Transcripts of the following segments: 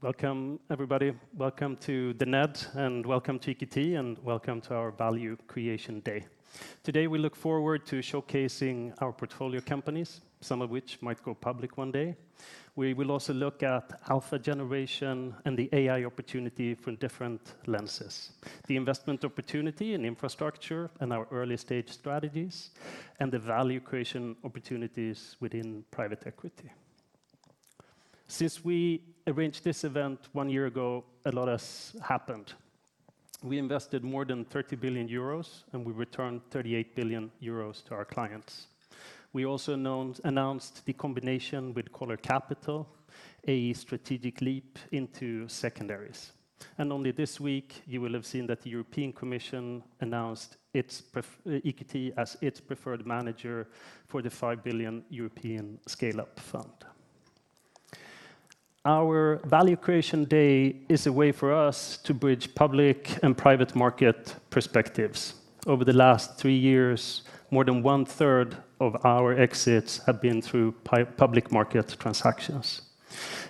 Welcome, everybody. Welcome to The Ned, welcome to EQT, welcome to our Value Creation Day. Today, we look forward to showcasing our portfolio companies, some of which might go public one day. We will also look at alpha generation and the AI opportunity from different lenses, the investment opportunity and infrastructure in our early-stage strategies, and the value creation opportunities within private equity. Since we arranged this event one year ago, a lot has happened. We invested more than 30 billion euros, we returned 38 billion euros to our clients. We also announced the combination with Coller Capital, a strategic leap into secondaries. Only this week you will have seen that the European Commission announced EQT as its preferred manager for the 5 billion Scaleup Europe Fund. Our Value Creation Day is a way for us to bridge public and private market perspectives. Over the last three years, more than one-third of our exits have been through public market transactions.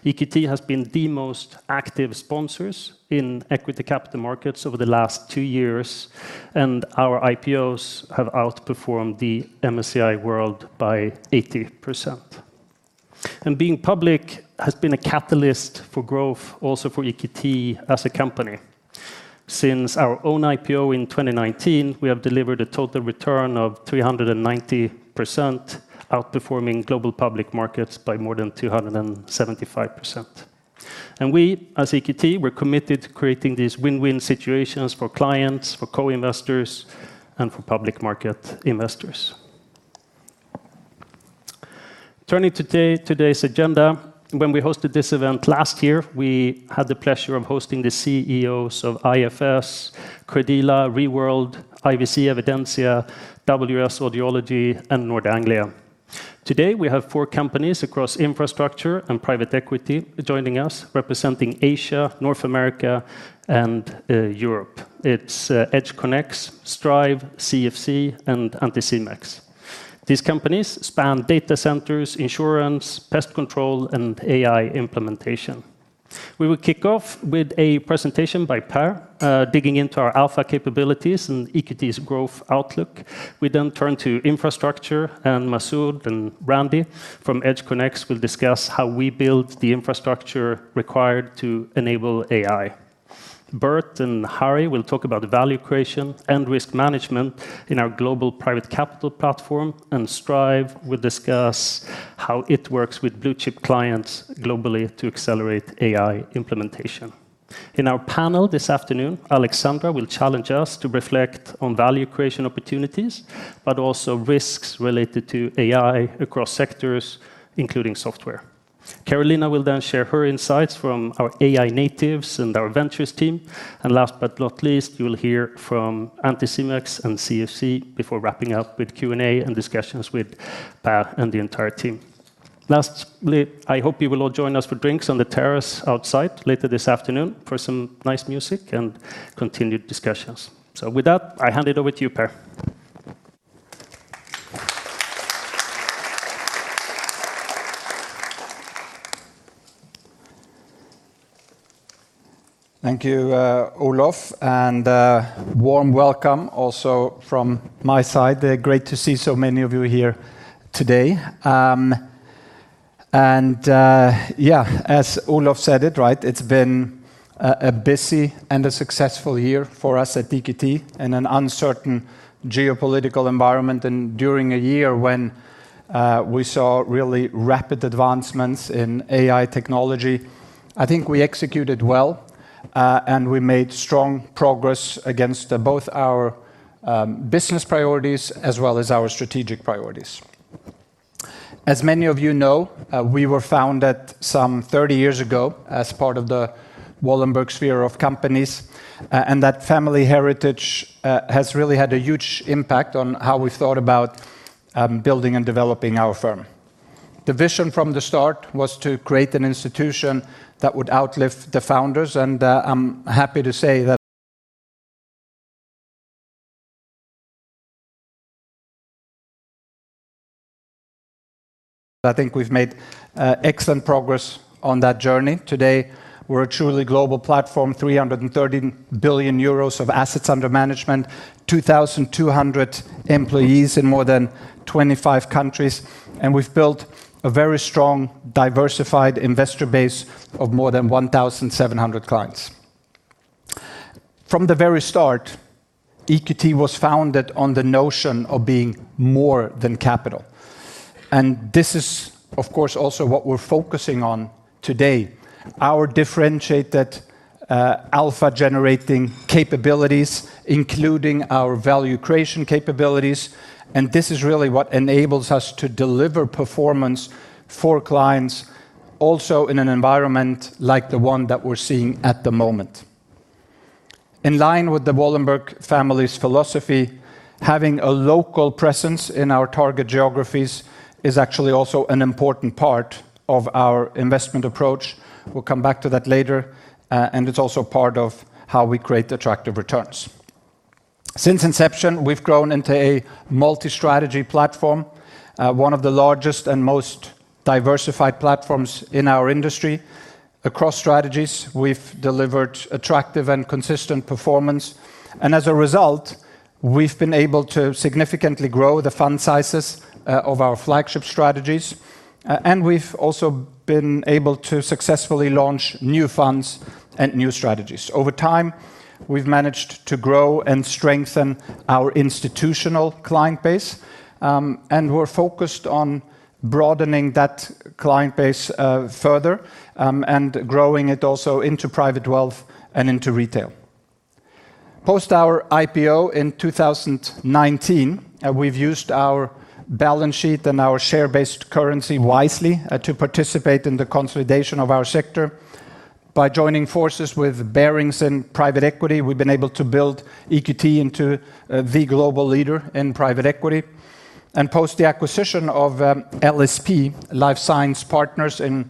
EQT has been the most active sponsors in equity capital markets over the last two years, our IPOs have outperformed the MSCI World by 80%. Being public has been a catalyst for growth also for EQT as a company. Since our own IPO in 2019, we have delivered a total return of 390%, outperforming global public markets by more than 275%. We, as EQT, we're committed to creating these win-win situations for clients, for co-investors, and for public market investors. Turning to today's agenda, when we hosted this event last year, we had the pleasure of hosting the CEOs of IFS, Credila, Reworld, IVC Evidensia, WS Audiology, and Nord Anglia. Today, we have four companies across infrastructure and private equity joining us, representing Asia, North America, and Europe. It's EdgeConneX, Straive, CFC, and Anticimex. These companies span data centers, insurance, pest control, and AI implementation. We will kick off with a presentation by Per, digging into our alpha capabilities and EQT's growth outlook. We then turn to infrastructure and Masoud and Randy from EdgeConneX will discuss how we build the infrastructure required to enable AI. Bert and Hari will talk about value creation and risk management in our global private capital platform, Straive will discuss how it works with blue-chip clients globally to accelerate AI implementation. In our panel this afternoon, Alexandra will challenge us to reflect on value creation opportunities, but also risks related to AI across sectors, including software. Carolina will then share her insights from our AI natives and our Ventures team. Last but not least, you will hear from Anticimex and CFC before wrapping up with Q&A and discussions with Per and the entire team. Lastly, I hope you will all join us for drinks on the terrace outside later this afternoon for some nice music and continued discussions. With that, I hand it over to you, Per. Thank you, Olof. A warm welcome also from my side. Great to see so many of you here today. As Olof said it's been a busy and a successful year for us at EQT in an uncertain geopolitical environment during a year when we saw really rapid advancements in AI technology. I think we executed well. We made strong progress against both our business priorities as well as our strategic priorities. As many of you know, we were founded some 30 years ago as part of the Wallenberg sphere of companies. That family heritage has really had a huge impact on how we've thought about building and developing our firm. The vision from the start was to create an institution that would outlive the founders. I'm happy to say that I think we've made excellent progress on that journey. Today, we're a truly global platform, 330 billion euros of assets under management, 2,200 employees in more than 25 countries. We've built a very strong, diversified investor base of more than 1,700 clients. From the very start, EQT was founded on the notion of being more than capital. This is, of course, also what we're focusing on today. Our differentiated alpha-generating capabilities, including our value creation capabilities. This is really what enables us to deliver performance for clients also in an environment like the one that we're seeing at the moment. In line with the Wallenberg family's philosophy, having a local presence in our target geographies is actually also an important part of our investment approach. We'll come back to that later. It's also part of how we create attractive returns. Since inception, we've grown into a multi-strategy platform, one of the largest and most diversified platforms in our industry. Across strategies, we've delivered attractive and consistent performance. As a result, we've been able to significantly grow the fund sizes of our flagship strategies. We've also been able to successfully launch new funds and new strategies. Over time, we've managed to grow and strengthen our institutional client base. We're focused on broadening that client base further, and growing it also into private wealth and into retail. Post our IPO in 2019, we've used our balance sheet and our share-based currency wisely to participate in the consolidation of our sector. By joining forces with Barings and private equity, we've been able to build EQT into the global leader in private equity. Post the acquisition of LSP, Life Science Partners in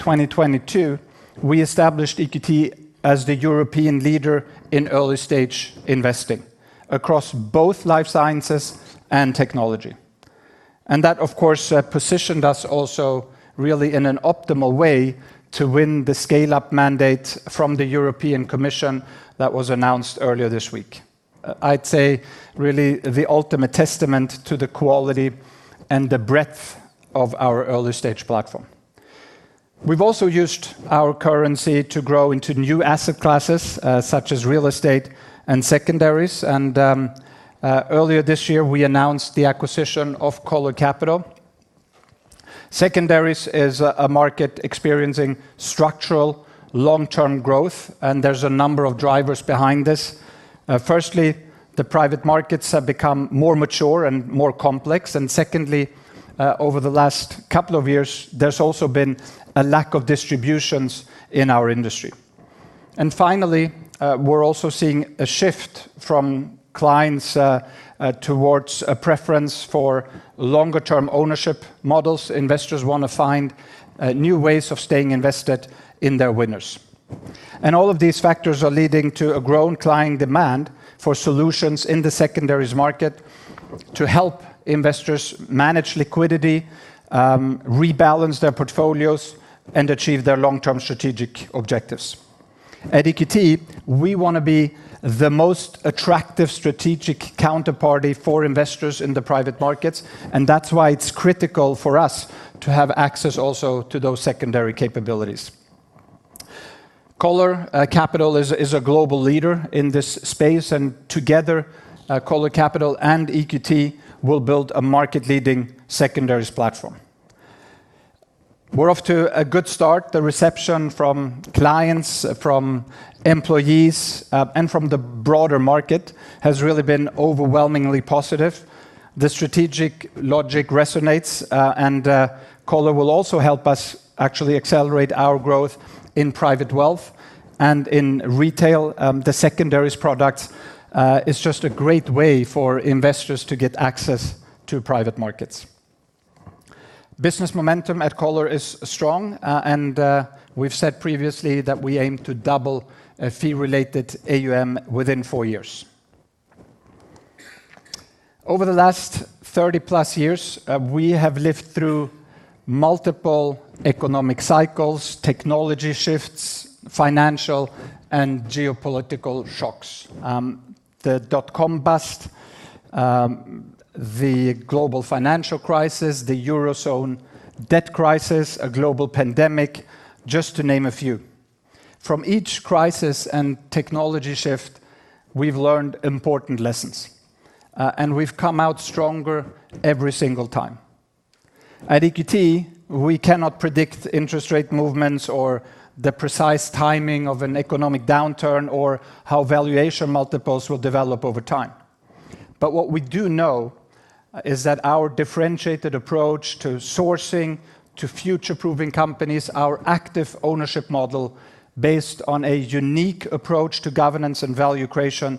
2022, we established EQT as the European leader in early-stage investing across both life sciences and technology. That, of course, positioned us also really in an optimal way to win the Scaleup Europe Fund mandate from the European Commission that was announced earlier this week. I'd say really the ultimate testament to the quality and the breadth of our early-stage platform. We've also used our currency to grow into new asset classes, such as real estate and secondaries. Earlier this year, we announced the acquisition of Coller Capital. Secondaries is a market experiencing structural long-term growth. There's a number of drivers behind this. Firstly, the private markets have become more mature and more complex. Secondly, over the last couple of years, there's also been a lack of distributions in our industry. Finally, we are also seeing a shift from clients towards a preference for longer-term ownership models. Investors want to find new ways of staying invested in their winners. All of these factors are leading to a growing client demand for solutions in the secondaries market to help investors manage liquidity, rebalance their portfolios, and achieve their long-term strategic objectives. At EQT, we want to be the most attractive strategic counterparty for investors in the private markets, and that is why it is critical for us to have access also to those secondary capabilities. Coller Capital is a global leader in this space, and together, Coller Capital and EQT will build a market-leading secondaries platform. We are off to a good start. The reception from clients, from employees, and from the broader market has really been overwhelmingly positive. The strategic logic resonates. Coller will also help us actually accelerate our growth in private wealth and in retail. The secondaries product is just a great way for investors to get access to private markets. Business momentum at Coller is strong, and we have said previously that we aim to double fee-related AUM within four years. Over the last 30-plus years, we have lived through multiple economic cycles, technology shifts, financial and geopolitical shocks. The dot-com bust, the global financial crisis, the Eurozone debt crisis, a global pandemic, just to name a few. From each crisis and technology shift, we have learned important lessons, and we have come out stronger every single time. At EQT, we cannot predict interest rate movements or the precise timing of an economic downturn, or how valuation multiples will develop over time. What we do know is that our differentiated approach to sourcing, to future-proofing companies, our active ownership model based on a unique approach to governance and value creation,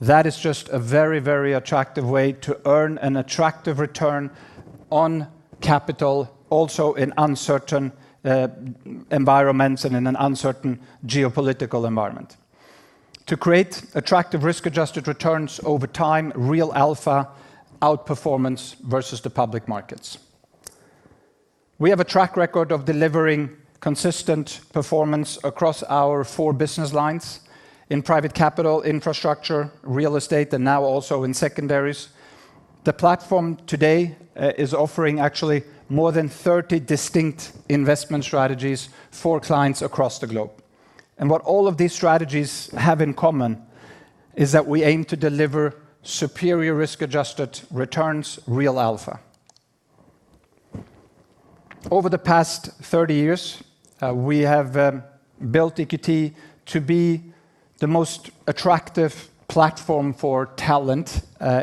that is just a very attractive way to earn an attractive return on capital also in uncertain environments and in an uncertain geopolitical environment. To create attractive risk-adjusted returns over time, real alpha outperformance versus the public markets. We have a track record of delivering consistent performance across our four business lines in private capital, infrastructure, real estate, and now also in secondaries. The platform today is offering actually more than 30 distinct investment strategies for clients across the globe. What all of these strategies have in common is that we aim to deliver superior risk-adjusted returns, real alpha. Over the past 30 years, we have built EQT to be the most attractive platform for talent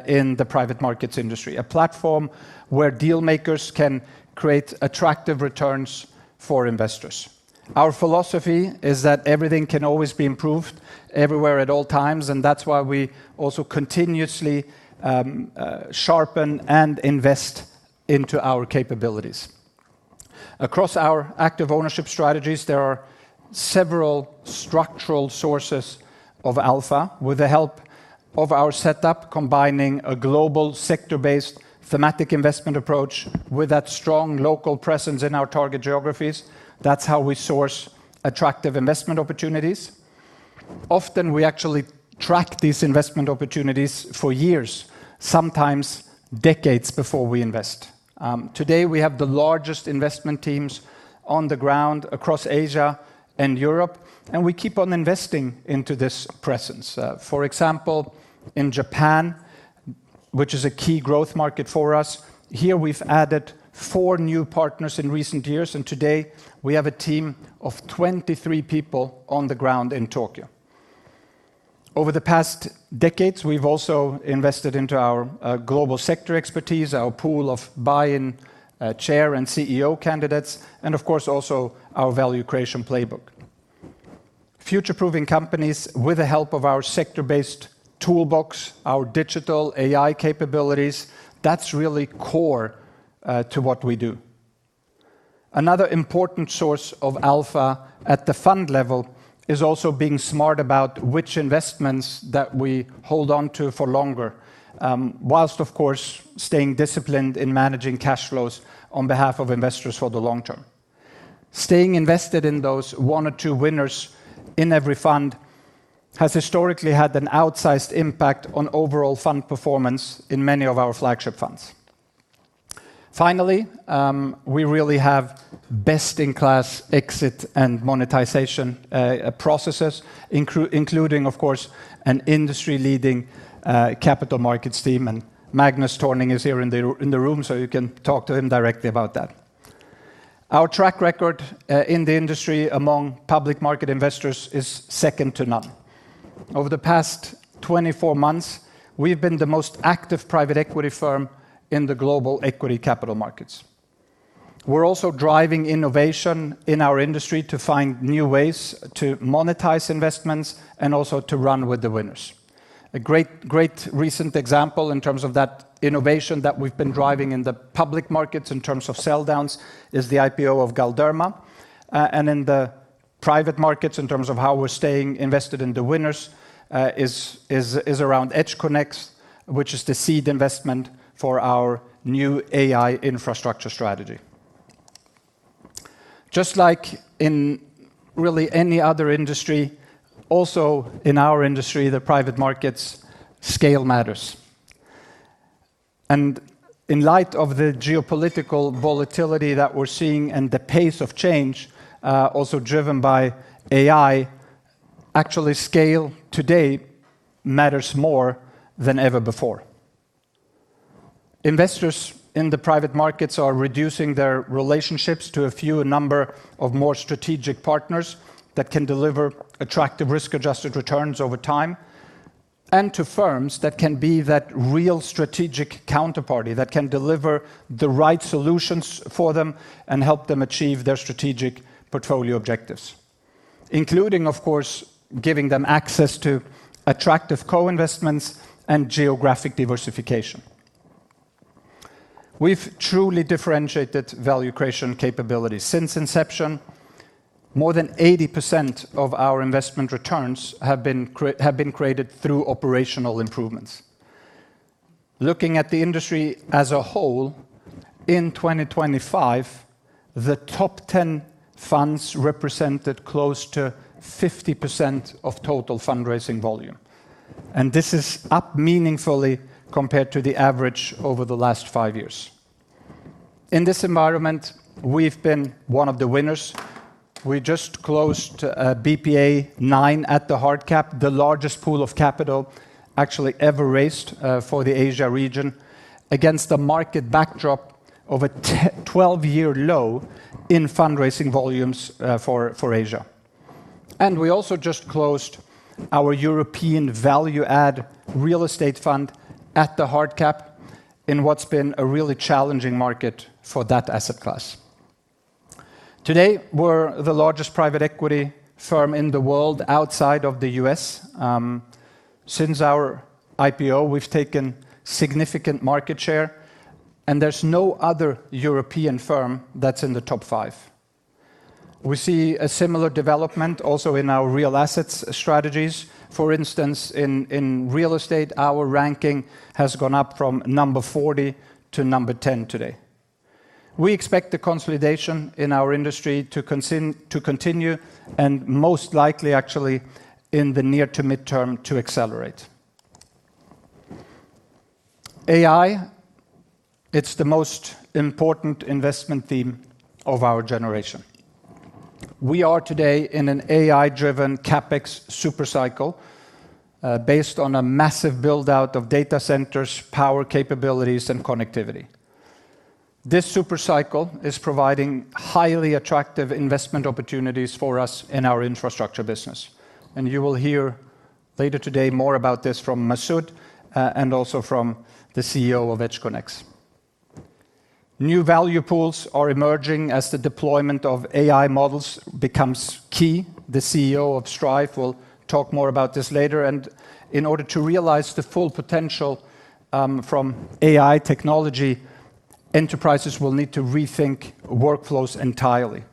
in the private markets industry, a platform where dealmakers can create attractive returns for investors. Our philosophy is that everything can always be improved everywhere at all times. That is why we also continuously sharpen and invest into our capabilities. Across our active ownership strategies, there are several structural sources of alpha with the help of our setup, combining a global sector-based thematic investment approach with that strong local presence in our target geographies. That is how we source attractive investment opportunities. Often, we actually track these investment opportunities for years, sometimes decades, before we invest. Today, we have the largest investment teams on the ground across Asia and Europe, and we keep on investing into this presence. For example, in Japan, which is a key growth market for us, here we've added four new partners in recent years, and today we have a team of 23 people on the ground in Tokyo. Over the past decades, we've also invested into our global sector expertise, our pool of buy-in chair and CEO candidates, and of course, also our value creation playbook. Future-proofing companies with the help of our sector-based toolbox, our digital AI capabilities, that's really core to what we do. Another important source of alpha at the fund level is also being smart about which investments that we hold onto for longer, whilst of course, staying disciplined in managing cash flows on behalf of investors for the long term. Staying invested in those one or two winners in every fund has historically had an outsized impact on overall fund performance in many of our flagship funds. Finally, we really have best-in-class exit and monetization processes including, of course, an industry-leading capital markets team and Magnus Törning is here in the room, so you can talk to him directly about that. Our track record in the industry among public market investors is second to none. Over the past 24 months, we've been the most active private equity firm in the global equity capital markets. We're also driving innovation in our industry to find new ways to monetize investments and also to run with the winners. A great recent example in terms of that innovation that we've been driving in the public markets in terms of sell downs is the IPO of Galderma. In the private markets in terms of how we're staying invested in the winners, is around EdgeConneX, which is the seed investment for our new AI infrastructure strategy. Just like in really any other industry, also in our industry, the private markets, scale matters. In light of the geopolitical volatility that we're seeing and the pace of change also driven by AI, actually scale today matters more than ever before. Investors in the private markets are reducing their relationships to a fewer number of more strategic partners that can deliver attractive risk-adjusted returns over time, and to firms that can be that real strategic counterparty that can deliver the right solutions for them and help them achieve their strategic portfolio objectives, including, of course, giving them access to attractive co-investments and geographic diversification. We've truly differentiated value creation capabilities. Since inception, more than 80% of our investment returns have been created through operational improvements. Looking at the industry as a whole in 2025, the top 10 funds represented close to 50% of total fundraising volume. This is up meaningfully compared to the average over the last five years. In this environment, we've been one of the winners. We just closed BPA 9 at the hard cap, the largest pool of capital actually ever raised for the Asia region against a market backdrop of a 12-year low in fundraising volumes for Asia. We also just closed our European Value Add real estate fund at the hard cap in what's been a really challenging market for that asset class. Today, we're the largest private equity firm in the world outside of the U.S. Since our IPO, we've taken significant market share, and there's no other European firm that's in the top five. We see a similar development also in our real assets strategies. For instance, in real estate, our ranking has gone up from number 40 to number 10 today. We expect the consolidation in our industry to continue and most likely actually in the near to midterm to accelerate. AI, it's the most important investment theme of our generation. We are today in an AI-driven CapEx super cycle based on a massive build-out of data centers, power capabilities, and connectivity. You will hear later today more about this from Masoud, and also from the CEO of EdgeConneX. New value pools are emerging as the deployment of AI models becomes key. The CEO of Straive will talk more about this later. In order to realize the full potential from AI technology, enterprises will need to rethink workflows entirely.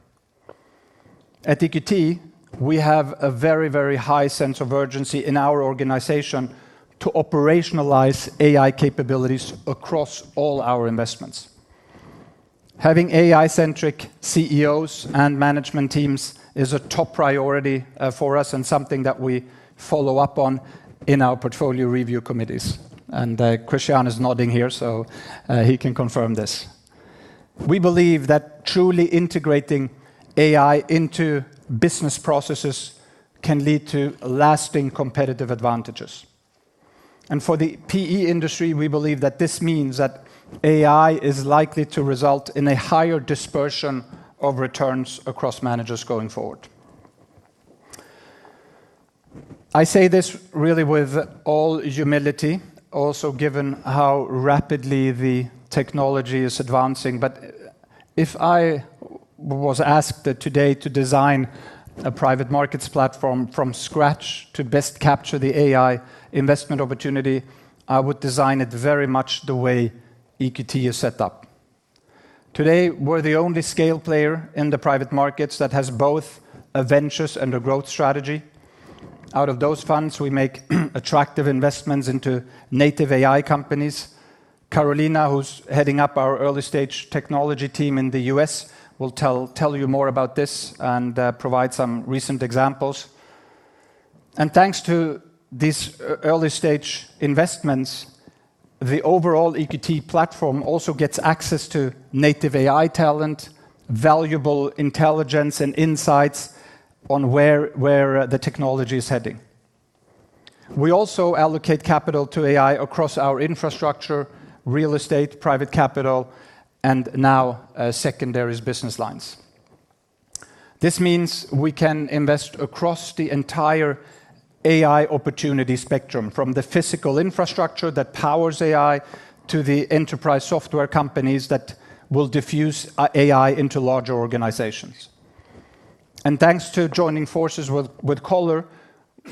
At EQT, we have a very high sense of urgency in our organization to operationalize AI capabilities across all our investments. Having AI-centric CEOs and management teams is a top priority for us and something that we follow up on in our portfolio review committees. Christian is nodding here, so he can confirm this. We believe that truly integrating AI into business processes can lead to lasting competitive advantages. For the PE industry, we believe that this means that AI is likely to result in a higher dispersion of returns across managers going forward. I say this really with all humility, also given how rapidly the technology is advancing, but if I was asked today to design a private markets platform from scratch to best capture the AI investment opportunity, I would design it very much the way EQT is set up. Today, we're the only scale player in the private markets that has both a Ventures and a Growth strategy. Out of those funds, we make attractive investments into native AI companies. Carolina, who's heading up our early-stage technology team in the U.S., will tell you more about this and provide some recent examples. Thanks to these early-stage investments, the overall EQT platform also gets access to native AI talent, valuable intelligence, and insights on where the technology is heading. We also allocate capital to AI across our infrastructure, real estate, private capital, and now secondaries business lines. This means we can invest across the entire AI opportunity spectrum, from the physical infrastructure that powers AI to the enterprise software companies that will diffuse AI into larger organizations. Thanks to joining forces with Coller,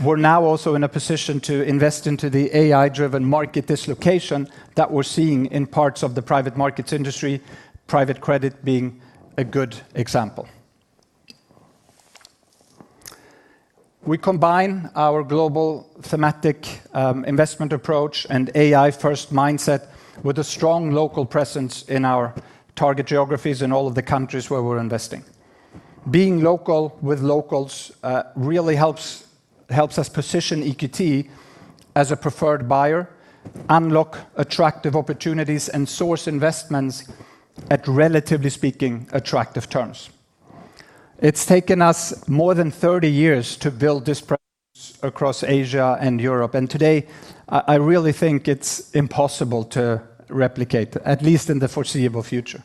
we're now also in a position to invest into the AI-driven market dislocation that we're seeing in parts of the private markets industry, private credit being a good example. We combine our global thematic investment approach and AI-first mindset with a strong local presence in our target geographies in all of the countries where we're investing. Being local with locals really helps us position EQT as a preferred buyer, unlock attractive opportunities, and source investments at, relatively speaking, attractive terms. It's taken us more than 30 years to build this presence across Asia and Europe. Today, I really think it's impossible to replicate, at least in the foreseeable future.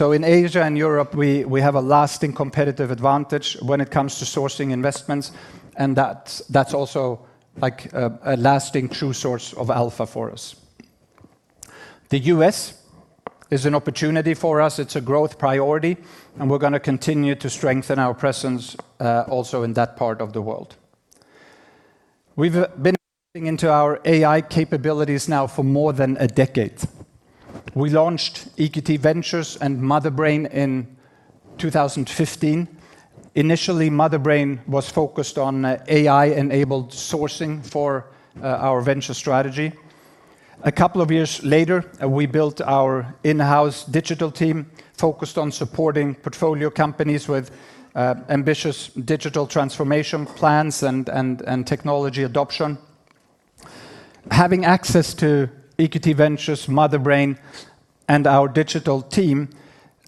In Asia and Europe, we have a lasting competitive advantage when it comes to sourcing investments, and that's also a lasting true source of alpha for us. The U.S. is an opportunity for us. It's a growth priority, and we're going to continue to strengthen our presence also in that part of the world. We've been investing into our AI capabilities now for more than a decade. We launched EQT Ventures and Motherbrain in 2015. Initially, Motherbrain was focused on AI-enabled sourcing for our venture strategy. A couple of years later, we built our in-house digital team focused on supporting portfolio companies with ambitious digital transformation plans and technology adoption. Having access to EQT Ventures, Motherbrain, and our digital team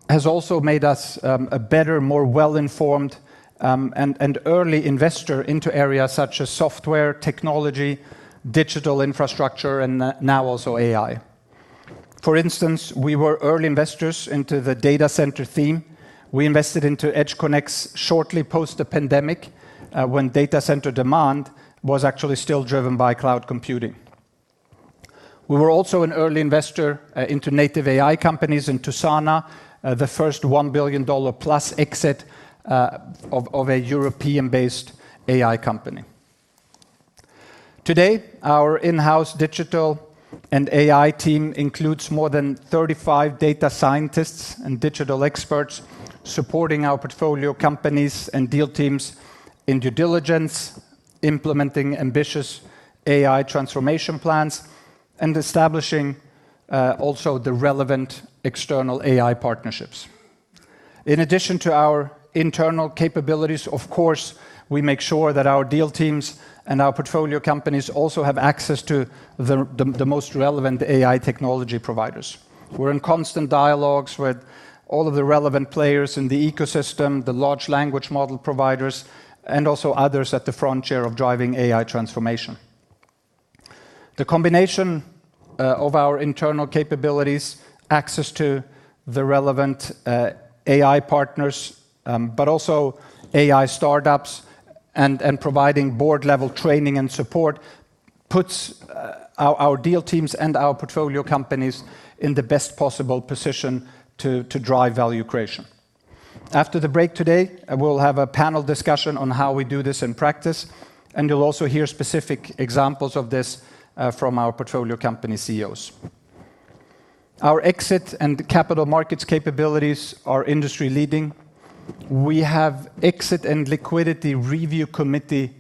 has also made us a better, more well-informed, and early investor into areas such as software technology, digital infrastructure, and now also AI. For instance, we were early investors into the data center theme. We invested into EdgeConneX shortly post the pandemic, when data center demand was actually still driven by cloud computing. We were also an early investor into native AI companies, into Sana, the first EUR 1 billion-plus exit of a European-based AI company. Today, our in-house digital and AI team includes more than 35 data scientists and digital experts supporting our portfolio companies and deal teams in due diligence, implementing ambitious AI transformation plans, and establishing also the relevant external AI partnerships. In addition to our internal capabilities, of course, we make sure that our deal teams and our portfolio companies also have access to the most relevant AI technology providers. We're in constant dialogues with all of the relevant players in the ecosystem, the large language model providers, and also others at the frontier of driving AI transformation. The combination of our internal capabilities, access to the relevant AI partners, but also AI startups and providing board-level training and support puts our deal teams and our portfolio companies in the best possible position to drive value creation. After the break today, we'll have a panel discussion on how we do this in practice, and you'll also hear specific examples of this from our portfolio company CEOs. Our exit and capital markets capabilities are industry-leading. We have exit and liquidity review committee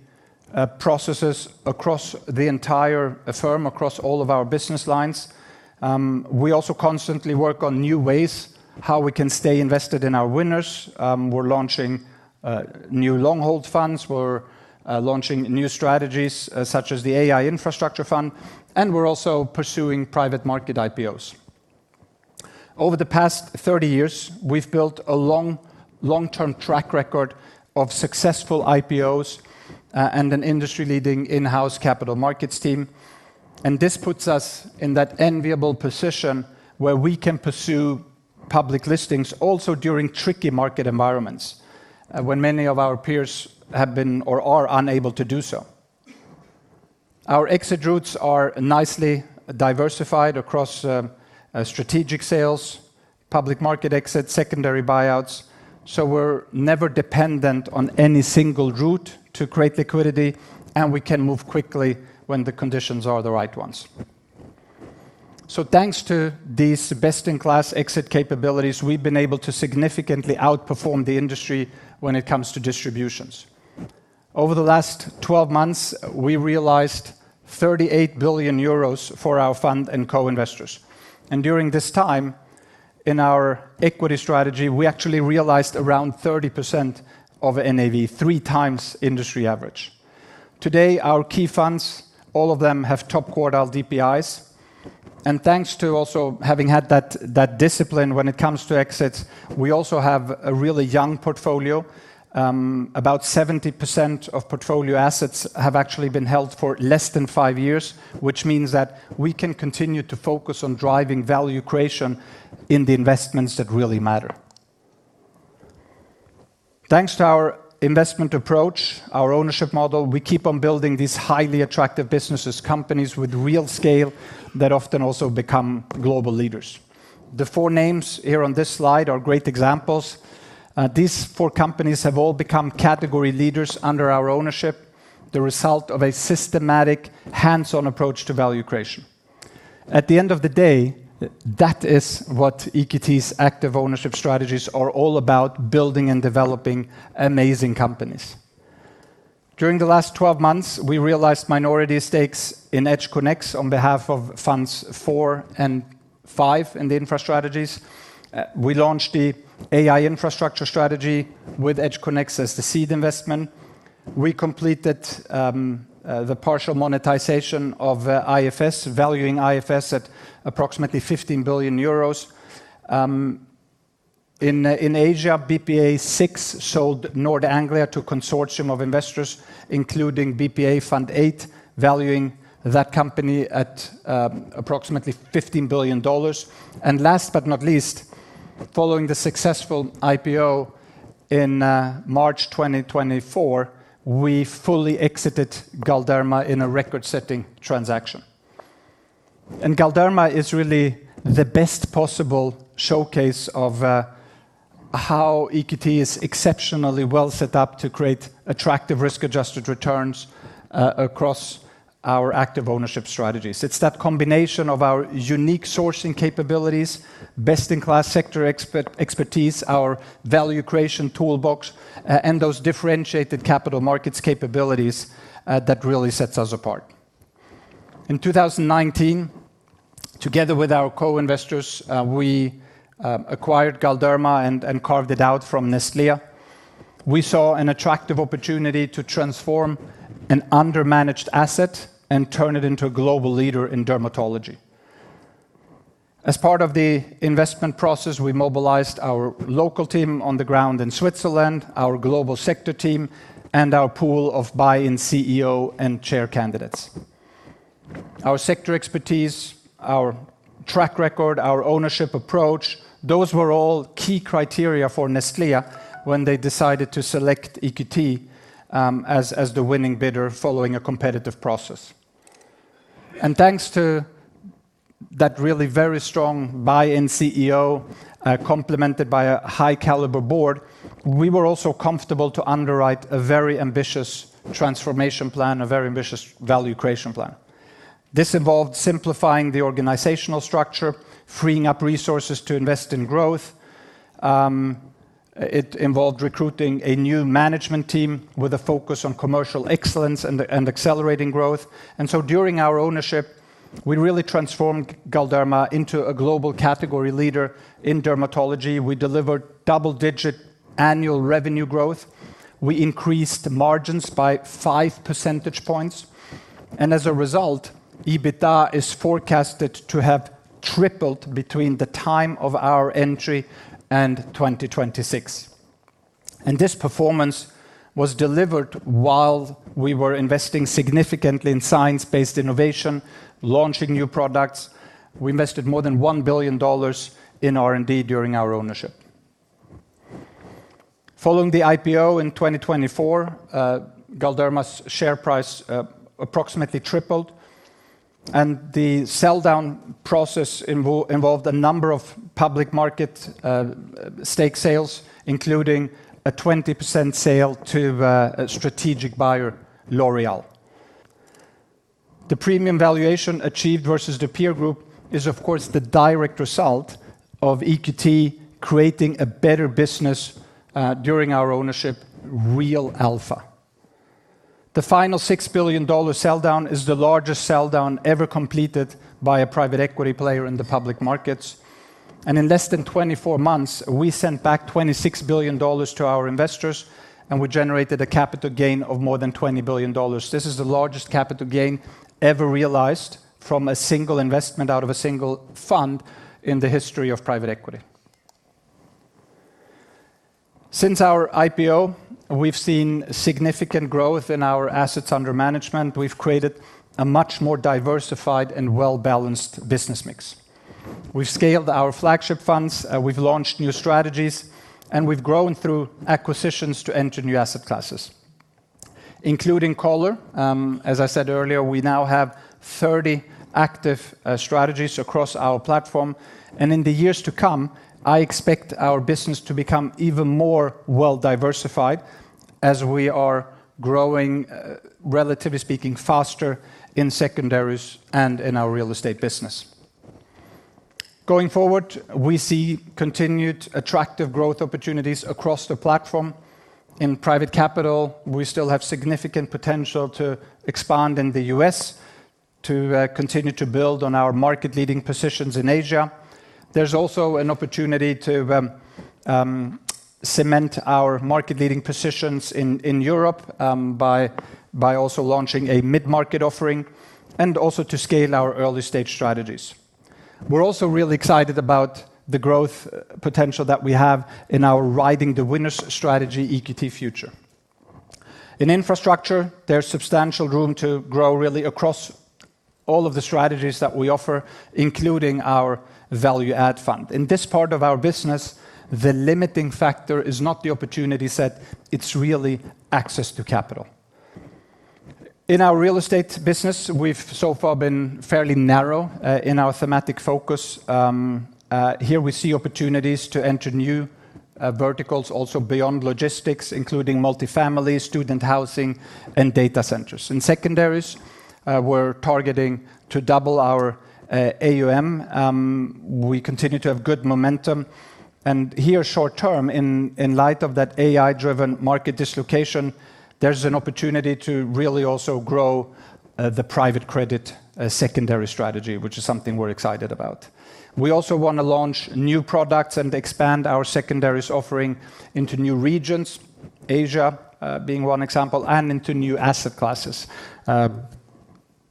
processes across the entire firm, across all of our business lines. We also constantly work on new ways how we can stay invested in our winners. We're launching new long-hold funds. We're launching new strategies such as the AI Infrastructure Fund, and we're also pursuing private market IPOs. Over the past 30 years, we've built a long-term track record of successful IPOs and an industry-leading in-house capital markets team. This puts us in that enviable position where we can pursue public listings also during tricky market environments, when many of our peers have been or are unable to do so. Our exit routes are nicely diversified across strategic sales, public market exit, secondary buyouts. We're never dependent on any single route to create liquidity, and we can move quickly when the conditions are the right ones. Thanks to these best-in-class exit capabilities, we've been able to significantly outperform the industry when it comes to distributions. Over the last 12 months, we realized 38 billion euros for our fund and co-investors. During this time in our equity strategy, we actually realized around 30% of NAV, 3 times industry average. Today, our key funds, all of them have top quartile DPIs. Thanks to also having had that discipline when it comes to exits, we also have a really young portfolio. About 70% of portfolio assets have actually been held for less than five years, which means that we can continue to focus on driving value creation in the investments that really matter. Thanks to our investment approach, our ownership model, we keep on building these highly attractive businesses, companies with real scale that often also become global leaders. The four names here on this slide are great examples. These four companies have all become category leaders under our ownership, the result of a systematic, hands-on approach to value creation. At the end of the day, that is what EQT's active ownership strategies are all about, building and developing amazing companies. During the last 12 months, we realized minority stakes in EdgeConneX on behalf of Funds IV and V in the Infra strategies. We launched the AI Infrastructure strategy with EdgeConneX as the seed investment. We completed the partial monetization of IFS, valuing IFS at approximately 15 billion euros. In Asia, BPEA VI sold Nord Anglia to a consortium of investors, including BPEA Fund VIII, valuing that company at approximately $15 billion. Last but not least, following the successful IPO in March 2024, we fully exited Galderma in a record-setting transaction. Galderma is really the best possible showcase of how EQT is exceptionally well set up to create attractive risk-adjusted returns across our active ownership strategies. It's that combination of our unique sourcing capabilities, best-in-class sector expertise, our value creation toolbox, and those differentiated capital markets capabilities that really sets us apart. In 2019, together with our co-investors, we acquired Galderma and carved it out from Nestlé. We saw an attractive opportunity to transform an under-managed asset and turn it into a global leader in dermatology. As part of the investment process, we mobilized our local team on the ground in Switzerland, our global sector team, and our pool of buy-in CEO and chair candidates. Our sector expertise, our track record, our ownership approach, those were all key criteria for Nestlé when they decided to select EQT as the winning bidder following a competitive process. Thanks to that really very strong buy-in CEO, complemented by a high-caliber board, we were also comfortable to underwrite a very ambitious transformation plan, a very ambitious value creation plan. This involved simplifying the organizational structure, freeing up resources to invest in growth. It involved recruiting a new management team with a focus on commercial excellence and accelerating growth. During our ownership, we really transformed Galderma into a global category leader in dermatology. We delivered double-digit annual revenue growth. We increased margins by five percentage points. As a result, EBITDA is forecasted to have tripled between the time of our entry and 2026. This performance was delivered while we were investing significantly in science-based innovation, launching new products. We invested more than EUR 1 billion in R&D during our ownership. Following the IPO in 2024, Galderma's share price approximately tripled, and the sell-down process involved a number of public market stake sales, including a 20% sale to a strategic buyer, L'Oréal. The premium valuation achieved versus the peer group is, of course, the direct result of EQT creating a better business during our ownership, real alpha. The final EUR 6 billion sell-down is the largest sell-down ever completed by a private equity player in the public markets. In less than 24 months, we sent back EUR 26 billion to our investors, and we generated a capital gain of more than EUR 20 billion. This is the largest capital gain ever realized from a single investment out of a single fund in the history of private equity. Since our IPO, we've seen significant growth in our assets under management. We've created a much more diversified and well-balanced business mix. We've scaled our flagship funds, we've launched new strategies, we've grown through acquisitions to enter new asset classes, including Coller. As I said earlier, we now have 30 active strategies across our platform, in the years to come, I expect our business to become even more well-diversified as we are growing, relatively speaking, faster in secondaries and in our real estate business. Going forward, we see continued attractive growth opportunities across the platform. In private capital, we still have significant potential to expand in the U.S., to continue to build on our market-leading positions in Asia. There's also an opportunity to cement our market-leading positions in Europe by also launching a mid-market offering and also to scale our early-stage strategies. We're also really excited about the growth potential that we have in our Riding the Winners strategy, EQT Future. In infrastructure, there's substantial room to grow, really across all of the strategies that we offer, including our value add fund. In this part of our business, the limiting factor is not the opportunity set, it's really access to capital. In our real estate business, we've so far been fairly narrow in our thematic focus. Here we see opportunities to enter new verticals also beyond logistics, including multi-family, student housing, and data centers. In secondaries, we're targeting to double our AUM. We continue to have good momentum, here short term, in light of that AI-driven market dislocation, there's an opportunity to really also grow the private credit secondary strategy, which is something we're excited about. We also want to launch new products and expand our secondaries offering into new regions, Asia being one example, and into new asset classes,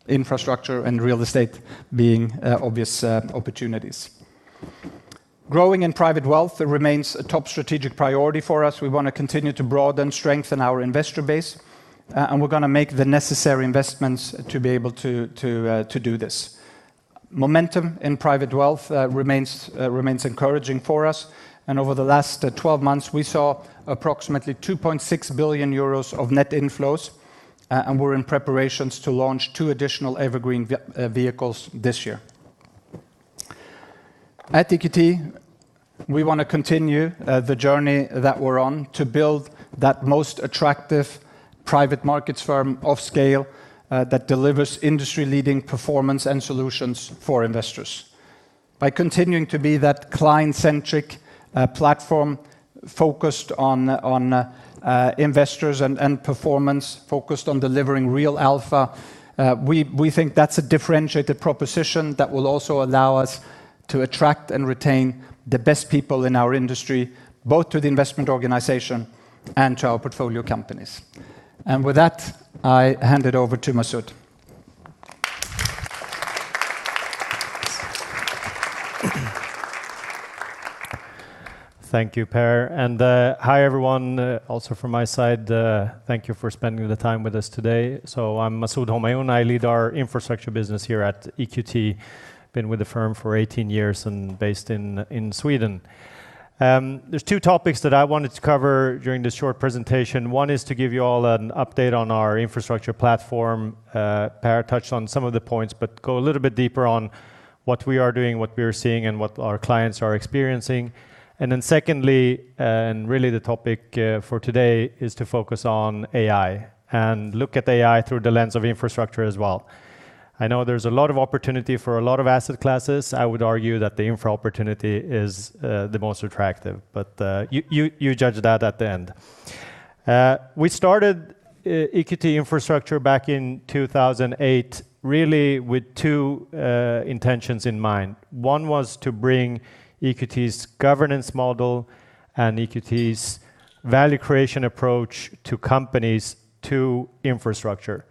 infrastructure and real estate being obvious opportunities. Growing in private wealth remains a top strategic priority for us. We want to continue to broaden, strengthen our investor base, we're going to make the necessary investments to be able to do this. Momentum in private wealth remains encouraging for us, over the last 12 months, we saw approximately 2.6 billion euros of net inflows, we're in preparations to launch two additional evergreen vehicles this year. At EQT, we want to continue the journey that we're on to build that most attractive private markets firm of scale that delivers industry-leading performance and solutions for investors. By continuing to be that client-centric platform focused on investors and performance, focused on delivering real alpha, we think that's a differentiated proposition that will also allow us to attract and retain the best people in our industry, both to the investment organization and to our portfolio companies. With that, I hand it over to Masoud. Thank you, Per. Hi, everyone, also from my side. Thank you for spending the time with us today. I'm Masoud Homayoun. I lead our infrastructure business here at EQT. Been with the firm for 18 years and based in Sweden. There's two topics that I wanted to cover during this short presentation. One is to give you all an update on our infrastructure platform. Per touched on some of the points, go a little bit deeper on what we are doing, what we are seeing, and what our clients are experiencing. Secondly, really the topic for today is to focus on AI and look at AI through the lens of infrastructure as well. I know there's a lot of opportunity for a lot of asset classes. I would argue that the infra opportunity is the most attractive, you judge that at the end. We started EQT Infrastructure back in 2008, really with two intentions in mind. One was to bring EQT's governance model and EQT's value creation approach to companies to infrastructure.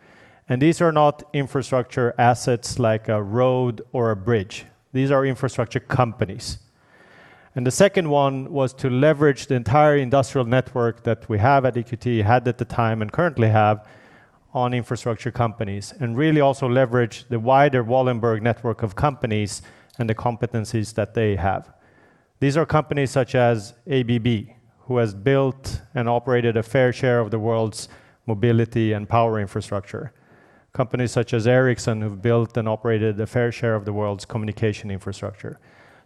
These are not infrastructure assets like a road or a bridge. These are infrastructure companies. The second one was to leverage the entire industrial network that we have at EQT, had at the time, and currently have on infrastructure companies. Really also leverage the wider Wallenberg network of companies and the competencies that they have. These are companies such as ABB, who has built and operated a fair share of the world's mobility and power infrastructure. Companies such as Ericsson, who've built and operated a fair share of the world's communication infrastructure.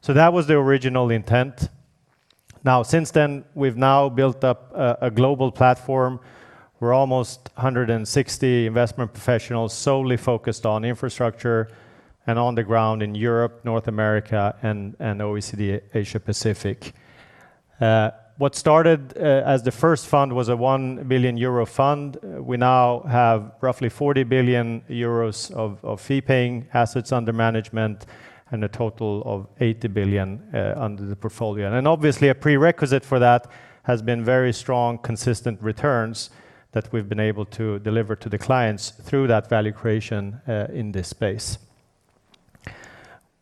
That was the original intent. Now, since then, we've now built up a global platform. We're almost 160 investment professionals solely focused on infrastructure and on the ground in Europe, North America, and OECD Asia Pacific. What started as the first fund was a 1 billion euro fund. We now have roughly 40 billion euros of fee-paying assets under management and a total of 80 billion under the portfolio. Obviously a prerequisite for that has been very strong, consistent returns that we've been able to deliver to the clients through that value creation in this space.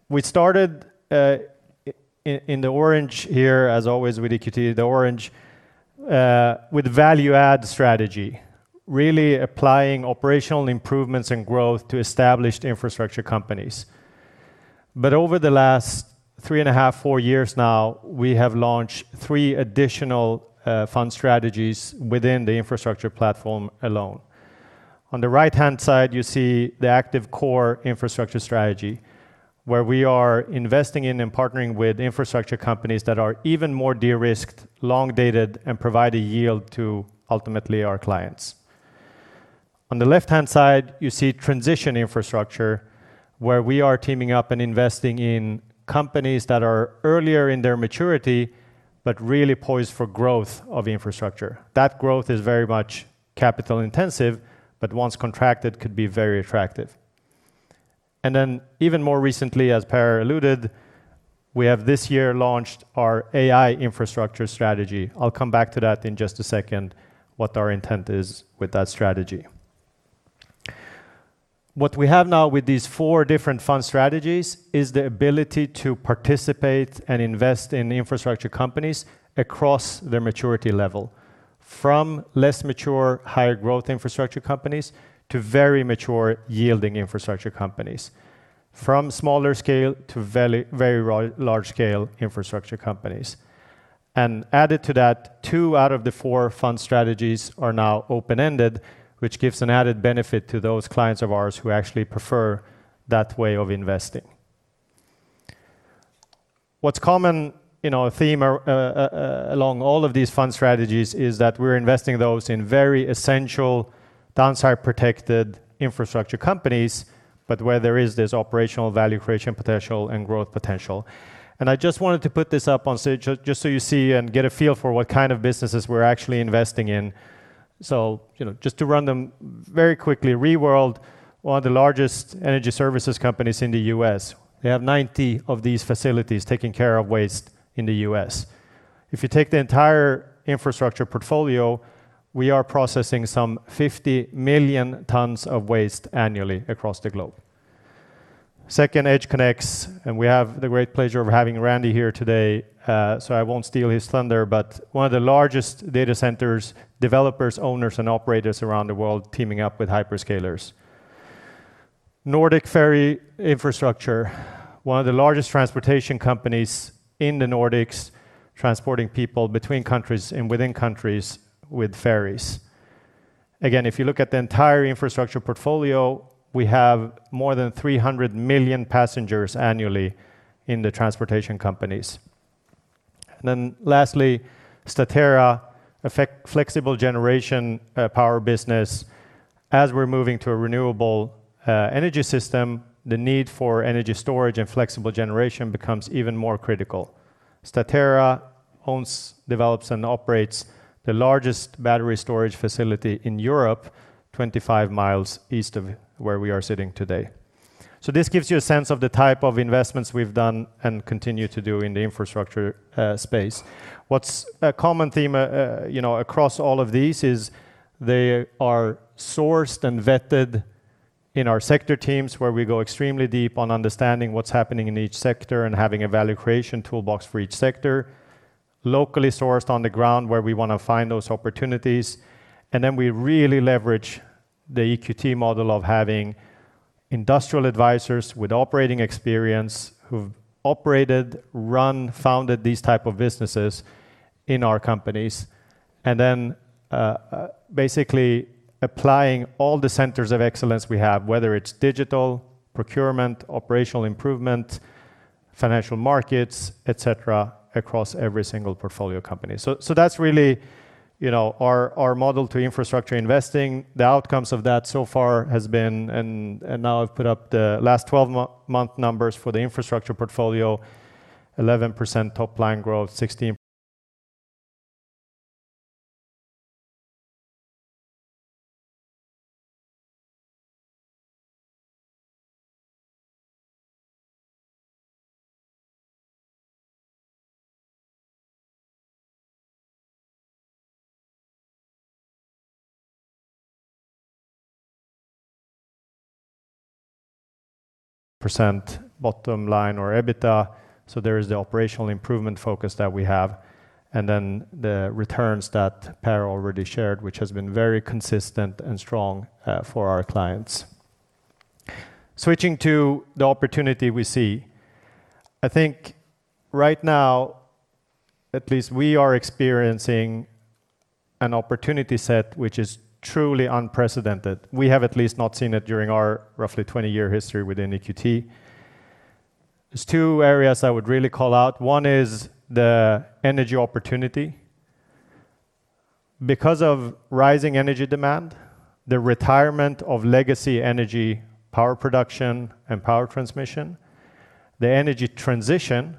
We started in the orange here, as always with EQT, the orange with value add strategy, really applying operational improvements and growth to established infrastructure companies. Over the last three and a half, four years now, we have launched three additional fund strategies within the infrastructure platform alone. On the right-hand side, you see the Active Core Infrastructure strategy, where we are investing in and partnering with infrastructure companies that are even more de-risked, long-dated, and provide a yield to ultimately our clients. On the left-hand side, you see transition infrastructure, where we are teaming up and investing in companies that are earlier in their maturity, really poised for growth of infrastructure. That growth is very much capital intensive, once contracted, could be very attractive. Even more recently, as Per alluded, we have this year launched our AI infrastructure strategy. I'll come back to that in just a second, what our intent is with that strategy. What we have now with these four different fund strategies is the ability to participate and invest in infrastructure companies across their maturity level, from less mature, higher growth infrastructure companies to very mature yielding infrastructure companies. Added to that, two out of the four fund strategies are now open-ended, which gives an added benefit to those clients of ours who actually prefer that way of investing. What is common theme along all of these fund strategies is that we are investing those in very essential downside protected infrastructure companies, but where there is this operational value creation potential and growth potential. I just wanted to put this up on stage just so you see and get a feel for what kind of businesses we are actually investing in. Just to run them very quickly, Reworld, one of the largest energy services companies in the U.S. They have 90 of these facilities taking care of waste in the U.S. If you take the entire infrastructure portfolio, we are processing some 50 million tons of waste annually across the globe. Second, EdgeConneX, and we have the great pleasure of having Randy here today so I won't steal his thunder, but one of the largest data centers, developers, owners, and operators around the world teaming up with hyperscalers. Nordic Ferry Infrastructure, one of the largest transportation companies in the Nordics transporting people between countries and within countries with ferries. Again, if you look at the entire infrastructure portfolio, we have more than 300 million passengers annually in the transportation companies. Then lastly, Statera, flexible generation power business. As we're moving to a renewable energy system, the need for energy storage and flexible generation becomes even more critical. Statera owns, develops, and operates the largest battery storage facility in Europe, 25 miles east of where we are sitting today. This gives you a sense of the type of investments we've done and continue to do in the infrastructure space. What's a common theme across all of these is they are sourced and vetted in our sector teams where we go extremely deep on understanding what's happening in each sector and having a value creation toolbox for each sector, locally sourced on the ground where we want to find those opportunities. Then we really leverage the EQT model of having industrial advisors with operating experience who've operated, run, founded these type of businesses in our companies. Then basically applying all the centers of excellence we have, whether it's digital procurement, operational improvement, financial markets, et cetera, across every single portfolio company. That's really our model to infrastructure investing. The outcomes of that so far has been. Now I've put up the last 12-month numbers for the infrastructure portfolio, 11% top line growth, 16% bottom line or EBITDA. There's the operational improvement focus that we have, and then the returns that Per already shared, which has been very consistent and strong for our clients. Switching to the opportunity we see. I think right now, at least we are experiencing an opportunity set which is truly unprecedented. We have at least not seen it during our roughly 20-year history within EQT. There's two areas I would really call out. One is the energy opportunity. Because of rising energy demand, the retirement of legacy energy power production and power transmission, the energy transition,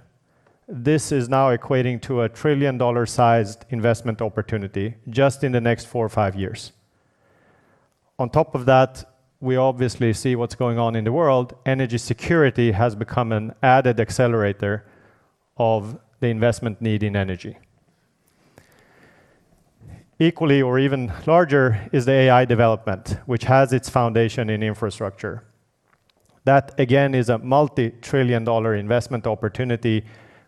this is now equating to a trillion-dollar-sized investment opportunity just in the next four or five years. On top of that, we obviously see what's going on in the world. Energy security has become an added accelerator of the investment need in energy. Equally or even larger is the AI development, which has its foundation in infrastructure. That, again, is a multi-trillion-dollar investment opportunity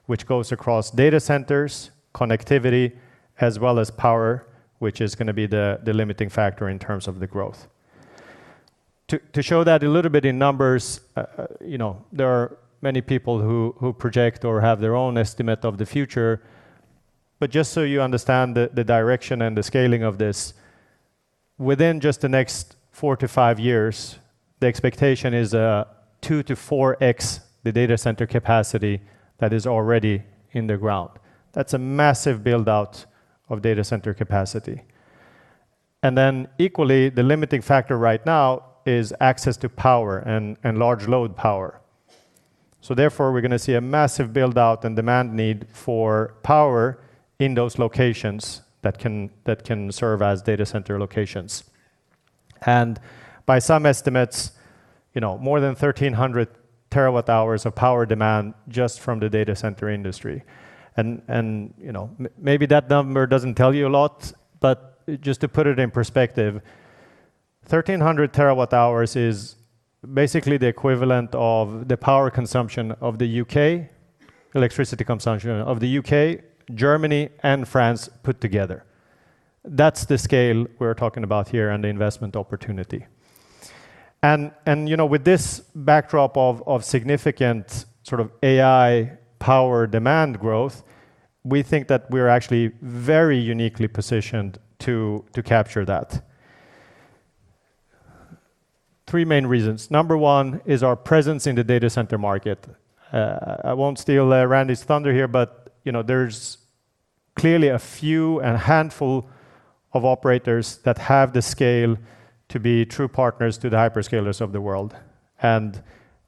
which goes across data centers, connectivity, as well as power, which is going to be the limiting factor in terms of the growth. To show that a little bit in numbers, there are many people who project or have their own estimate of the future, but just so you understand the direction and the scaling of this, within just the next four to five years, the expectation is a 2 to 4x the data center capacity that is already in the ground. That's a massive build-out of data center capacity. Equally, the limiting factor right now is access to power and large load power. Therefore, we're going to see a massive build-out and demand need for power in those locations that can serve as data center locations. By some estimates, more than 1,300 terawatt-hours of power demand just from the data center industry. Maybe that number doesn't tell you a lot, but just to put it in perspective, 1,300 terawatt-hours is basically the equivalent of the power consumption of the U.K., electricity consumption of the U.K., Germany, and France put together. That's the scale we're talking about here and the investment opportunity. With this backdrop of significant sort of AI power demand growth, we think that we're actually very uniquely positioned to capture that. Three main reasons. Number one is our presence in the data center market. I won't steal Randy's thunder here, but there's clearly a few and a handful of operators that have the scale to be true partners to the hyperscalers of the world.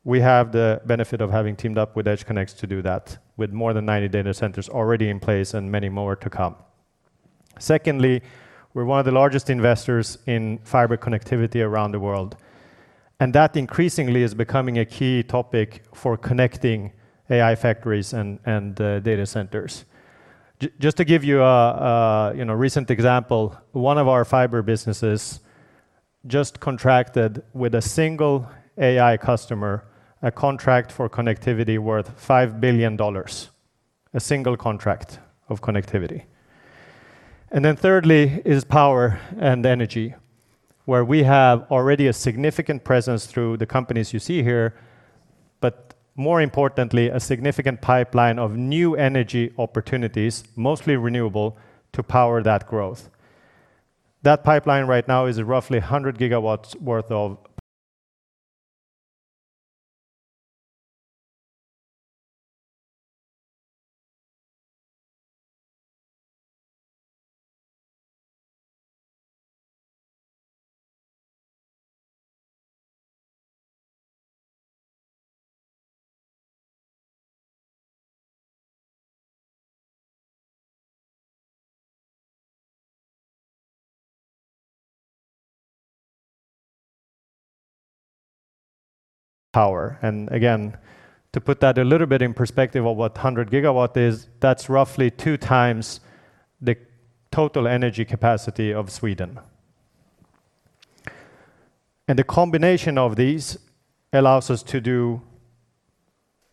We have the benefit of having teamed up with EdgeConneX to do that with more than 90 data centers already in place and many more to come. Secondly, we're one of the largest investors in fiber connectivity around the world, and that increasingly is becoming a key topic for connecting AI factories and data centers. Just to give you a recent example, one of our fiber businesses just contracted with a single AI customer a contract for connectivity worth EUR 5 billion. A single contract of connectivity. Thirdly is power and energy, where we have already a significant presence through the companies you see here, but more importantly, a significant pipeline of new energy opportunities, mostly renewable, to power that growth. That pipeline right now is roughly 100 gigawatts worth of power. Again, to put that a little bit in perspective of what 100 gigawatt is, that's roughly two times the total energy capacity of Sweden. The combination of these allows us to do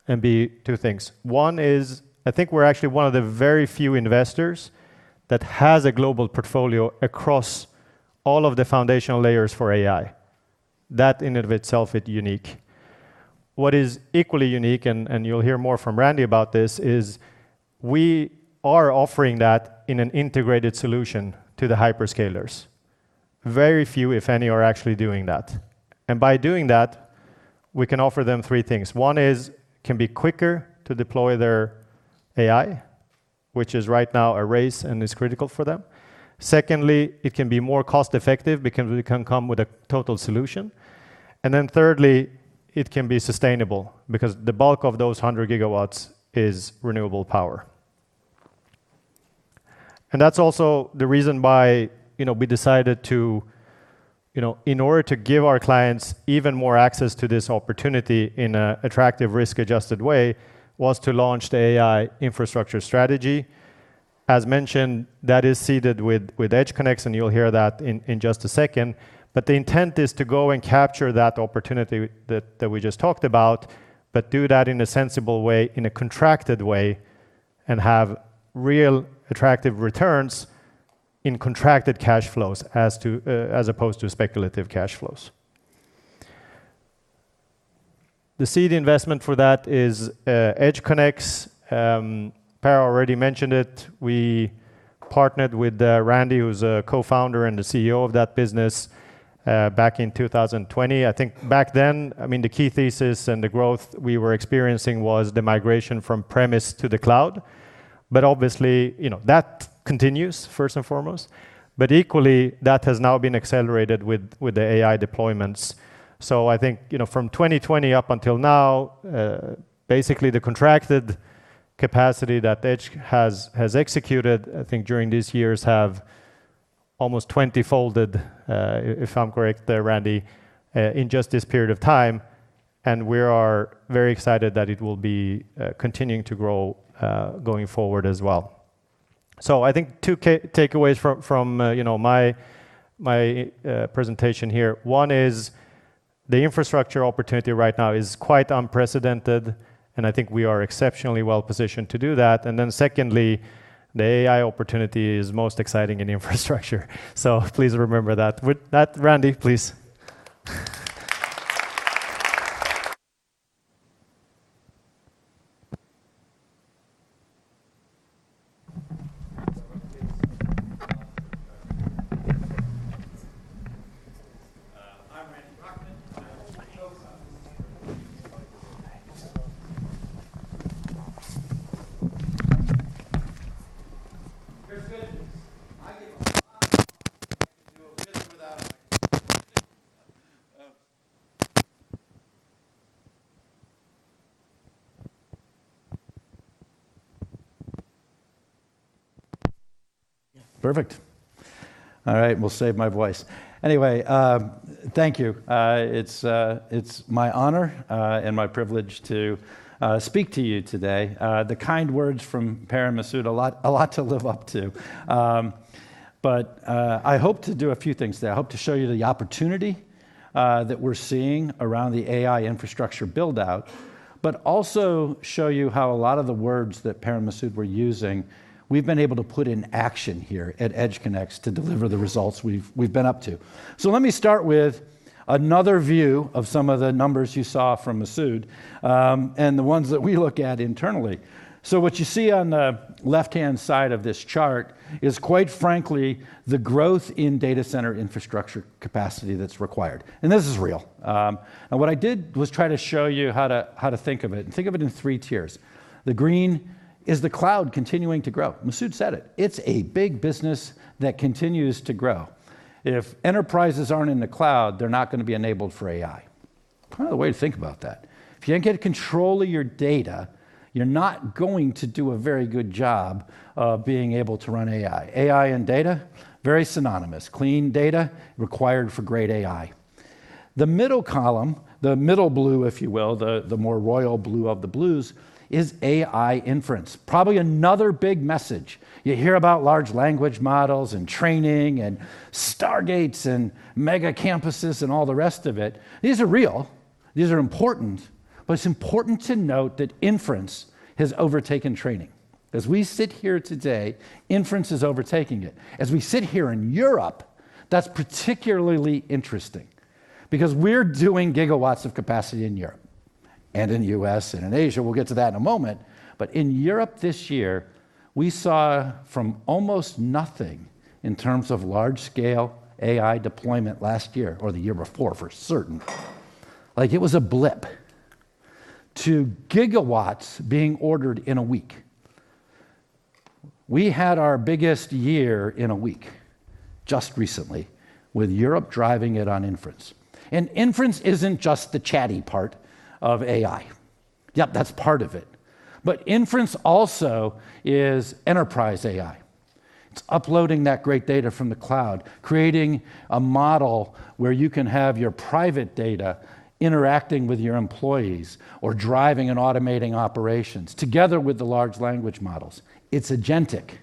and be two things. One is, I think we're actually one of the very few investors that has a global portfolio across all of the foundational layers for AI. That in and of itself is unique. What is equally unique, and you'll hear more from Randy about this, is we are offering that in an integrated solution to the hyperscalers. Very few, if any, are actually doing that. By doing that, we can offer them three things. One is, it can be quicker to deploy their AI, which is right now a race and is critical for them. Secondly, it can be more cost-effective because we can come with a total solution. Thirdly, it can be sustainable because the bulk of those 100 gigawatts is renewable power. That's also the reason why we decided to, in order to give our clients even more access to this opportunity in an attractive risk-adjusted way, was to launch the AI infrastructure strategy. As mentioned, that is seeded with EdgeConneX, and you'll hear that in just a second. The intent is to go and capture that opportunity that we just talked about, but do that in a sensible way, in a contracted way, and have real attractive returns in contracted cash flows as opposed to speculative cash flows. The seed investment for that is EdgeConneX. Per already mentioned it. We partnered with Randy, who's a co-founder and the CEO of that business, back in 2020. I think back then, the key thesis and the growth we were experiencing was the migration from premise to the cloud. Obviously, that continues first and foremost. Equally, that has now been accelerated with the AI deployments. I think, from 2020 up until now, basically the contracted capacity that Edge has executed, I think during these years, have almost 20-folded, if I'm correct there, Randy, in just this period of time, and we are very excited that it will be continuing to grow going forward as well. I think two takeaways from my presentation here. One is, the infrastructure opportunity right now is quite unprecedented, and I think we are exceptionally well positioned to do that. Secondly, the AI opportunity is most exciting in infrastructure. Please remember that. With that, Randy, please. I'm Randy Rocklin. I will now turn it over to Masoud. Here's the thing, I get a lot of to do a business without a microphone. Perfect. All right, we'll save my voice. Anyway, thank you. It's my honor and my privilege to speak to you today. The kind words from Per and Masoud, a lot to live up to. I hope to do a few things today. I hope to show you the opportunity that we're seeing around the AI infrastructure build-out, but also show you how a lot of the words that Per and Masoud were using, we've been able to put in action here at EdgeConneX to deliver the results we've been up to. Let me start with another view of some of the numbers you saw from Masoud, and the ones that we look at internally. What you see on the left-hand side of this chart is, quite frankly, the growth in data center infrastructure capacity that's required. This is real. What I did was try to show you how to think of it, think of it in 3 tiers. The green is the cloud continuing to grow. Masoud said it. It's a big business that continues to grow. If enterprises aren't in the cloud, they're not going to be enabled for AI. Kind of the way to think about that. If you don't get control of your data, you're not going to do a very good job of being able to run AI. AI and data, very synonymous. Clean data, required for great AI. The middle column, the middle blue, if you will, the more royal blue of the blues, is AI inference. Probably another big message. You hear about large language models and training and stargates and mega campuses and all the rest of it. These are real. These are important. It's important to note that inference has overtaken training. As we sit here today, inference is overtaking it. As we sit here in Europe, that's particularly interesting because we're doing gigawatts of capacity in Europe and in the U.S. and in Asia. We'll get to that in a moment. In Europe this year, we saw from almost nothing in terms of large-scale AI deployment last year or the year before, for certain. Like it was a blip. To gigawatts being ordered in a week. We had our biggest year in a week just recently with Europe driving it on inference. Inference isn't just the chatty part of AI. Yep, that's part of it. Inference also is enterprise AI. It's uploading that great data from the cloud, creating a model where you can have your private data interacting with your employees or driving and automating operations together with the large language models. It's agentic.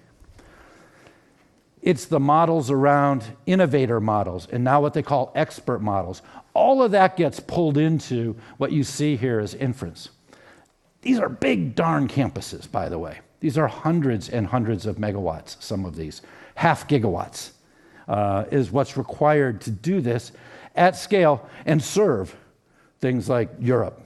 It's the models around innovator models and now what they call expert models. All of that gets pulled into what you see here as inference. These are big darn campuses, by the way. These are hundreds of megawatts, some of these. Half gigawatts is what's required to do this at scale and serve things like Europe.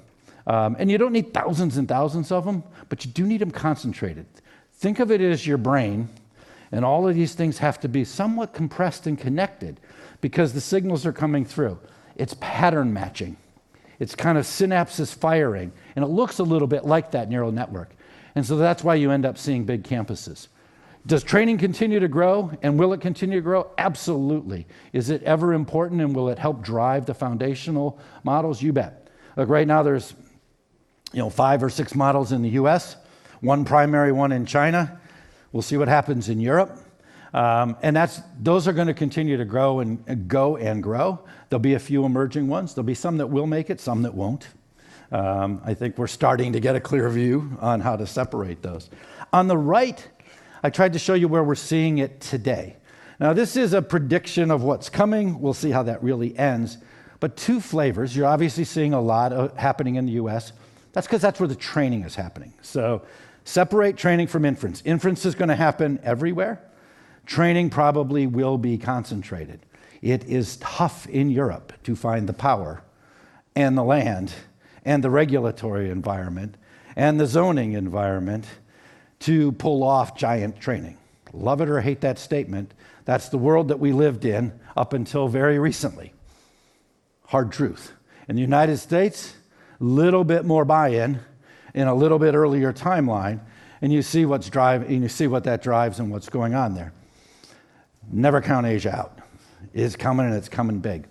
You don't need thousands and thousands of them, but you do need them concentrated. Think of it as your brain, all of these things have to be somewhat compressed and connected because the signals are coming through. It's pattern matching. It's kind of synapses firing. It looks a little bit like that neural network. That's why you end up seeing big campuses. Does training continue to grow and will it continue to grow? Absolutely. Is it ever important and will it help drive the foundational models? You bet. Right now there's 5 or 6 models in the U.S., one primary one in China. We'll see what happens in Europe. Those are going to continue to go and grow. There'll be a few emerging ones. There'll be some that will make it, some that won't. I think we're starting to get a clear view on how to separate those. On the right, I tried to show you where we're seeing it today. Now, this is a prediction of what's coming. We'll see how that really ends. Two flavors. You're obviously seeing a lot happening in the U.S. That's because that's where the training is happening. Separate training from inference. Inference is going to happen everywhere. Training probably will be concentrated. It is tough in Europe to find the power and the land and the regulatory environment and the zoning environment to pull off giant training. Love it or hate that statement, that's the world that we lived in up until very recently. Hard truth. In the U.S., little bit more buy-in and a little bit earlier timeline, and you see what that drives and what's going on there. Never count Asia out. It's coming, and it's coming big.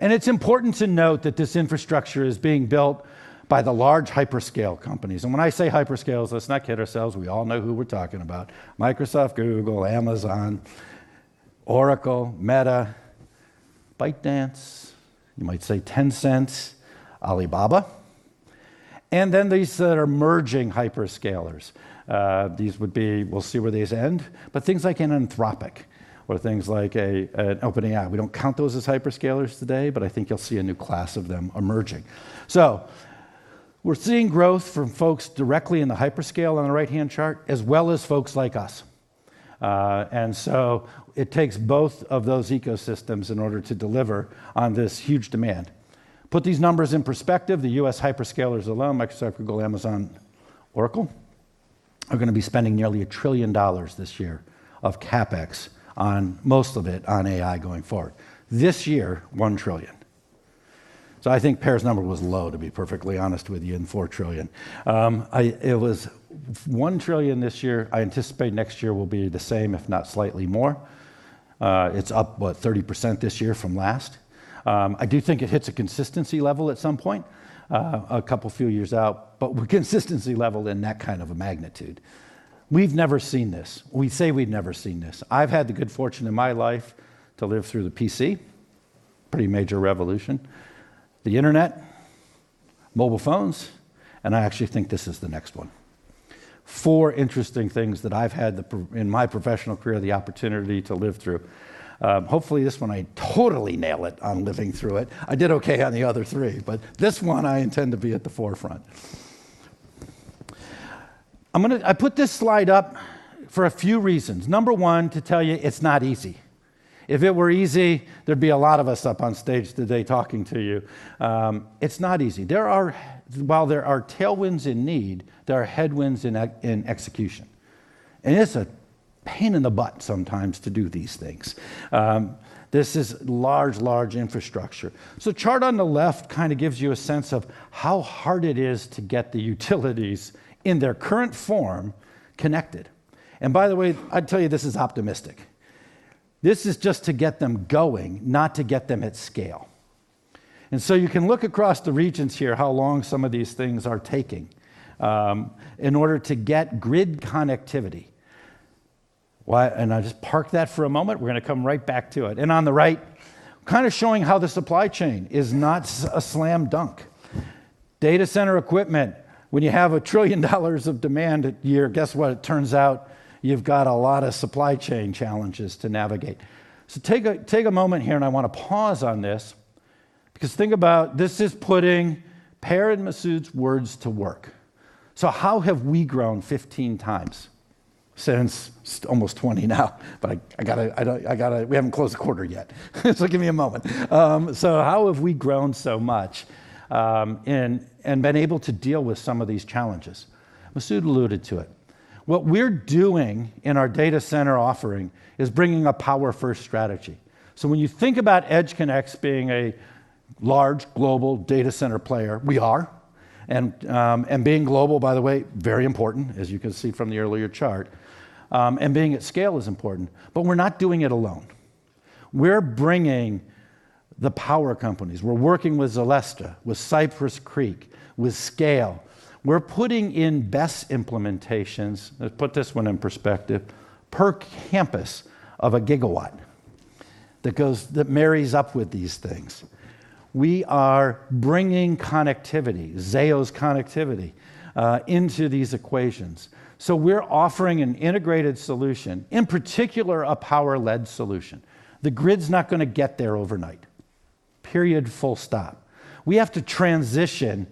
It's important to note that this infrastructure is being built by the large hyperscale companies. When I say hyperscales, let's not kid ourselves, we all know who we're talking about. Microsoft, Google, Amazon, Oracle, Meta, ByteDance. You might say Tencent, Alibaba. Then these that are merging hyperscalers. We'll see where these end, things like an Anthropic or things like an OpenAI. We don't count those as hyperscalers today, I think you'll see a new class of them emerging. We're seeing growth from folks directly in the hyperscale on the right-hand chart, as well as folks like us. It takes both of those ecosystems in order to deliver on this huge demand. Put these numbers in perspective. The U.S. hyperscalers alone, Microsoft, Google, Amazon, Oracle, are going to be spending nearly EUR 1 trillion this year of CapEx on most of it on AI going forward. This year, 1 trillion. I think Per's number was low, to be perfectly honest with you, in 4 trillion. It was 1 trillion this year. I anticipate next year will be the same, if not slightly more. It's up, what, 30% this year from last. I do think it hits a consistency level at some point, a couple few years out, consistency level in that kind of a magnitude. We've never seen this. We say we've never seen this. I've had the good fortune in my life to live through the PC, pretty major revolution, the internet, mobile phones, and I actually think this is the next one. Four interesting things that I've had, in my professional career, the opportunity to live through. Hopefully, this one, I totally nail it on living through it. I did okay on the other three, this one, I intend to be at the forefront. I put this slide up for a few reasons. Number 1, to tell you it's not easy. If it were easy, there'd be a lot of us up on stage today talking to you. It's not easy. While there are tailwinds in need, there are headwinds in execution, it's a pain in the butt sometimes to do these things. This is large infrastructure. Chart on the left kind of gives you a sense of how hard it is to get the utilities in their current form connected. By the way, I'd tell you this is optimistic. This is just to get them going, not to get them at scale. You can look across the regions here how long some of these things are taking in order to get grid connectivity. I'll just park that for a moment. We're going to come right back to it. On the right, kind of showing how the supply chain is not a slam dunk. Data center equipment, when you have EUR 1 trillion of demand a year, guess what? It turns out you've got a lot of supply chain challenges to navigate. Take a moment here, and I want to pause on this because think about this is putting Per and Masoud's words to work. How have we grown 15 times since Almost 20 now, but we haven't closed a quarter yet, give me a moment. How have we grown so much and been able to deal with some of these challenges? Masoud alluded to it. What we're doing in our data center offering is bringing a power first strategy. When you think about EdgeConneX being a large global data center player, we are, and being global, by the way, very important, as you can see from the earlier chart, and being at scale is important, but we're not doing it alone. We're bringing the power companies. We're working with Zelestra, with Cypress Creek, with Scale. We're putting in BESS implementations. Let's put this one in perspective. Per campus of a gigawatt that marries up with these things. We are bringing connectivity, Zayo's connectivity, into these equations. We're offering an integrated solution, in particular, a power-led solution. The grid's not going to get there overnight. Period, full stop. We have to transition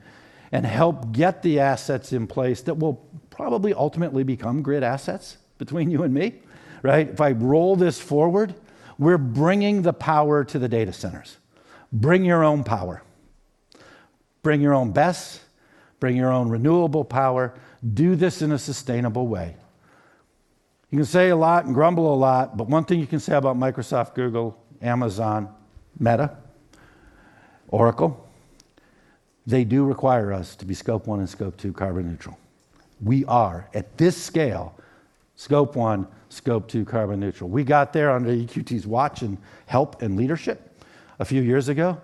and help get the assets in place that will probably ultimately become grid assets between you and me, right? If I roll this forward, we're bringing the power to the data centers. Bring your own power, bring your own BESS, bring your own renewable power, do this in a sustainable way. You can say a lot and grumble a lot, one thing you can say about Microsoft, Google, Amazon, Meta, Oracle, they do require us to be Scope 1 and Scope 2 carbon neutral. We are, at this scale, Scope 1, Scope 2 carbon neutral. We got there under EQT's watch and help and leadership a few years ago. In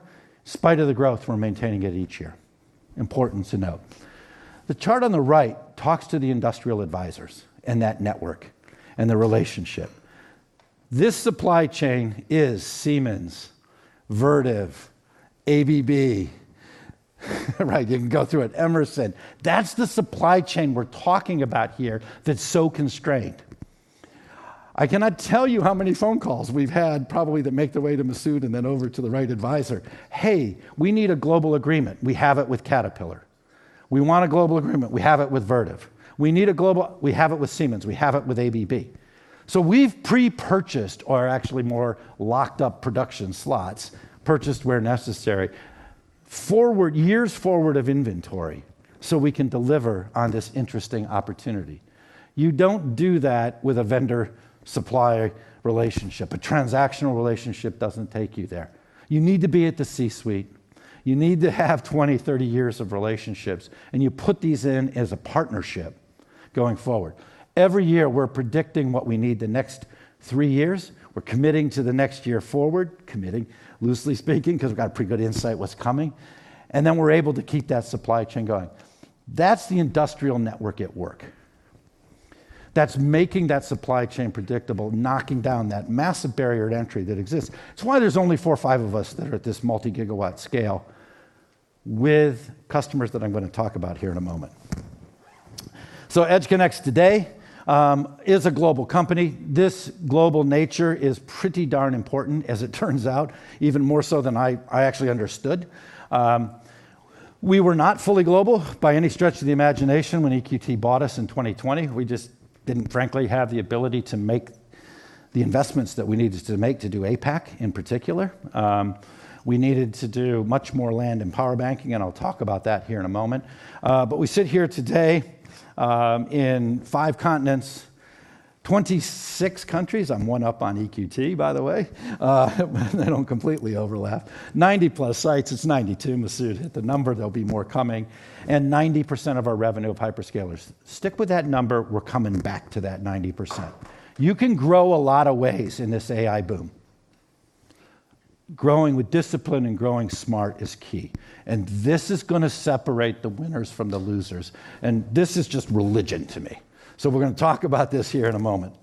spite of the growth, we're maintaining it each year. Important to note. The chart on the right talks to the industrial advisors and that network and the relationship. This supply chain is Siemens, Vertiv, ABB. Right? You can go through it. Emerson. That's the supply chain we're talking about here that's so constrained. I cannot tell you how many phone calls we've had probably that make their way to Masoud and then over to the right advisor. "Hey, we need a global agreement." We have it with Caterpillar. We want a global agreement. We have it with Vertiv. We have it with Siemens, we have it with ABB. We've pre-purchased or actually more locked up production slots, purchased where necessary, years forward of inventory, so we can deliver on this interesting opportunity. You don't do that with a vendor-supplier relationship. A transactional relationship doesn't take you there. You need to be at the C-suite. You need to have 20, 30 years of relationships, and you put these in as a partnership going forward. Every year, we're predicting what we need the next three years. We're committing to the next year forward, committing loosely speaking, because we've got pretty good insight what's coming, and then we're able to keep that supply chain going. That's the industrial network at work. That's making that supply chain predictable, knocking down that massive barrier to entry that exists. It's why there's only four or five of us that are at this multi-gigawatt scale with customers that I'm going to talk about here in a moment. EdgeConneX today is a global company. This global nature is pretty darn important, as it turns out, even more so than I actually understood. We were not fully global by any stretch of the imagination when EQT bought us in 2020. We just didn't, frankly, have the ability to make the investments that we needed to make to do APAC, in particular. We needed to do much more land and power banking, and I'll talk about that here in a moment. We sit here today in five continents, 26 countries. I'm one up on EQT, by the way. They don't completely overlap. 90-plus sites. It's 92, Masoud, hit the number, there'll be more coming. And 90% of our revenue of hyperscalers. Stick with that number. We're coming back to that 90%. You can grow a lot of ways in this AI boom. Growing with discipline and growing smart is key, and this is going to separate the winners from the losers, and this is just religion to me. We're going to talk about this here in a moment.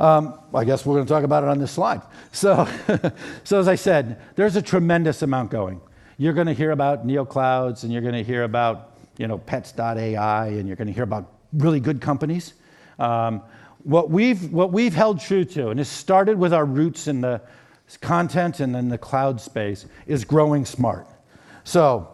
I guess we're going to talk about it on this slide. As I said, there's a tremendous amount going. You're going to hear about NeoClouds, and you're going to hear about pets.ai, and you're going to hear about really good companies. What we've held true to, and it started with our roots in the content and in the cloud space, is growing smart. First of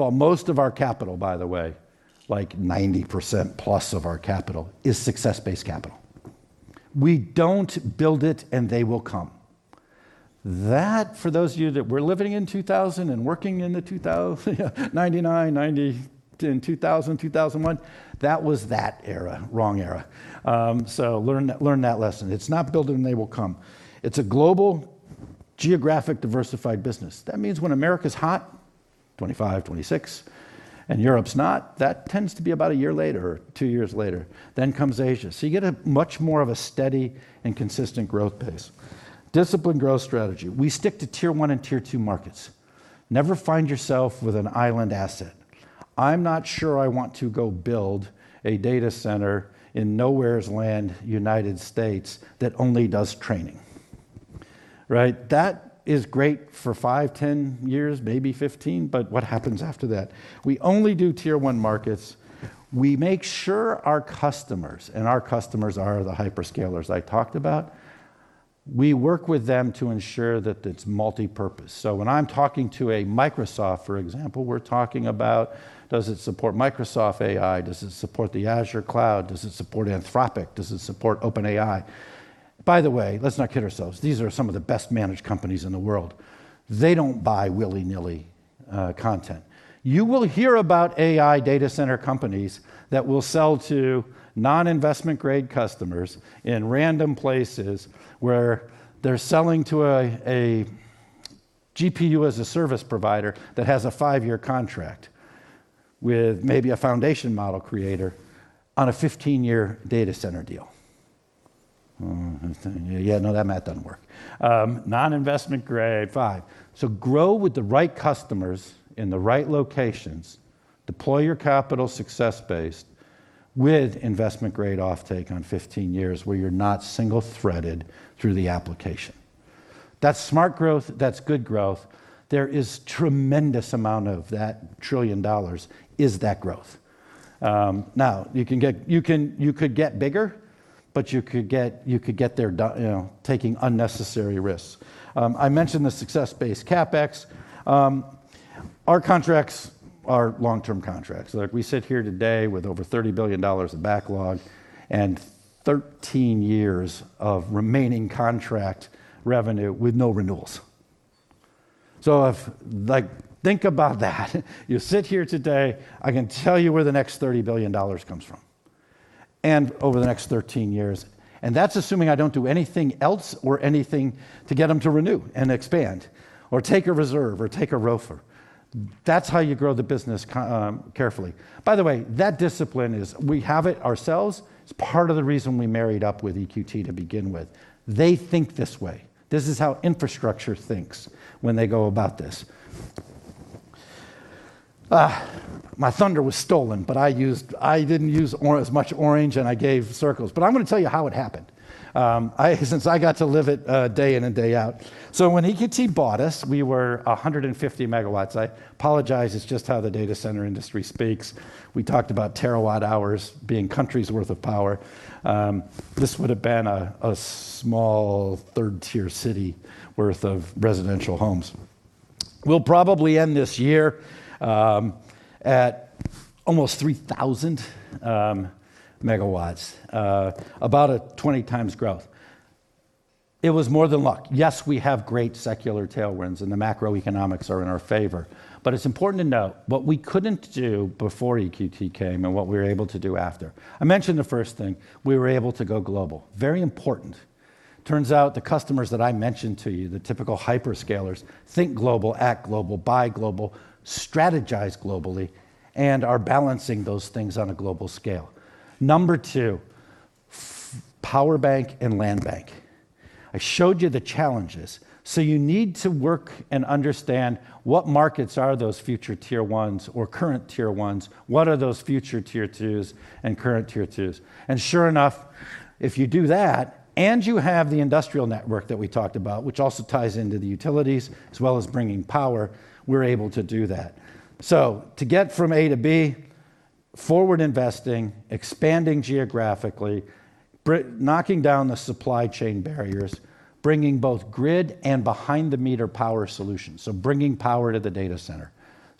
all, most of our capital, by the way, like 90% plus of our capital, is success-based capital. We don't build it, and they will come. That, for those of you that were living in 2000 and working in the 1999, 2000, 2001, that was that era. Wrong era. Learn that lesson. It's not build it and they will come. It's a global, geographic, diversified business. That means when America's hot, 2025, 2026, and Europe's not, that tends to be about a year later or two years later. Comes Asia. You get a much more of a steady and consistent growth pace. Disciplined growth strategy. We stick to tier 1 and tier 2 markets. Never find yourself with an island asset. I'm not sure I want to go build a data center in nowheres land, U.S., that only does training, right? That is great for five, 10 years, maybe 15, but what happens after that? We only do tier 1 markets. We make sure our customers, and our customers are the hyperscalers I talked about. We work with them to ensure that it's multipurpose. When I'm talking to a Microsoft, for example, we're talking about, does it support Microsoft AI? Does it support the Azure cloud? Does it support Anthropic? Does it support OpenAI? By the way, let's not kid ourselves. These are some of the best managed companies in the world. They don't buy willy-nilly content. You will hear about AI data center companies that will sell to non-investment grade customers in random places where they're selling to a GPU-as-a-service provider that has a five-year contract with maybe a foundation model creator on a 15-year data center deal. Yeah, no, that math doesn't work. Non-investment grade, fine. Grow with the right customers in the right locations. Deploy your capital success-based with investment-grade offtake on 15 years where you're not single-threaded through the application. That's smart growth. That's good growth. There is tremendous amount of that EUR 1 trillion is that growth. You could get bigger, but you could get there taking unnecessary risks. I mentioned the success-based CapEx. Our contracts are long-term contracts, like we sit here today with over EUR 30 billion of backlog and 13 years of remaining contract revenue with no renewals. Think about that. You sit here today, I can tell you where the next EUR 30 billion comes from, and over the next 13 years. That's assuming I don't do anything else or anything to get them to renew and expand or take a reserve or take a ROFR. That's how you grow the business carefully. By the way, that discipline, we have it ourselves. It's part of the reason we married up with EQT to begin with. They think this way. This is how infrastructure thinks when they go about this. My thunder was stolen, I didn't use as much orange and I gave circles, I'm going to tell you how it happened. Since I got to live it day in and day out. When EQT bought us, we were 150 megawatts. I apologize, it's just how the data center industry speaks. We talked about terawatt hours being countries' worth of power. This would've been a small tier 3 city worth of residential homes. We'll probably end this year at almost 3,000 megawatts, about a 20 times growth. It was more than luck. Yes, we have great secular tailwinds, and the macroeconomics are in our favor. It's important to note what we couldn't do before EQT came and what we were able to do after. I mentioned the first thing, we were able to go global. Very important. Turns out the customers that I mentioned to you, the typical hyperscalers, think global, act global, buy global, strategize globally, and are balancing those things on a global scale. Number 2, power bank and land bank. I showed you the challenges. You need to work and understand what markets are those future tier 1s or current tier 1s. What are those future tier 2s and current tier 2s? Sure enough, if you do that, and you have the industrial network that we talked about, which also ties into the utilities as well as bringing power, we're able to do that. To get from A to B, forward investing, expanding geographically, knocking down the supply chain barriers, bringing both grid and behind-the-meter power solutions. Bringing power to the data center.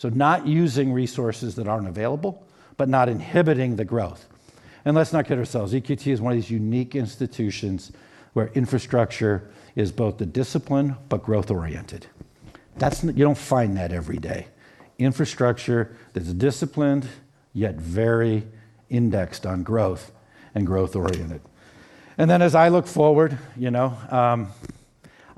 Not using resources that aren't available, but not inhibiting the growth. Let's not kid ourselves. EQT is one of these unique institutions where infrastructure is both a discipline but growth oriented. You don't find that every day. Infrastructure that's disciplined, yet very indexed on growth and growth oriented. As I look forward, I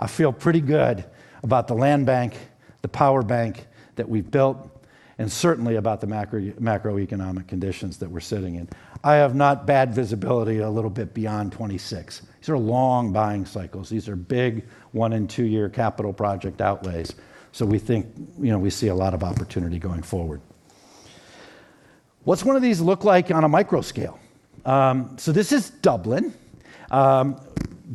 feel pretty good about the land bank, the power bank that we've built, and certainly about the macroeconomic conditions that we're sitting in. I have not bad visibility a little bit beyond 2026. These are long buying cycles. These are big one and two year capital project outlays. We think we see a lot of opportunity going forward. What's one of these look like on a micro scale? This is Dublin.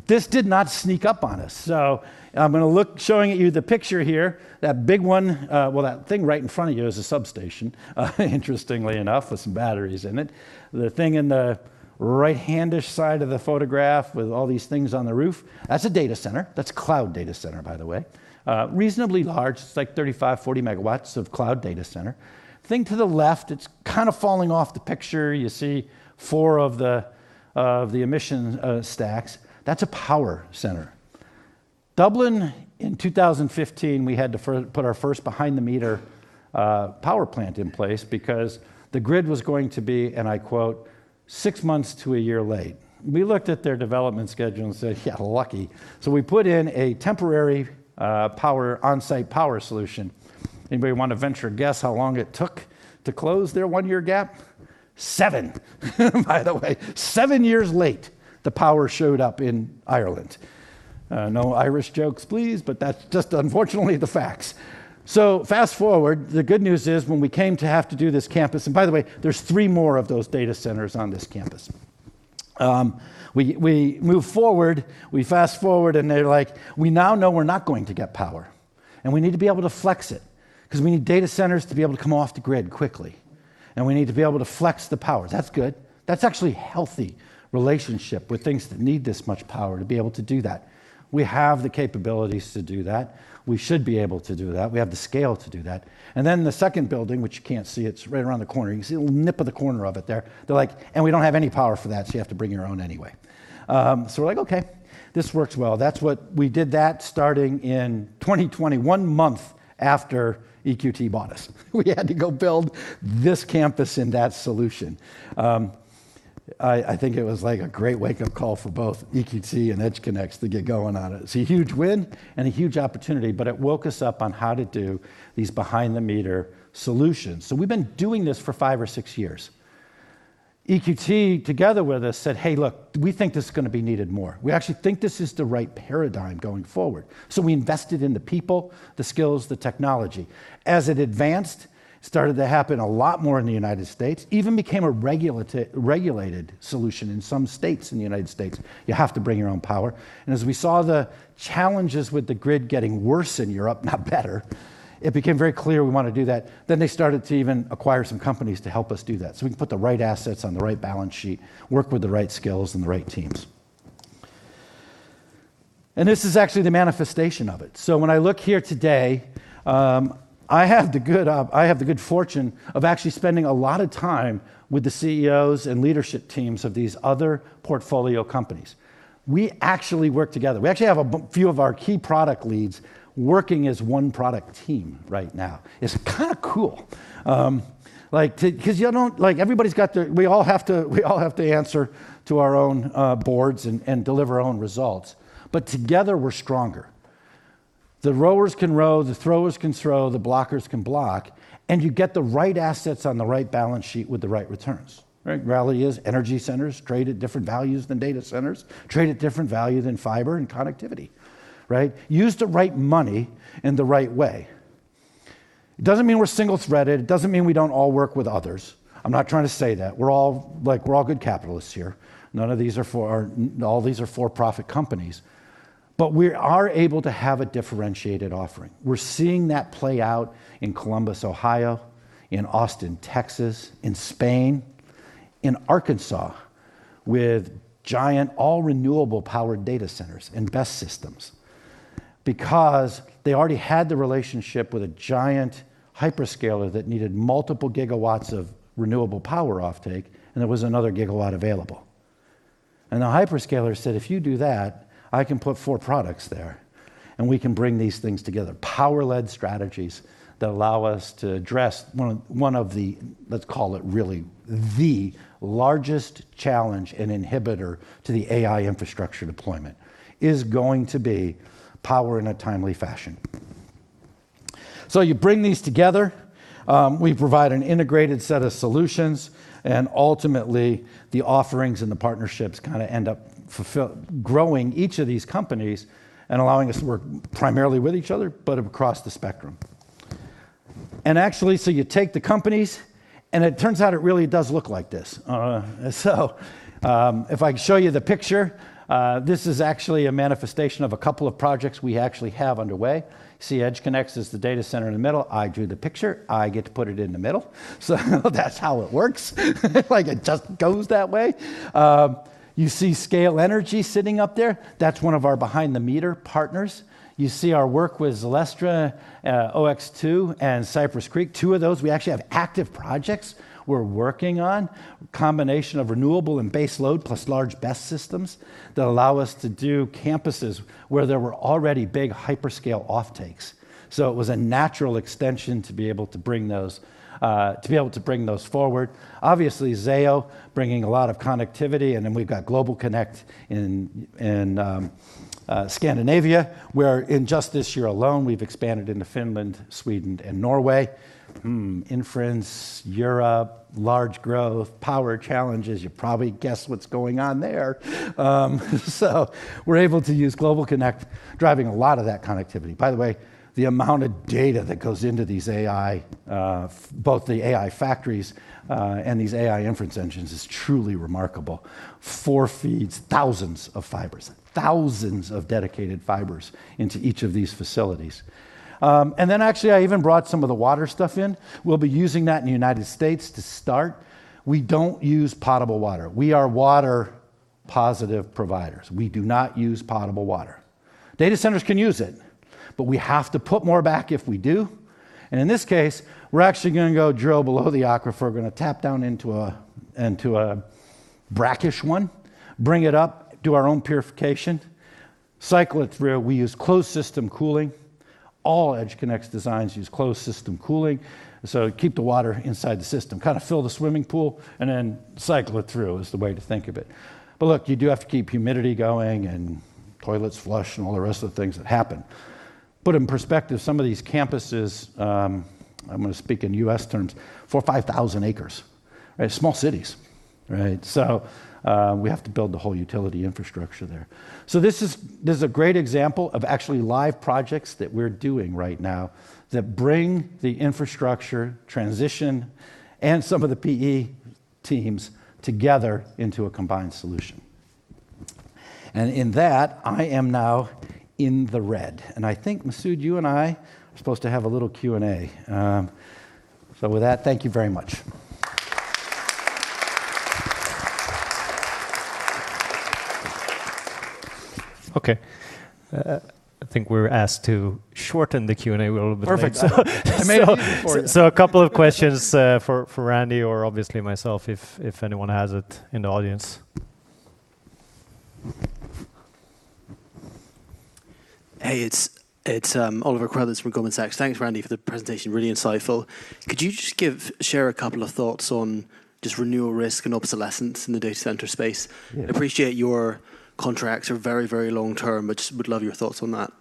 This did not sneak up on us. I'm going to look, showing you the picture here. That big one, well, that thing right in front of you is a substation, interestingly enough, with some batteries in it. The thing in the right-hand side of the photograph with all these things on the roof, that's a data center. That's a cloud data center, by the way. Reasonably large. It's like 35, 40 megawatts of cloud data center. Thing to the left, it's kind of falling off the picture. You see four of the emission stacks. That's a power center. Dublin, in 2015, we had to put our first behind the meter power plant in place because the grid was going to be, and I quote, "Six months to a year late." We looked at their development schedule and said, "Yeah, lucky." We put in a temporary on-site power solution. Anybody want to venture a guess how long it took to close their one-year gap? Seven. By the way, seven years late, the power showed up in Ireland. No Irish jokes, please, but that's just unfortunately the facts. Fast-forward, the good news is when we came to have to do this campus, and by the way, there's three more of those data centers on this campus. We move forward, we fast-forward, they're like, "We now know we're not going to get power, and we need to be able to flex it because we need data centers to be able to come off the grid quickly, and we need to be able to flex the power." That's good. That's actually healthy relationship with things that need this much power to be able to do that. We have the capabilities to do that. We should be able to do that. We have the scale to do that. Then the second building, which you can't see, it's right around the corner. You can see a little nip of the corner of it there. They're like, "We don't have any power for that, you have to bring your own anyway." We're like, "Okay, this works well." We did that starting in 2020, one month after EQT bought us. We had to go build this campus in that solution. I think it was a great wake-up call for both EQT and EdgeConneX to get going on it. It's a huge win and a huge opportunity, but it woke us up on how to do these behind the meter solutions. We've been doing this for five or six years. EQT together with us said, "Hey, look, we think this is going to be needed more. We actually think this is the right paradigm going forward." We invested in the people, the skills, the technology. As it advanced, started to happen a lot more in the U.S., even became a regulated solution in some states in the U.S. You have to bring your own power. As we saw the challenges with the grid getting worse in Europe, not better, it became very clear we want to do that. They started to even acquire some companies to help us do that. We can put the right assets on the right balance sheet, work with the right skills and the right teams. This is actually the manifestation of it. When I look here today, I have the good fortune of actually spending a lot of time with the CEOs and leadership teams of these other portfolio companies. We actually work together. We actually have a few of our key product leads working as one product team right now. It's kind of cool. We all have to answer to our own boards and deliver our own results. Together we're stronger. The rowers can row, the throwers can throw, the blockers can block, you get the right assets on the right balance sheet with the right returns. Right? Reality is energy centers trade at different values than data centers, trade at different value than fiber and connectivity. Right? Use the right money in the right way. It doesn't mean we're single-threaded. It doesn't mean we don't all work with others. I'm not trying to say that. We're all good capitalists here. All these are for-profit companies. We are able to have a differentiated offering. We're seeing that play out in Columbus, Ohio, in Austin, Texas, in Spain. In Arkansas with giant all renewable powered data centers and BESS systems because they already had the relationship with a giant hyperscaler that needed multiple gigawatts of renewable power offtake, there was another gigawatt available. The hyperscaler said, "If you do that, I can put four products there and we can bring these things together." Power-led strategies that allow us to address one of the, let's call it really, the largest challenge and inhibitor to the AI infrastructure deployment is going to be power in a timely fashion. You bring these together. We provide an integrated set of solutions and ultimately the offerings and the partnerships kind of end up growing each of these companies and allowing us to work primarily with each other, but across the spectrum. Actually, you take the companies and it turns out it really does look like this. If I can show you the picture. This is actually a manifestation of a couple of projects we actually have underway. You see EdgeConneX is the data center in the middle. I drew the picture. I get to put it in the middle. That's how it works. Like it just goes that way. You see Scale Energy sitting up there. That's one of our behind-the-meter partners. You see our work with Zelestra, OX2 and Cypress Creek. Two of those we actually have active projects we're working on. Combination of renewable and base load plus large BESS systems that allow us to do campuses where there were already big hyperscale offtakes. It was a natural extension to be able to bring those forward. Obviously Zayo bringing a lot of connectivity. We've got GlobalConnect in Scandinavia, where in just this year alone we've expanded into Finland, Sweden and Norway. Inference, Europe, large growth, power challenges. You probably guess what's going on there. We're able to use GlobalConnect, driving a lot of that connectivity. By the way, the amount of data that goes into both the AI factories, and these AI inference engines is truly remarkable. Four feeds, thousands of fibers. Thousands of dedicated fibers into each of these facilities. Actually I even brought some of the water stuff in. We'll be using that in the U.S. to start. We don't use potable water. We are water positive providers. We do not use potable water. Data centers can use it, but we have to put more back if we do. In this case, we're actually going to go drill below the aquifer. We're going to tap down into a brackish one, bring it up, do our own purification, cycle it through. We use closed system cooling. All EdgeConneX designs use closed system cooling. Keep the water inside the system. Kind of fill the swimming pool and then cycle it through is the way to think of it. Look, you do have to keep humidity going and toilets flush and all the rest of the things that happen. Put in perspective some of these campuses, I'm going to speak in U.S. terms, 4,000 or 5,000 acres. Small cities. We have to build the whole utility infrastructure there. This is a great example of actually live projects that we're doing right now that bring the infrastructure transition and some of the PE teams together into a combined solution. In that, I am now in the red, and I think Masoud, you and I are supposed to have a little Q&A. With that, thank you very much. Okay. I think we're asked to shorten the Q&A a little bit. Perfect. I made it easy for you. A couple of questions for Randy or obviously myself if anyone has it in the audience. Hey, it's Oliver Crowther from Goldman Sachs. Thanks, Randy, for the presentation. Really insightful. Could you just share a couple of thoughts on just renewal risk and obsolescence in the data center space? Yeah. Appreciate your contracts are very long-term, just would love your thoughts on that.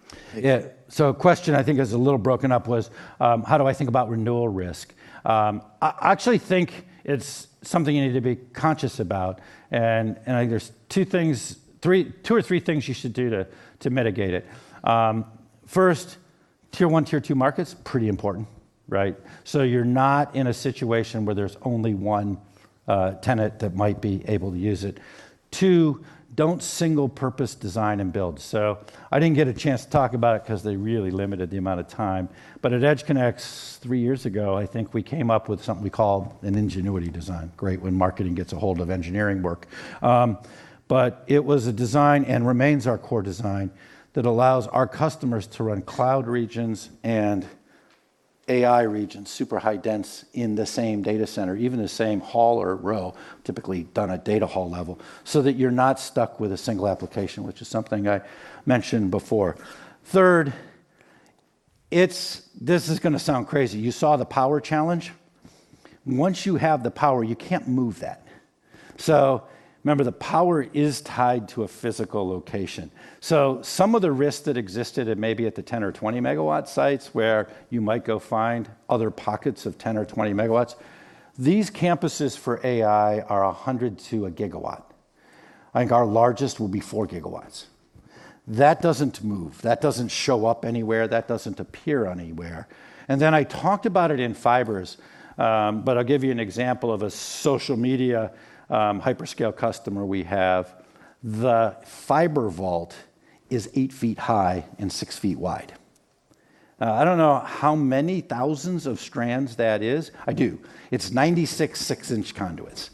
Question I think is a little broken up was, how do I think about renewal risk? I actually think it's something you need to be conscious about, and I think there's two or three things you should do to mitigate it. First, tier 1, tier 2 markets, pretty important. You're not in a situation where there's only one tenant that might be able to use it. Two, don't single purpose design and build. I didn't get a chance to talk about it because they really limited the amount of time. At EdgeConneX three years ago, I think we came up with something called an Ingenuity design. Great when marketing gets ahold of engineering work. It was a design and remains our core design that allows our customers to run cloud regions and AI regions super high dense in the same data center, even the same hall or row, typically done at data hall level, that you're not stuck with a single application, which is something I mentioned before. Third, this is going to sound crazy. You saw the power challenge. Once you have the power, you can't move that. Remember, the power is tied to a physical location. Some of the risks that existed at maybe at the 10 or 20 megawatt sites where you might go find other pockets of 10 or 20 megawatts. These campuses for AI are 100 to a gigawatt. I think our largest will be four gigawatts. That doesn't move. That doesn't show up anywhere. That doesn't appear anywhere. I talked about it in fibers, I'll give you an example of a social media hyperscale customer we have. The fiber vault is eight feet high and six feet wide. I don't know how many thousands of strands that is. I do. It's 96 6-inch conduits.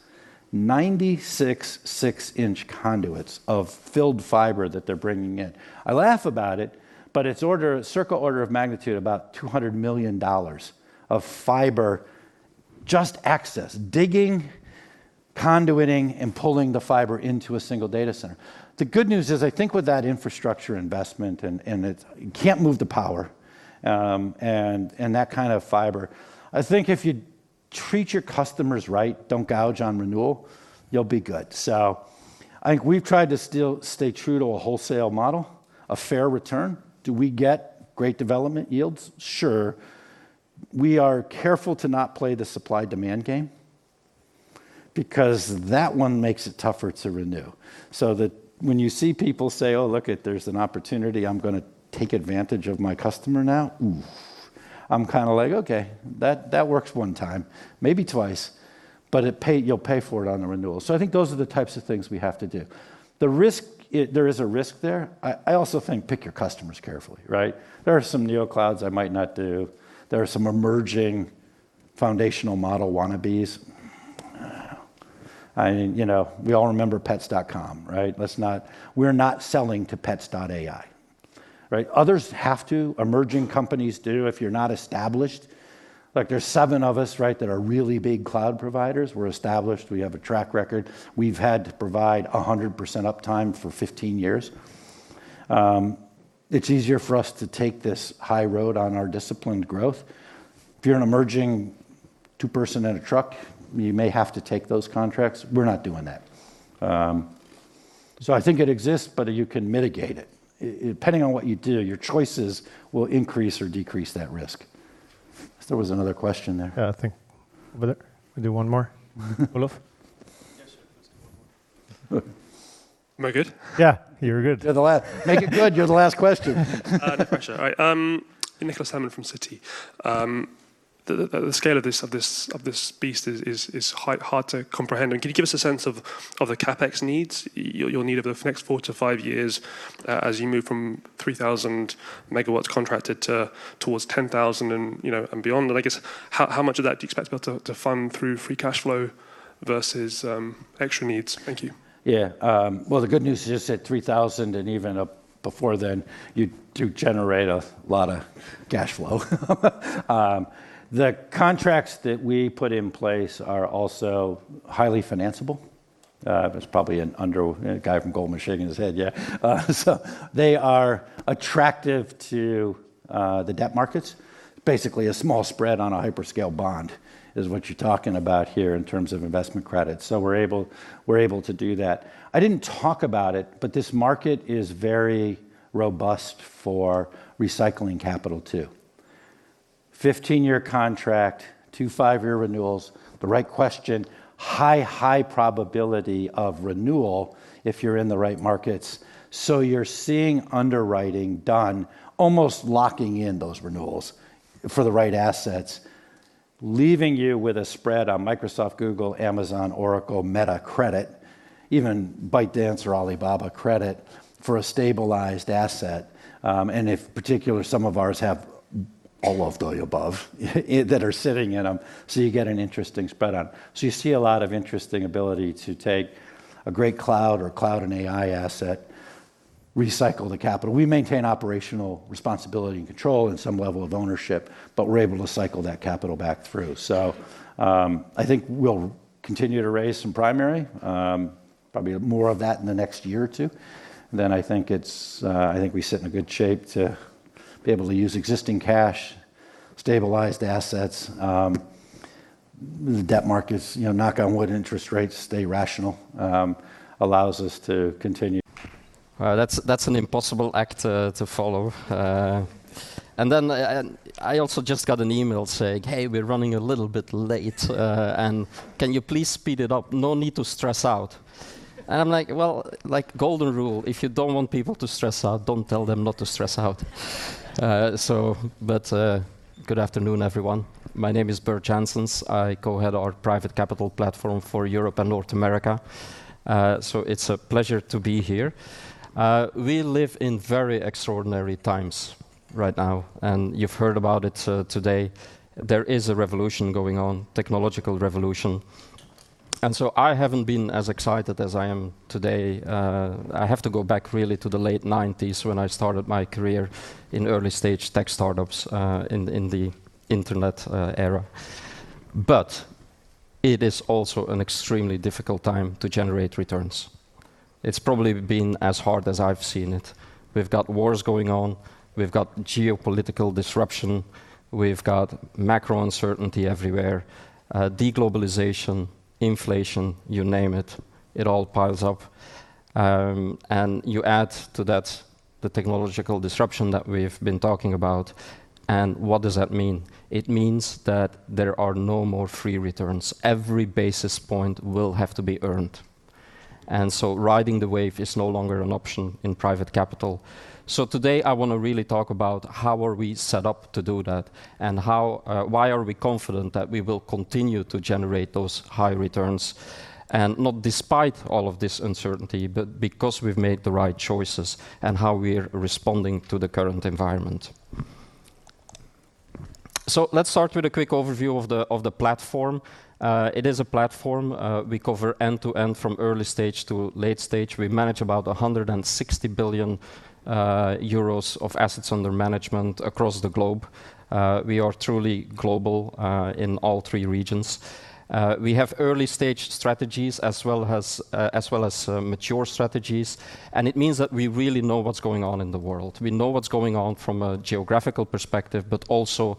96 6-inch conduits of filled fiber that they're bringing in. I laugh about it's circle order of magnitude about EUR 200 million of fiber just access, digging, conduiting, and pulling the fiber into a single data center. The good news is, I think with that infrastructure investment, you can't move the power, that kind of fiber, I think if you treat your customers right, don't gouge on renewal, you'll be good. I think we've tried to stay true to a wholesale model, a fair return. Do we get great development yields? Sure. We are careful to not play the supply-demand game because that one makes it tougher to renew. When you see people say, "Oh, look it, there's an opportunity. I'm going to take advantage of my customer now." Oof. I'm kind of like, "Okay, that works one time, maybe two times, you'll pay for it on the renewal." I think those are the types of things we have to do. There is a risk there. I also think pick your customers carefully, right? There are some neo clouds I might not do. There are some emerging foundational model wannabes. I mean, we all remember Pets.com, right? We're not selling to pets.ai, right? Others have to. Emerging companies do if you're not established. There's seven of us that are really big cloud providers. We're established. We have a track record. We've had to provide 100% uptime for 15 years. It's easier for us to take this high road on our disciplined growth. If you're an emerging two-person and a truck, you may have to take those contracts. We're not doing that. I think it exists, but you can mitigate it. Depending on what you do, your choices will increase or decrease that risk. I guess there was another question there. Yeah, I think we'll do one more. Olof? Yes, sure. Let's do one more. Am I good? Yeah, you're good. You're the last. Make it good, you're the last question. No pressure. All right. Nicholas Hammond from Citi. The scale of this beast is hard to comprehend. Can you give us a sense of the CapEx needs you'll need over the next 4 to 5 years, as you move from 3,000 MW contracted towards 10,000 and beyond? I guess, how much of that do you expect to be able to fund through free cash flow versus extra needs? Thank you. Well, the good news is, at 3,000 and even up before then, you do generate a lot of cash flow. The contracts that we put in place are also highly financeable. There's probably a guy from Goldman shaking his head, yeah. They are attractive to the debt markets. Basically, a small spread on a hyperscale bond is what you're talking about here in terms of investment credit. We're able to do that. I didn't talk about it, but this market is very robust for recycling capital, too. 15-year contract, two five-year renewals. The right question, high probability of renewal if you're in the right markets. You're seeing underwriting done, almost locking in those renewals for the right assets, leaving you with a spread on Microsoft, Google, Amazon, Oracle, Meta credit, even ByteDance or Alibaba credit, for a stabilized asset. In particular, some of ours have all of the above that are sitting in them, you get an interesting spread on. You see a lot of interesting ability to take a great cloud or cloud and AI asset, recycle the capital. We maintain operational responsibility and control and some level of ownership, but we're able to cycle that capital back through. I think we'll continue to raise some primary, probably more of that in the next year or two. I think we sit in a good shape to be able to use existing cash, stabilized assets. The debt markets, knock on wood, interest rates stay rational, allows us to continue. All right. That's an impossible act to follow. I also just got an email saying, "Hey, we're running a little bit late, and can you please speed it up? No need to stress out." I'm like, well, like golden rule, if you don't want people to stress out, don't tell them not to stress out. Good afternoon, everyone. My name is Bert Janssens. I co-head our Private Capital platform for Europe and North America. It's a pleasure to be here. We live in very extraordinary times right now, and you've heard about it today. There is a revolution going on, technological revolution. I haven't been as excited as I am today. I have to go back really to the late '90s when I started my career in early stage tech startups in the internet era. It is also an extremely difficult time to generate returns. It's probably been as hard as I've seen it. We've got wars going on. We've got geopolitical disruption. We've got macro uncertainty everywhere. Deglobalization, inflation, you name it. It all piles up. You add to that the technological disruption that we've been talking about, and what does that mean? It means that there are no more free returns. Every basis point will have to be earned. Riding the wave is no longer an option in private capital. Today, I want to really talk about how are we set up to do that, and why are we confident that we will continue to generate those high returns, and not despite all of this uncertainty, but because we've made the right choices, and how we're responding to the current environment. Let's start with a quick overview of the platform. It is a platform. We cover end-to-end from early stage to late stage. We manage about 160 billion euros of AUM across the globe. We are truly global in all three regions. We have early-stage strategies as well as mature strategies. It means that we really know what's going on in the world. We know what's going on from a geographical perspective. The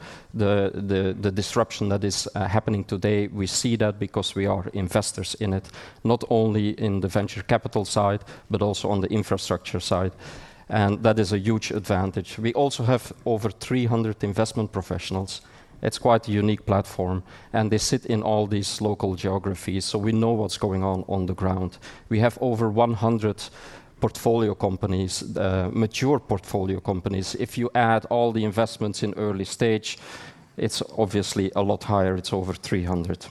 disruption that is happening today, we see that because we are investors in it, not only in the venture capital side, but also on the infrastructure side, and that is a huge advantage. We also have over 300 investment professionals. It's quite a unique platform. They sit in all these local geographies, so we know what's going on the ground. We have over 100 portfolio companies, mature portfolio companies. If you add all the investments in early stage, it's obviously a lot higher. It's over 300.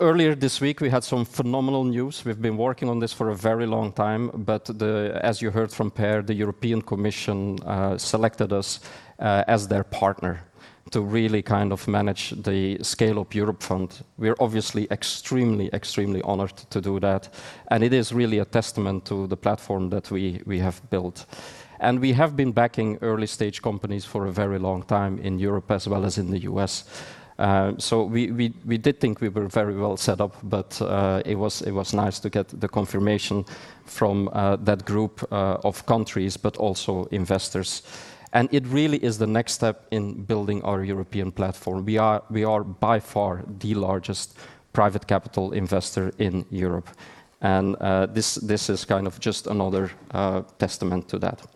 Earlier this week, we had some phenomenal news. We've been working on this for a very long time, but as you heard from Per, the European Commission selected us as their partner to really manage the Scaleup Europe Fund. We're obviously extremely honored to do that. It is really a testament to the platform that we have built. We have been backing early-stage companies for a very long time in Europe as well as in the U.S. We did think we were very well set up, but it was nice to get the confirmation from that group of countries, but also investors. It really is the next step in building our European platform. We are by far the largest private capital investor in Europe, this is kind of just another testament to that.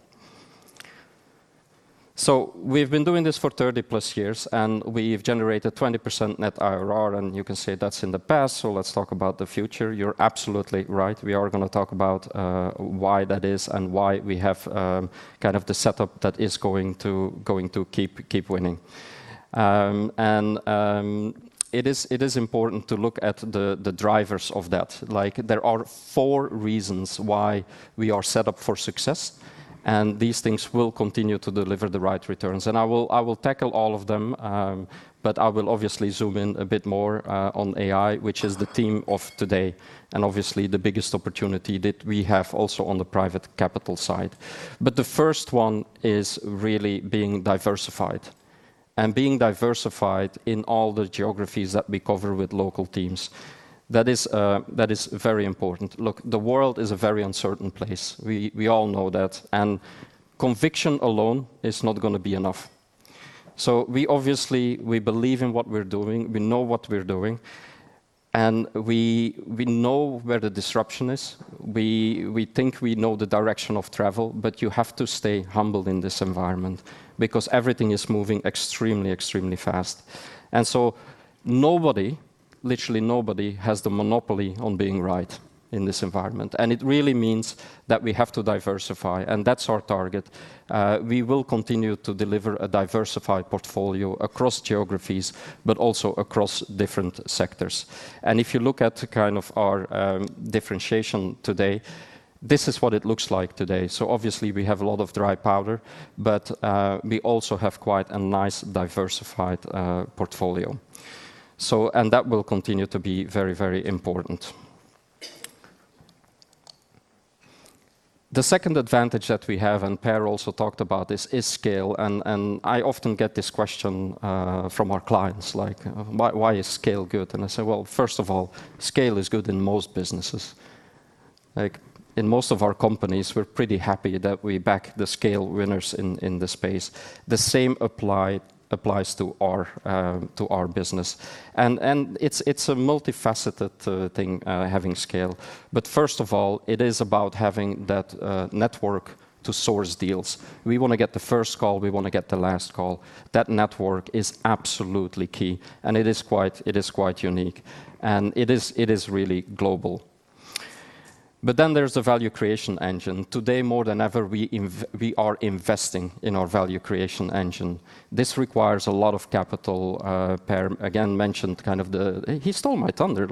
We've been doing this for 30-plus years, we've generated 20% net IRR, you can say that's in the past, let's talk about the future. You're absolutely right. We are going to talk about why that is and why we have kind of the setup that is going to keep winning. It is important to look at the drivers of that. There are four reasons why we are set up for success, these things will continue to deliver the right returns. I will tackle all of them, I will obviously zoom in a bit more on AI, which is the theme of today, obviously the biggest opportunity that we have also on the private capital side. The first one is really being diversified and being diversified in all the geographies that we cover with local teams. That is very important. Look, the world is a very uncertain place. We all know that. Conviction alone is not going to be enough. We obviously believe in what we're doing, we know what we're doing, we know where the disruption is. We think we know the direction of travel, you have to stay humble in this environment because everything is moving extremely fast. Nobody, literally nobody, has the monopoly on being right in this environment. It really means that we have to diversify, that's our target. We will continue to deliver a diversified portfolio across geographies, also across different sectors. If you look at kind of our differentiation today, this is what it looks like today. Obviously we have a lot of dry powder, we also have quite a nice diversified portfolio. That will continue to be very, very important. The second advantage that we have, Per also talked about this, is scale, I often get this question from our clients. Like, "Why is scale good?" I say, "Well, first of all, scale is good in most businesses." In most of our companies, we're pretty happy that we back the scale winners in the space. The same applies to our business, it's a multifaceted thing, having scale. First of all, it is about having that network to source deals. We want to get the first call. We want to get the last call. That network is absolutely key, it is quite unique, it is really global. There's the value creation engine. Today more than ever, we are investing in our value creation engine. This requires a lot of capital. Per, again, mentioned kind of He stole my thunder.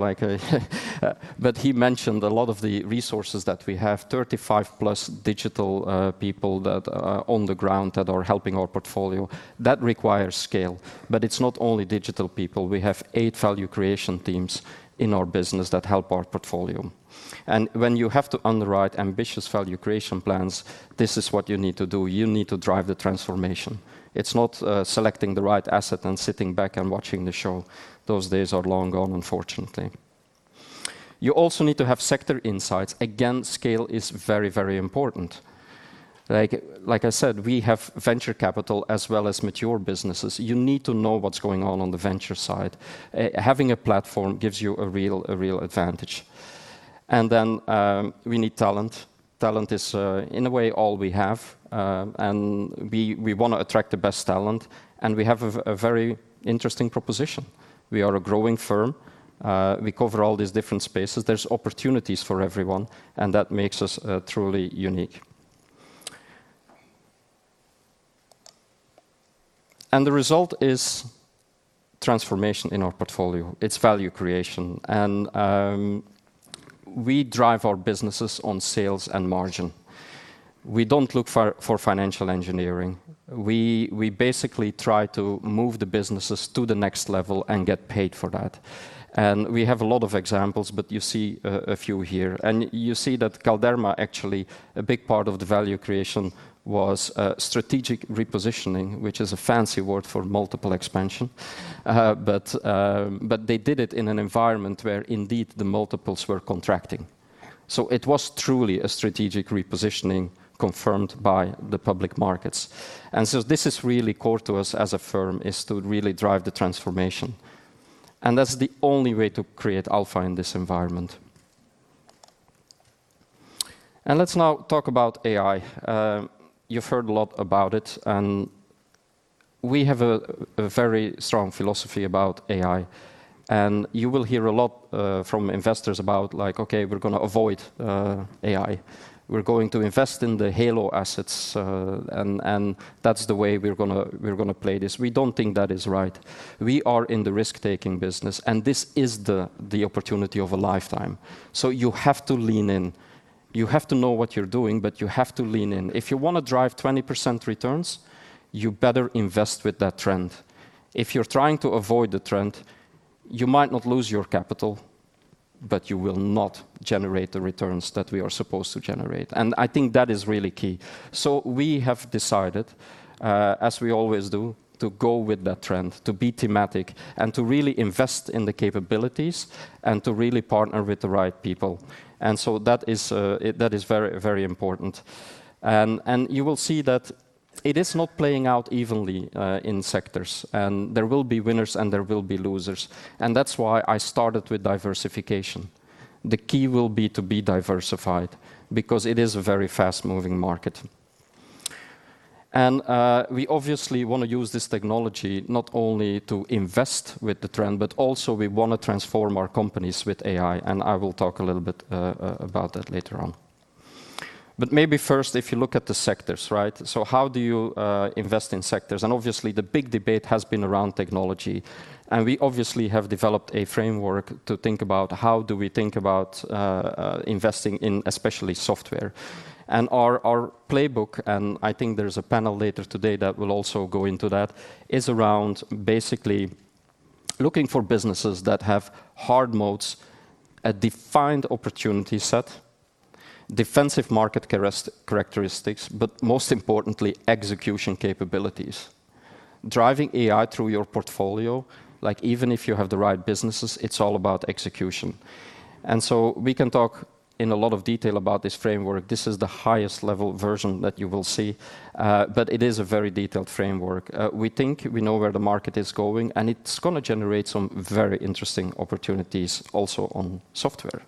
He mentioned a lot of the resources that we have, 35-plus digital people that are on the ground that are helping our portfolio. That requires scale. It's not only digital people. We have eight value creation teams in our business that help our portfolio. When you have to underwrite ambitious value creation plans, this is what you need to do. You need to drive the transformation. It's not selecting the right asset and sitting back and watching the show. Those days are long gone, unfortunately. You also need to have sector insights. Again, scale is very, very important. Like I said, we have venture capital as well as mature businesses. You need to know what's going on on the venture side. Having a platform gives you a real advantage. We need talent. Talent is, in a way, all we have, we want to attract the best talent, we have a very interesting proposition. We are a growing firm. We cover all these different spaces. There's opportunities for everyone, that makes us truly unique. The result is Transformation in our portfolio. It's value creation. We drive our businesses on sales and margin. We don't look for financial engineering. We basically try to move the businesses to the next level and get paid for that. We have a lot of examples, but you see a few here. You see that Galderma, actually, a big part of the value creation was strategic repositioning, which is a fancy word for multiple expansion. They did it in an environment where indeed the multiples were contracting. It was truly a strategic repositioning confirmed by the public markets. This is really core to us as a firm, is to really drive the transformation. That's the only way to create alpha in this environment. Let's now talk about AI. You've heard a lot about it, we have a very strong philosophy about AI. You will hear a lot from investors about like, "Okay, we're going to avoid AI. We're going to invest in the halo assets, that's the way we're going to play this." We don't think that is right. We are in the risk-taking business, this is the opportunity of a lifetime. You have to lean in. You have to know what you're doing, but you have to lean in. If you want to drive 20% returns, you better invest with that trend. If you're trying to avoid the trend, you might not lose your capital, but you will not generate the returns that we are supposed to generate. I think that is really key. We have decided, as we always do, to go with that trend, to be thematic, to really invest in the capabilities to really partner with the right people. That is very important. You will see that it is not playing out evenly in sectors. There will be winners there will be losers. That's why I started with diversification. The key will be to be diversified because it is a very fast-moving market. We obviously want to use this technology not only to invest with the trend, but also we want to transform our companies with AI. I will talk a little bit about that later on. Maybe first, if you look at the sectors, right? How do you invest in sectors? Obviously the big debate has been around technology, we obviously have developed a framework to think about how do we think about investing in especially software. Our playbook, I think there's a panel later today that will also go into that, is around basically looking for businesses that have hard moats, a defined opportunity set, defensive market characteristics, but most importantly, execution capabilities. Driving AI through your portfolio, even if you have the right businesses, it's all about execution. We can talk in a lot of detail about this framework. This is the highest level version that you will see. It is a very detailed framework. We think we know where the market is going, and it's going to generate some very interesting opportunities also on software.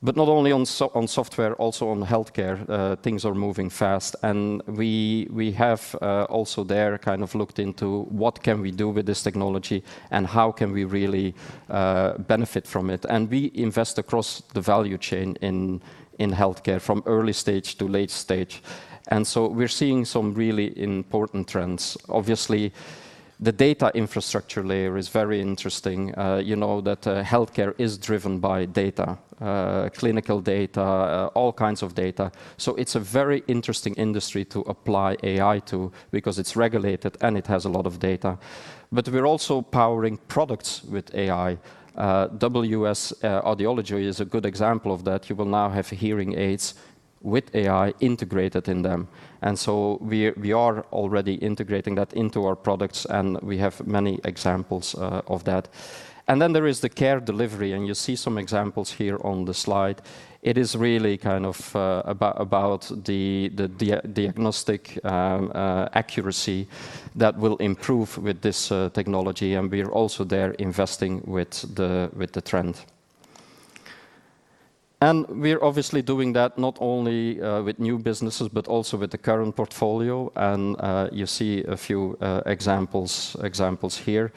Not only on software, also on healthcare things are moving fast. We have, also there, kind of looked into what can we do with this technology and how can we really benefit from it. We invest across the value chain in healthcare from early stage to late stage. We're seeing some really important trends. Obviously, the data infrastructure layer is very interesting. You know that healthcare is driven by data, clinical data, all kinds of data. It's a very interesting industry to apply AI to because it's regulated and it has a lot of data. We're also powering products with AI. WS Audiology is a good example of that. You will now have hearing aids with AI integrated in them. We are already integrating that into our products, and we have many examples of that. There is the care delivery, and you see some examples here on the slide. It is really kind of about the diagnostic accuracy that will improve with this technology, we're also there investing with the trend. We're obviously doing that not only with new businesses, but also with the current portfolio. You see a few examples here.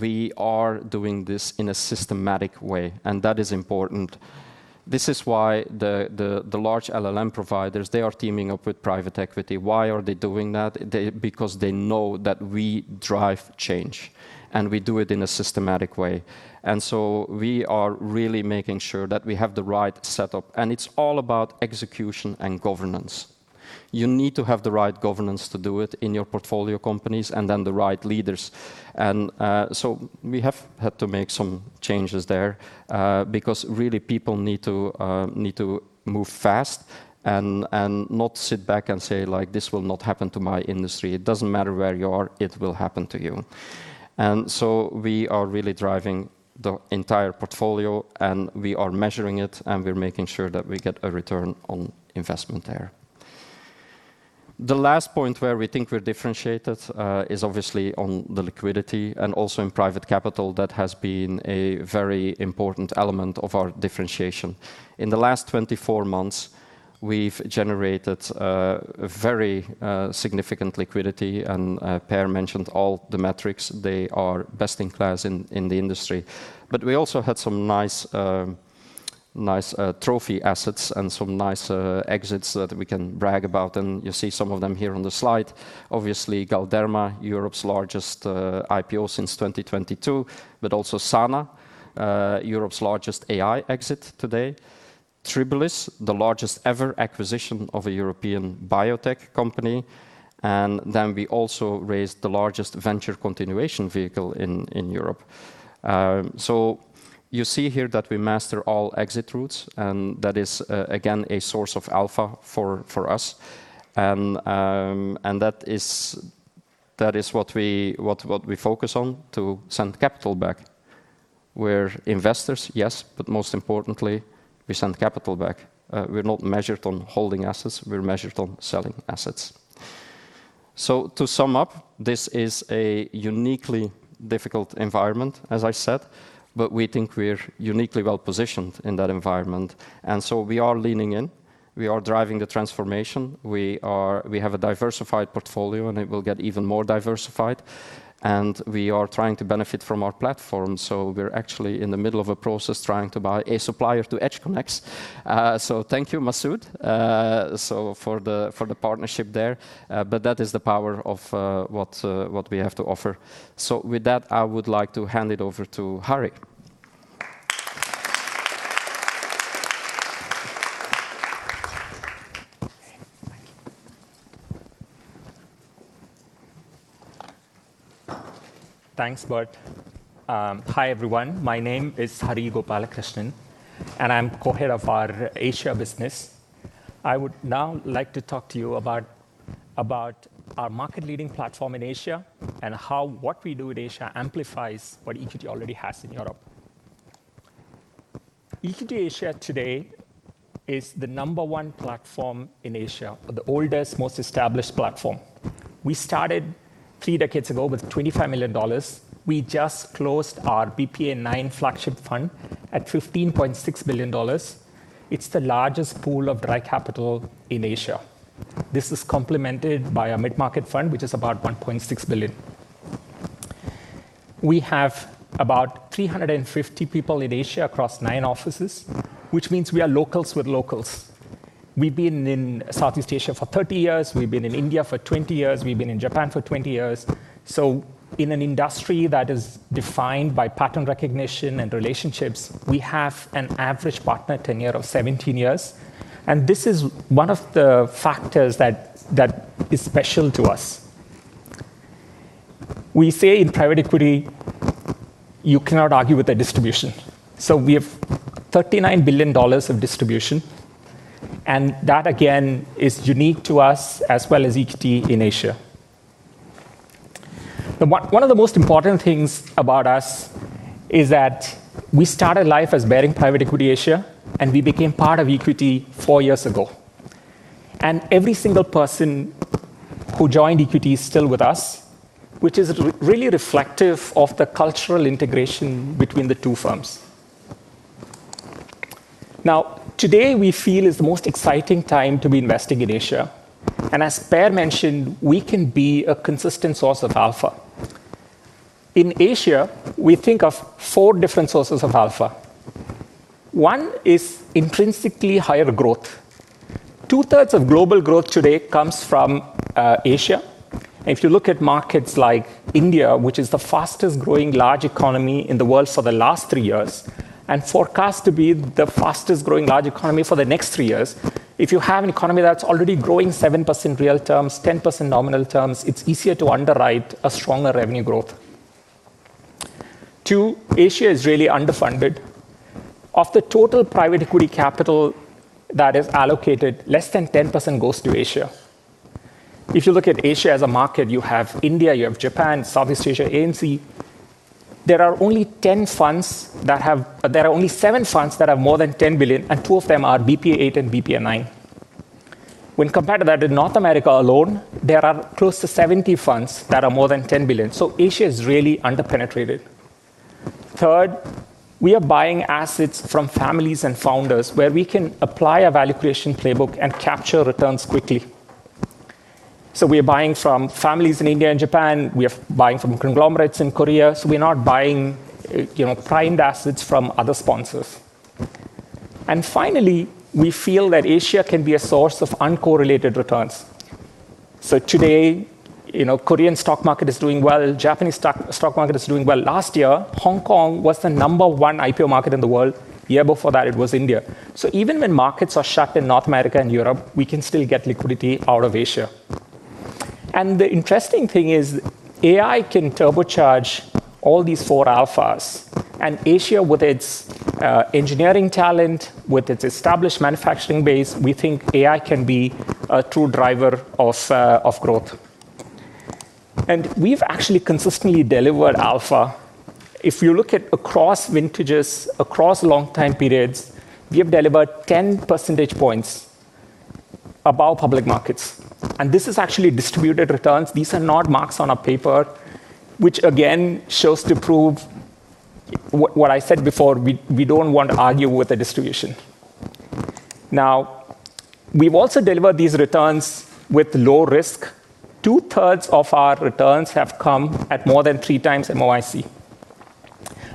We are doing this in a systematic way, and that is important. This is why the large LLM providers, they are teaming up with private equity. Why are they doing that? Because they know that we drive change, and we do it in a systematic way. We are really making sure that we have the right setup, and it's all about execution and governance. You need to have the right governance to do it in your portfolio companies and then the right leaders. We have had to make some changes there, because really people need to move fast and not sit back and say, "This will not happen to my industry." It doesn't matter where you are, it will happen to you. We are really driving the entire portfolio, and we are measuring it, and we're making sure that we get a return on investment there. The last point where we think we're differentiated is obviously on the liquidity and also in private capital. That has been a very important element of our differentiation. In the last 24 months, we've generated very significant liquidity, and Per mentioned all the metrics. They are best in class in the industry. We also had some Nice trophy assets and some nice exits that we can brag about. You see some of them here on the slide. Obviously, Galderma, Europe's largest IPO since 2022, also Sana, Europe's largest AI exit today. Tubulis, the largest ever acquisition of a European biotech company. We also raised the largest venture continuation vehicle in Europe. You see here that we master all exit routes, that is, again, a source of alpha for us. That is what we focus on to send capital back. We're investors, yes, most importantly, we send capital back. We're not measured on holding assets, we're measured on selling assets. To sum up, this is a uniquely difficult environment, as I said, we think we're uniquely well-positioned in that environment. We are leaning in, we are driving the transformation. We have a diversified portfolio, and it will get even more diversified. We are trying to benefit from our platform, we are actually in the middle of a process trying to buy a supplier to EdgeConneX. Thank you, Masoud, for the partnership there. That is the power of what we have to offer. With that, I would like to hand it over to Hari. Thank you. Thanks, Bert. Hi, everyone. My name is Hari Gopalakrishnan, and I am co-head of our Asia business. I would now like to talk to you about our market-leading platform in Asia and how what we do with Asia amplifies what EQT already has in Europe. EQT Asia today is the number 1 platform in Asia, the oldest, most established platform. We started 3 decades ago with $25 million. We just closed our BPA9 flagship fund at $15.6 billion. It is the largest pool of dry capital in Asia. This is complemented by our mid-market fund, which is about $1.6 billion. We have about 350 people in Asia across nine offices, which means we are locals with locals. We have been in Southeast Asia for 30 years, we have been in India for 20 years, we have been in Japan for 20 years. In an industry that is defined by pattern recognition and relationships, we have an average partner tenure of 17 years, and this is one of the factors that is special to us. We say in private equity, you cannot argue with the distribution. We have $39 billion of distribution, and that, again, is unique to us as well as EQT in Asia. One of the most important things about us is that we started life as Baring Private Equity Asia, and we became part of EQT 4 years ago. Every single person who joined EQT is still with us, which is really reflective of the cultural integration between the two firms. Today we feel is the most exciting time to be investing in Asia, and as Per mentioned, we can be a consistent source of alpha. In Asia, we think of four different sources of alpha. One is intrinsically higher growth. Two-thirds of global growth today comes from Asia. If you look at markets like India, which is the fastest-growing large economy in the world for the last 3 years, and forecast to be the fastest-growing large economy for the next 3 years. If you have an economy that is already growing 7% real terms, 10% nominal terms, it is easier to underwrite a stronger revenue growth. Two, Asia is really underfunded. Of the total private equity capital that is allocated, less than 10% goes to Asia. If you look at Asia as a market, you have India, you have Japan, Southeast Asia, A.N.Z. There are only seven funds that have more than $10 billion, and two of them are BPA8 and BPA9. When compared to that in North America alone, there are close to 70 funds that are more than $10 billion. Asia is really under-penetrated. Third, we are buying assets from families and founders where we can apply a value creation playbook and capture returns quickly. We are buying from families in India and Japan, we are buying from conglomerates in Korea, so we are not buying primed assets from other sponsors. Finally, we feel that Asia can be a source of uncorrelated returns. Today, Korean stock market is doing well, Japanese stock market is doing well. Last year, Hong Kong was the number one IPO market in the world. The year before that, it was India. Even when markets are shut in North America and Europe, we can still get liquidity out of Asia. The interesting thing is AI can turbocharge all these four alphas. Asia, with its engineering talent, with its established manufacturing base, we think AI can be a true driver of growth. We've actually consistently delivered alpha. If you look at across vintages, across long time periods, we have delivered 10 percentage points above public markets. This is actually distributed returns. These are not marks on a paper, which again shows to prove what I said before, we don't want to argue with the distribution. We've also delivered these returns with low risk. Two-thirds of our returns have come at more than three times MOIC.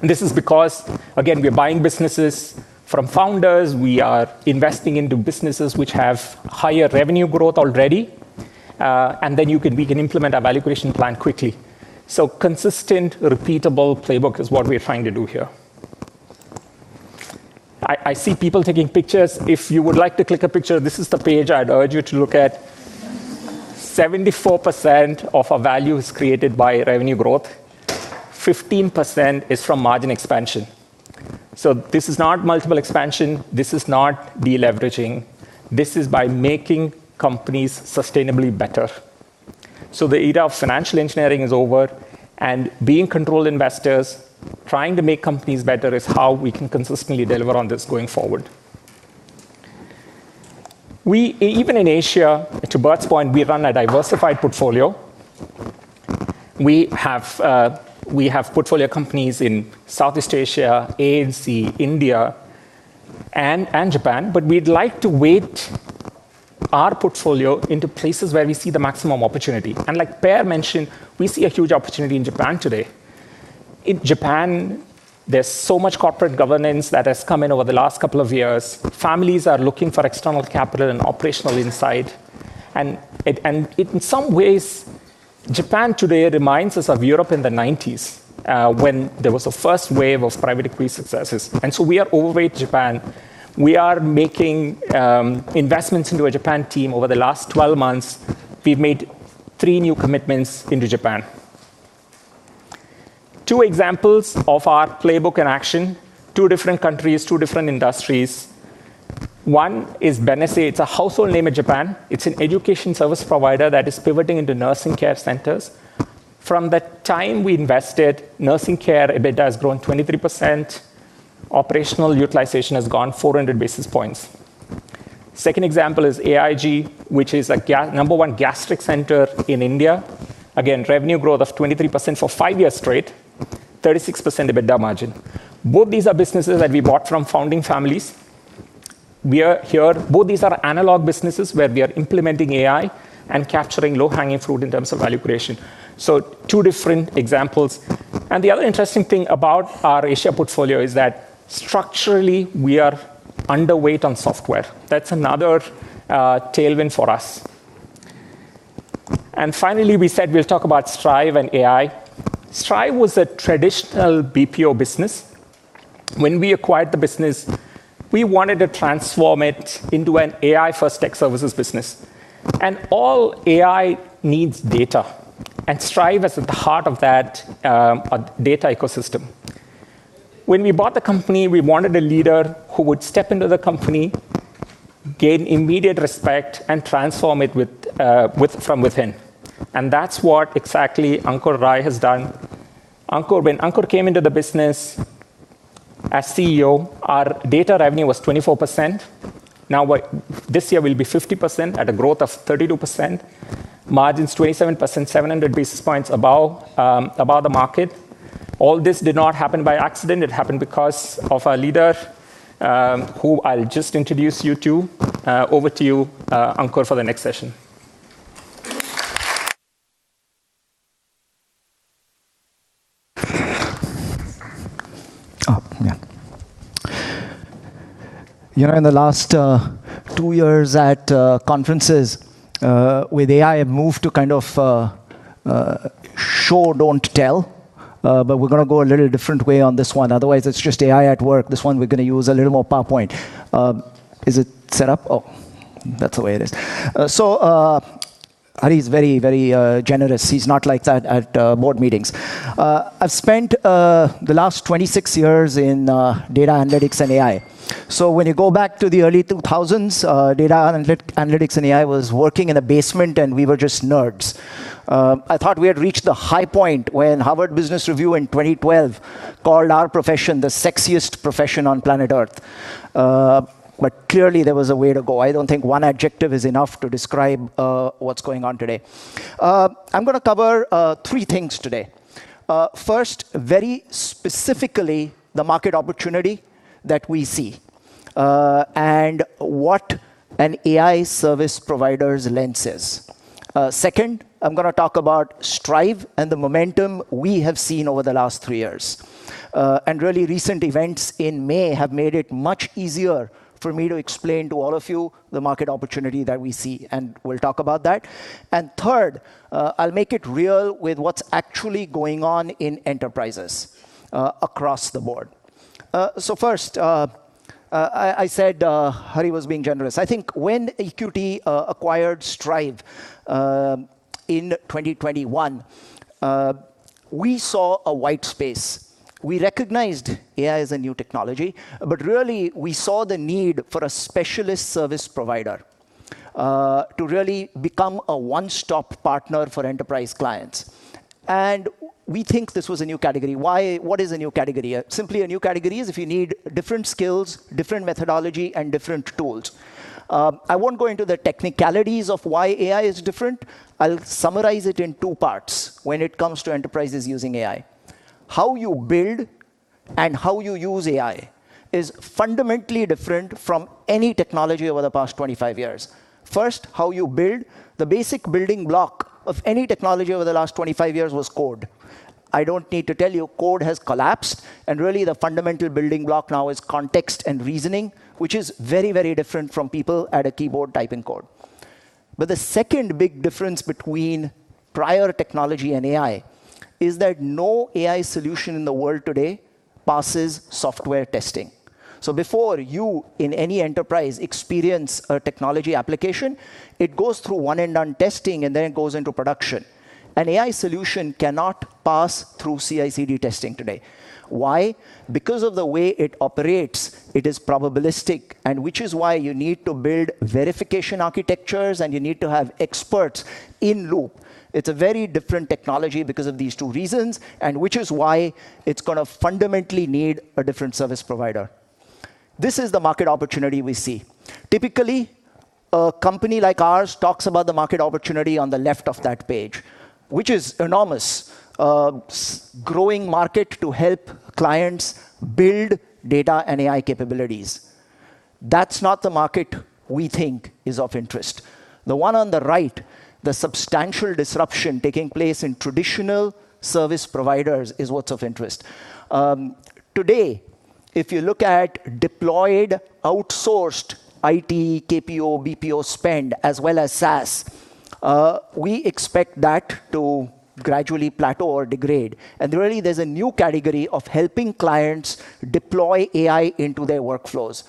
This is because, again, we're buying businesses from founders, we are investing into businesses which have higher revenue growth already. We can implement our value creation plan quickly. Consistent, repeatable playbook is what we're trying to do here. I see people taking pictures. If you would like to click a picture, this is the page I'd urge you to look at. 74% of our value is created by revenue growth, 15% is from margin expansion. This is not multiple expansion, this is not deleveraging, this is by making companies sustainably better. The era of financial engineering is over, and being controlled investors, trying to make companies better is how we can consistently deliver on this going forward. Even in Asia, to Bert's point, we run a diversified portfolio. We have portfolio companies in Southeast Asia, ANZ, India and Japan, but we'd like to weight our portfolio into places where we see the maximum opportunity. Like Per mentioned, we see a huge opportunity in Japan today. In Japan, there's so much corporate governance that has come in over the last couple of years. Families are looking for external capital and operational insight, and, in some ways, Japan today reminds us of Europe in the '90s, when there was a first wave of private equity successes. We are overweight Japan. We are making investments into a Japan team. Over the last 12 months, we've made three new commitments into Japan. Two examples of our playbook in action. Two different countries, two different industries. One is Benesse. It's a household name in Japan. It's an education service provider that is pivoting into nursing care centers. From the time we invested, nursing care EBITA has grown 23%, operational utilization has gone 400 basis points. Second example is AIG, which is a number one gastric center in India. Again, revenue growth of 23% for five years straight, 36% EBITA margin. Both these are businesses that we bought from founding families. Both these are analog businesses where we are implementing AI and capturing low-hanging fruit in terms of value creation. Two different examples. The other interesting thing about our Asia portfolio is that structurally, we are underweight on software. That's another tailwind for us. Finally, we said we'll talk about Straive and AI. Straive was a traditional BPO business. When we acquired the business, we wanted to transform it into an AI-first tech services business. All AI needs data, and Straive is at the heart of that data ecosystem. When we bought the company, we wanted a leader who would step into the company, gain immediate respect, and transform it from within. That's what exactly Ankur Rai has done. When Ankur came into the business as CEO, our data revenue was 24%. Now this year will be 50% at a growth of 32%. Margins 27%, 700 basis points above the market. All this did not happen by accident. It happened because of our leader, who I'll just introduce you to. Over to you, Ankur, for the next session. Yeah. In the last 2 years at conferences, with AI, I moved to kind of show, don't tell. We're going to go a little different way on this one, otherwise it's just AI at work. This one, we're going to use a little more PowerPoint. Is it set up? Oh, that's the way it is. Hari's very generous. He's not like that at board meetings. I've spent the last 26 years in data analytics and AI. When you go back to the early 2000s, data analytics and AI was working in a basement, and we were just nerds. I thought we had reached the high point when Harvard Business Review in 2012 called our profession the sexiest profession on planet Earth. Clearly, there was a way to go. I don't think one adjective is enough to describe what's going on today. I'm going to cover 3 things today. First, very specifically, the market opportunity that we see, and what an AI service provider's lens is. Second, I'm going to talk about Straive and the momentum we have seen over the last 3 years. Really recent events in May have made it much easier for me to explain to all of you the market opportunity that we see, and we'll talk about that. Third, I'll make it real with what's actually going on in enterprises across the board. First, I said Hari was being generous. I think when EQT acquired Straive in 2021, we saw a white space. We recognized AI as a new technology, really, we saw the need for a specialist service provider, to really become a one-stop partner for enterprise clients. We think this was a new category. What is a new category? Simply, a new category is if you need different skills, different methodology, and different tools. I won't go into the technicalities of why AI is different. I'll summarize it in two parts when it comes to enterprises using AI. How you build and how you use AI is fundamentally different from any technology over the past 25 years. First, how you build. The basic building block of any technology over the last 25 years was code. I don't need to tell you code has collapsed. Really, the fundamental building block now is context and reasoning, which is very different from people at a keyboard typing code. The second big difference between prior technology and AI is that no AI solution in the world today passes software testing. Before you, in any enterprise, experience a technology application, it goes through one and done testing, and then it goes into production. An AI solution cannot pass through CI/CD testing today. Why? Because of the way it operates, it is probabilistic. Which is why you need to build verification architectures, and you need to have experts in loop. It's a very different technology because of these two reasons. Which is why it's going to fundamentally need a different service provider. This is the market opportunity we see. Typically, a company like ours talks about the market opportunity on the left of that page, which is enormous. A growing market to help clients build data and AI capabilities. That's not the market we think is of interest. The one on the right, the substantial disruption taking place in traditional service providers is what's of interest. Today, if you look at deployed, outsourced IT, KPO, BPO spend, as well as SaaS, we expect that to gradually plateau or degrade. Really, there's a new category of helping clients deploy AI into their workflows.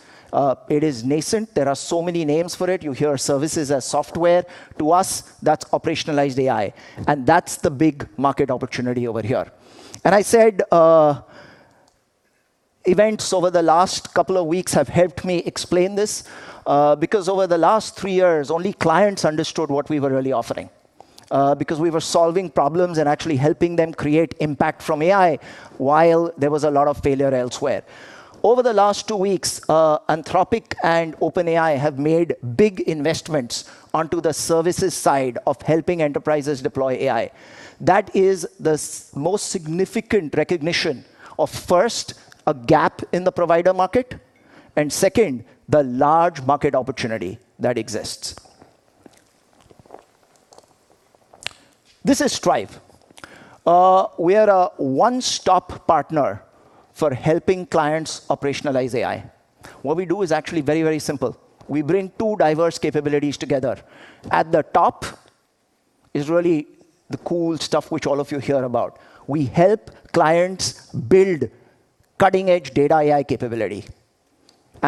It is nascent. There are so many names for it. You hear services as software. To us, that's operationalized AI. That's the big market opportunity over here. I said, events over the last couple of weeks have helped me explain this, because over the last three years, only clients understood what we were really offering. Because we were solving problems and actually helping them create impact from AI while there was a lot of failure elsewhere. Over the last two weeks, Anthropic and OpenAI have made big investments onto the services side of helping enterprises deploy AI. That is the most significant recognition of, first, a gap in the provider market and second, the large market opportunity that exists. This is Straive. We are a one-stop partner for helping clients operationalize AI. What we do is actually very simple. We bring two diverse capabilities together. At the top is really the cool stuff which all of you hear about. We help clients build cutting-edge data AI capability.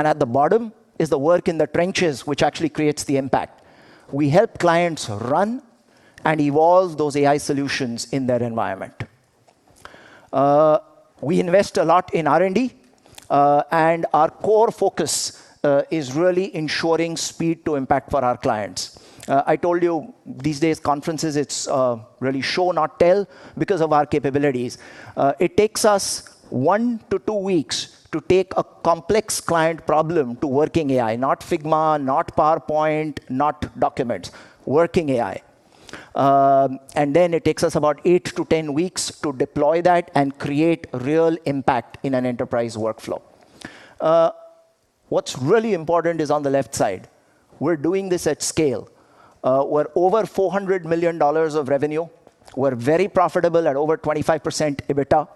At the bottom is the work in the trenches, which actually creates the impact. We help clients run and evolve those AI solutions in their environment. We invest a lot in R&D. Our core focus is really ensuring speed to impact for our clients. I told you these days, conferences, it's really show, not tell because of our capabilities. It takes us 1 to 2 weeks to take a complex client problem to working AI, not Figma, not PowerPoint, not documents, working AI. Then it takes us about 8 to 10 weeks to deploy that and create real impact in an enterprise workflow. What is really important is on the left side. We are doing this at scale. We are over EUR 400 million of revenue. We are very profitable at over 25% EBITDA.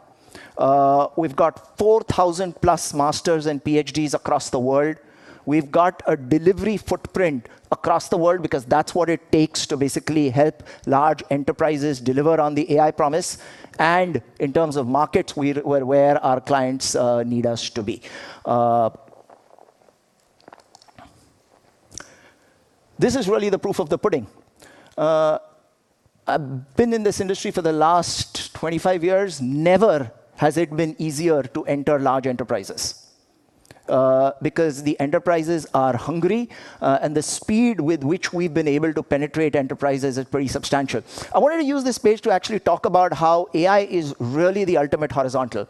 We have got 4,000+ masters and PhDs across the world. We have got a delivery footprint across the world because that is what it takes to basically help large enterprises deliver on the AI promise. In terms of markets, we are where our clients need us to be. This is really the proof of the pudding. I have been in this industry for the last 25 years. Never has it been easier to enter large enterprises, because the enterprises are hungry, and the speed with which we have been able to penetrate enterprises is pretty substantial. I wanted to use this page to actually talk about how AI is really the ultimate horizontal.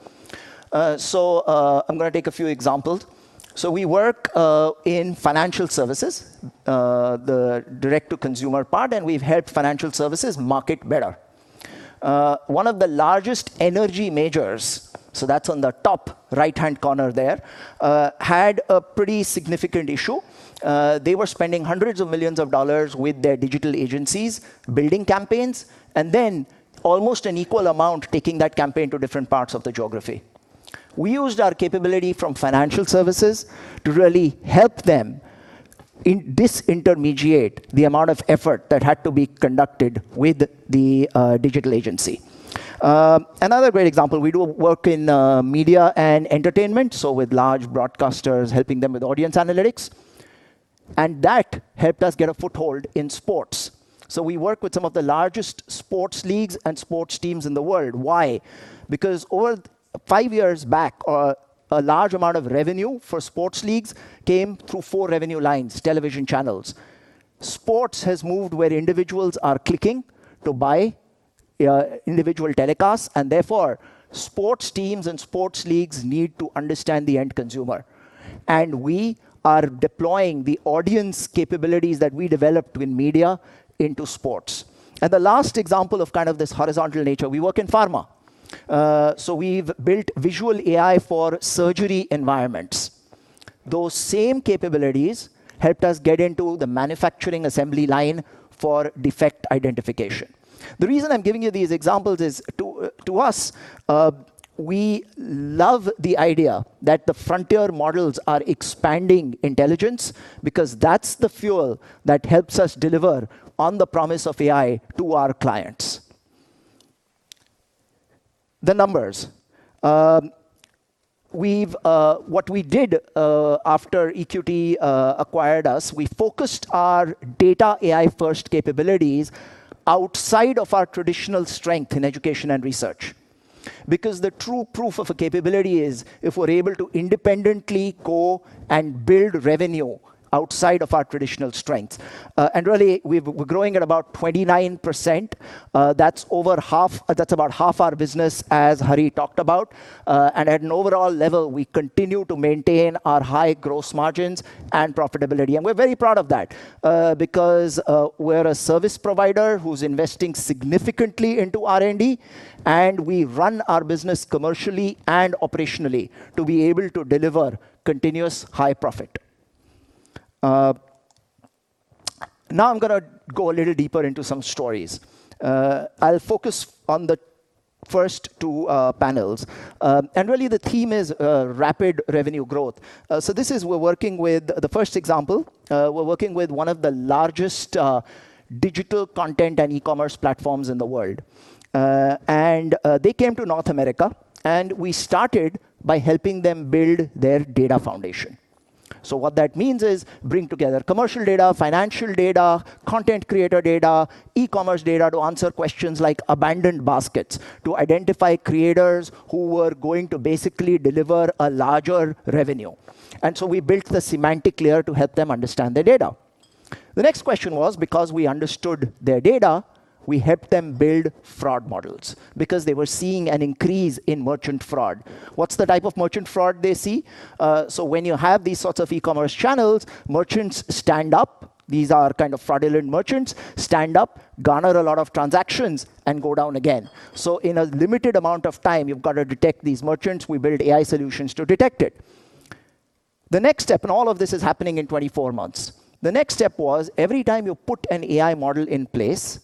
I am going to take a few examples. We work in financial services, the direct-to-consumer part, and we have helped financial services market better. One of the largest energy majors, so that is on the top right-hand corner there, had a pretty significant issue. They were spending hundreds of millions of EUR with their digital agencies building campaigns, and then almost an equal amount taking that campaign to different parts of the geography. We used our capability from financial services to really help them disintermediate the amount of effort that had to be conducted with the digital agency. Another great example, we do work in media and entertainment, so with large broadcasters, helping them with audience analytics. That helped us get a foothold in sports. We work with some of the largest sports leagues and sports teams in the world. Why? Because five years back, a large amount of revenue for sports leagues came through four revenue lines, television channels. Sports has moved where individuals are clicking to buy individual telecasts, and therefore sports teams and sports leagues need to understand the end consumer. We are deploying the audience capabilities that we developed in media into sports. The last example of this horizontal nature, we work in pharma. We have built visual AI for surgery environments. Those same capabilities helped us get into the manufacturing assembly line for defect identification. The reason I am giving you these examples is, to us, we love the idea that the frontier models are expanding intelligence because that is the fuel that helps us deliver on the promise of AI to our clients. The numbers. What we did after EQT acquired us, we focused our data AI-first capabilities outside of our traditional strength in education and research. Because the true proof of a capability is if we are able to independently go and build revenue outside of our traditional strengths. Really, we are growing at about 29%. That is about half our business, as Hari talked about. At an overall level, we continue to maintain our high gross margins and profitability. We are very proud of that, because we are a service provider who is investing significantly into R&D, and we run our business commercially and operationally to be able to deliver continuous high profit. Now I'm going to go a little deeper into some stories. I'll focus on the first two panels. Really, the theme is rapid revenue growth. The first example, we're working with one of the largest digital content and e-commerce platforms in the world. They came to North America, and we started by helping them build their data foundation. What that means is bring together commercial data, financial data, content creator data, e-commerce data to answer questions like abandoned baskets, to identify creators who were going to basically deliver a larger revenue. We built the semantic layer to help them understand their data. The next question was, because we understood their data, we helped them build fraud models because they were seeing an increase in merchant fraud. What's the type of merchant fraud they see? When you have these sorts of e-commerce channels, merchants stand up, these are kind of fraudulent merchants, stand up, garner a lot of transactions, and go down again. In a limited amount of time, you've got to detect these merchants. We build AI solutions to detect it. All of this is happening in 24 months. The next step was every time you put an AI model in place,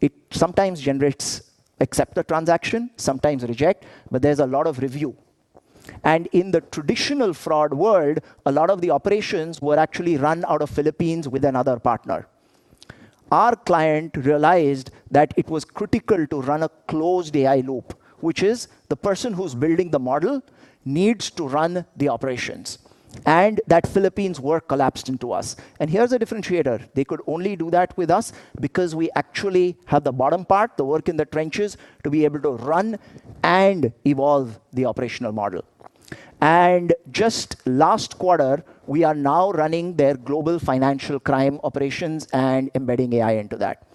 it sometimes generates accept a transaction, sometimes reject, but there's a lot of review. In the traditional fraud world, a lot of the operations were actually run out of Philippines with another partner. Our client realized that it was critical to run a closed AI loop, which is the person who's building the model needs to run the operations, and that Philippines work collapsed into us. Here's a differentiator. They could only do that with us because we actually had the bottom part, the work in the trenches to be able to run and evolve the operational model. Just last quarter, we are now running their global financial crime operations and embedding AI into that.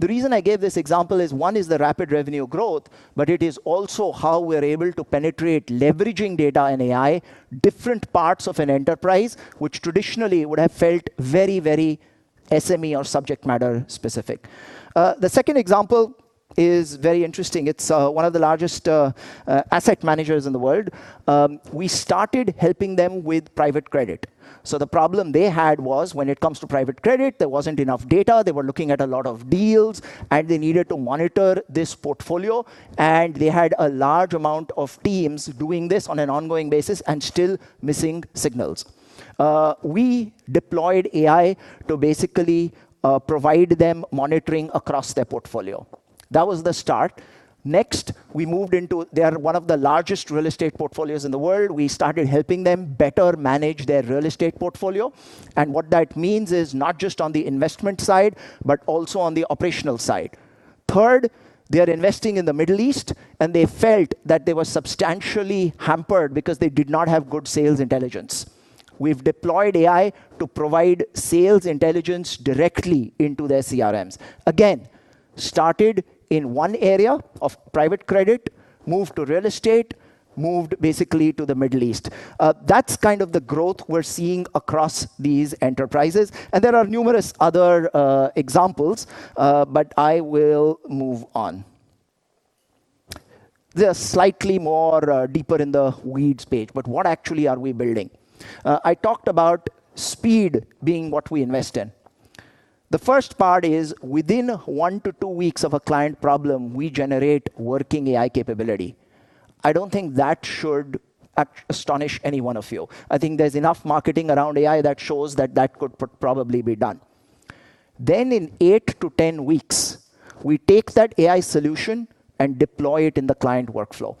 The reason I gave this example is one is the rapid revenue growth, but it is also how we're able to penetrate leveraging data and AI, different parts of an enterprise which traditionally would have felt very SME or subject matter specific. The second example is very interesting. It's one of the largest asset managers in the world. We started helping them with private credit. The problem they had was when it comes to private credit, there wasn't enough data. They were looking at a lot of deals, and they needed to monitor this portfolio, and they had a large amount of teams doing this on an ongoing basis and still missing signals. We deployed AI to basically provide them monitoring across their portfolio. That was the start. Next, we moved into, they are one of the largest real estate portfolios in the world. We started helping them better manage their real estate portfolio. What that means is not just on the investment side, but also on the operational side. Third, they're investing in the Middle East, and they felt that they were substantially hampered because they did not have good sales intelligence. We've deployed AI to provide sales intelligence directly into their CRMs. Again, started in one area of private credit, moved to real estate, moved basically to the Middle East. That's kind of the growth we're seeing across these enterprises. There are numerous other examples, but I will move on. They're slightly more deeper in the weeds page, what actually are we building? I talked about speed being what we invest in. The first part is within one to two weeks of a client problem, we generate working AI capability. I don't think that should astonish any one of you. I think there's enough marketing around AI that shows that that could probably be done. Then in 8 to 10 weeks, we take that AI solution and deploy it in the client workflow.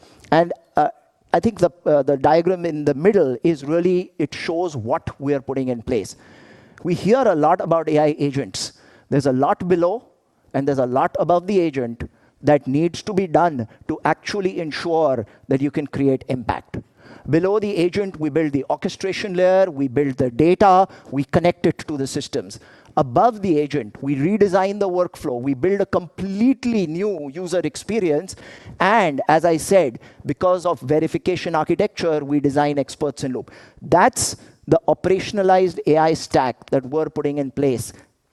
I think the diagram in the middle is really, it shows what we are putting in place. We hear a lot about AI agents. There's a lot below, there's a lot above the agent that needs to be done to actually ensure that you can create impact. Below the agent, we build the orchestration layer, we build the data, we connect it to the systems. Above the agent, we redesign the workflow, we build a completely new user experience, and as I said, because of verification architecture, we design experts in loop. That's the operationalized AI stack that we're putting in place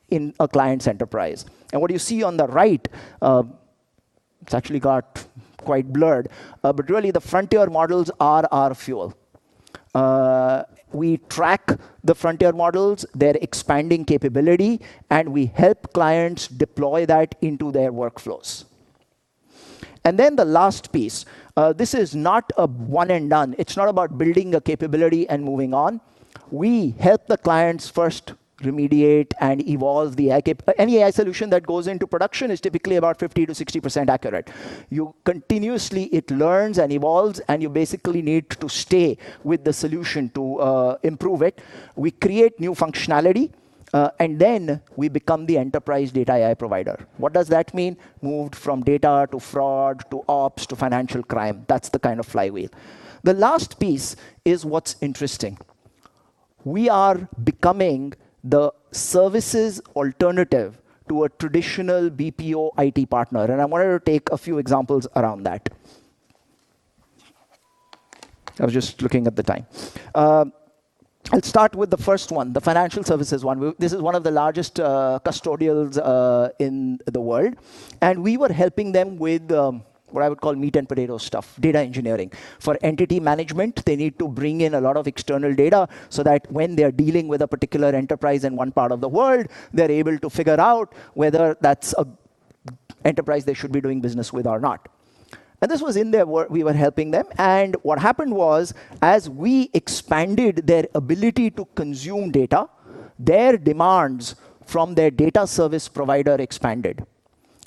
in a client's enterprise. What you see on the right- It's actually got quite blurred. Really, the frontier models are our fuel. We track the frontier models, their expanding capability, and we help clients deploy that into their workflows. The last piece, this is not a one and done. It's not about building a capability and moving on. We help the clients first remediate and evolve the AI. Any AI solution that goes into production is typically about 50%-60% accurate. Continuously, it learns and evolves, you basically need to stay with the solution to improve it. We create new functionality, we become the enterprise data AI provider. What does that mean? Moved from data to fraud to ops to financial crime. That's the kind of flywheel. The last piece is what's interesting. We are becoming the services alternative to a traditional BPO IT partner, I wanted to take a few examples around that. I was just looking at the time. Let's start with the first one, the financial services one. This is one of the largest custodials in the world, and we were helping them with what I would call meat and potato stuff, data engineering. For entity management, they need to bring in a lot of external data so that when they're dealing with a particular enterprise in one part of the world, they're able to figure out whether that's an enterprise they should be doing business with or not. This was in there where we were helping them, and what happened was, as we expanded their ability to consume data, their demands from their data service provider expanded.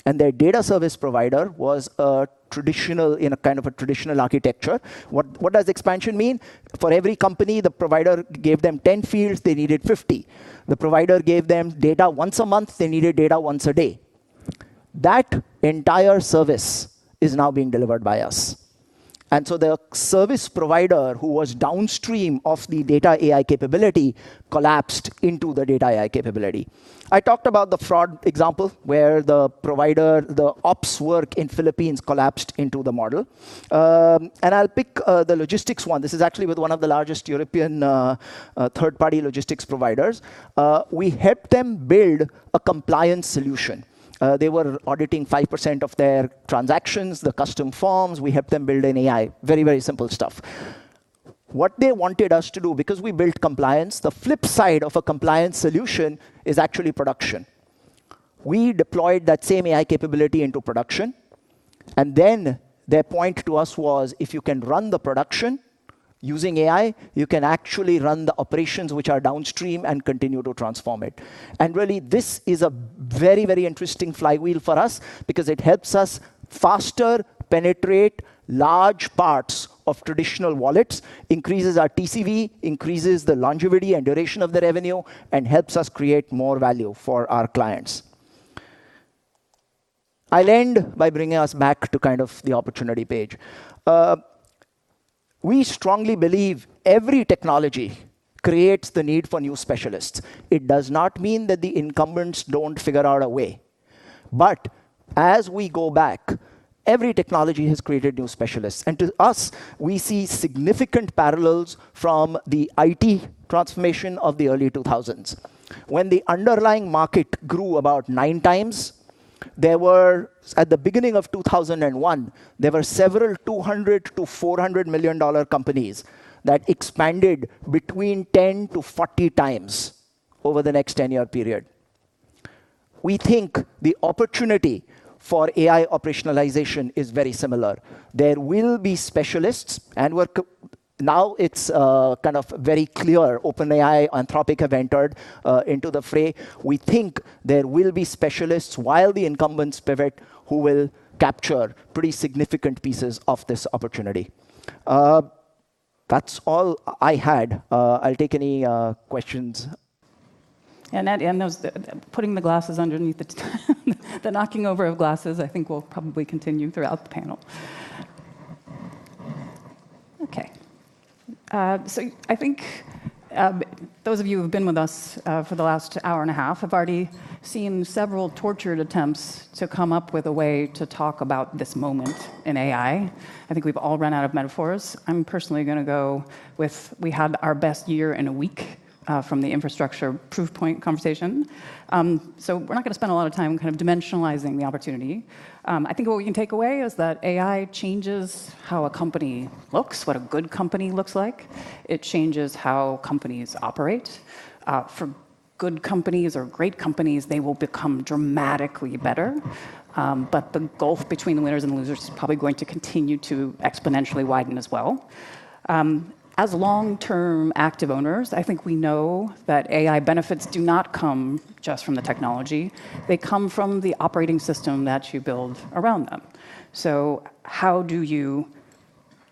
Their data service provider was in a kind of a traditional architecture. What does expansion mean? For every company, the provider gave them 10 fields, they needed 50. The provider gave them data once a month, they needed data once a day. That entire service is now being delivered by us. The service provider who was downstream of the data AI capability collapsed into the data AI capability. I talked about the fraud example where the ops work in Philippines collapsed into the model. I'll pick the logistics one. This is actually with one of the largest European third-party logistics providers. We helped them build a compliance solution. They were auditing 5% of their transactions, the custom forms, we helped them build an AI. Very simple stuff. What they wanted us to do, because we built compliance, the flip side of a compliance solution is actually production. We deployed that same AI capability into production, their point to us was, if you can run the production using AI, you can actually run the operations which are downstream and continue to transform it. Really, this is a very interesting flywheel for us because it helps us faster penetrate large parts of traditional wallets, increases our TCV, increases the longevity and duration of the revenue, and helps us create more value for our clients. I'll end by bringing us back to kind of the opportunity page. We strongly believe every technology creates the need for new specialists. It does not mean that the incumbents don't figure out a way. As we go back, every technology has created new specialists. To us, we see significant parallels from the IT transformation of the early 2000s. When the underlying market grew about nine times, at the beginning of 2001, there were several $200 million to $400 million companies that expanded between 10 to 40 times over the next 10-year period. We think the opportunity for AI operationalization is very similar. There will be specialists, now it's kind of very clear, OpenAI, Anthropic have entered into the fray. We think there will be specialists while the incumbents pivot, who will capture pretty significant pieces of this opportunity. That's all I had. I'll take any questions. Putting the glasses underneath the knocking over of glasses, I think will probably continue throughout the panel. I think those of you who've been with us for the last hour and a half have already seen several tortured attempts to come up with a way to talk about this moment in AI. I think we've all run out of metaphors. I'm personally going to go with, we had our best year in a week, from the infrastructure proof point conversation. We're not going to spend a lot of time kind of dimensionalizing the opportunity. I think what we can take away is that AI changes how a company looks, what a good company looks like. It changes how companies operate. For good companies or great companies, they will become dramatically better. The gulf between the winners and losers is probably going to continue to exponentially widen as well. As long-term active owners, I think we know that AI benefits do not come just from the technology. They come from the operating system that you build around them. How do you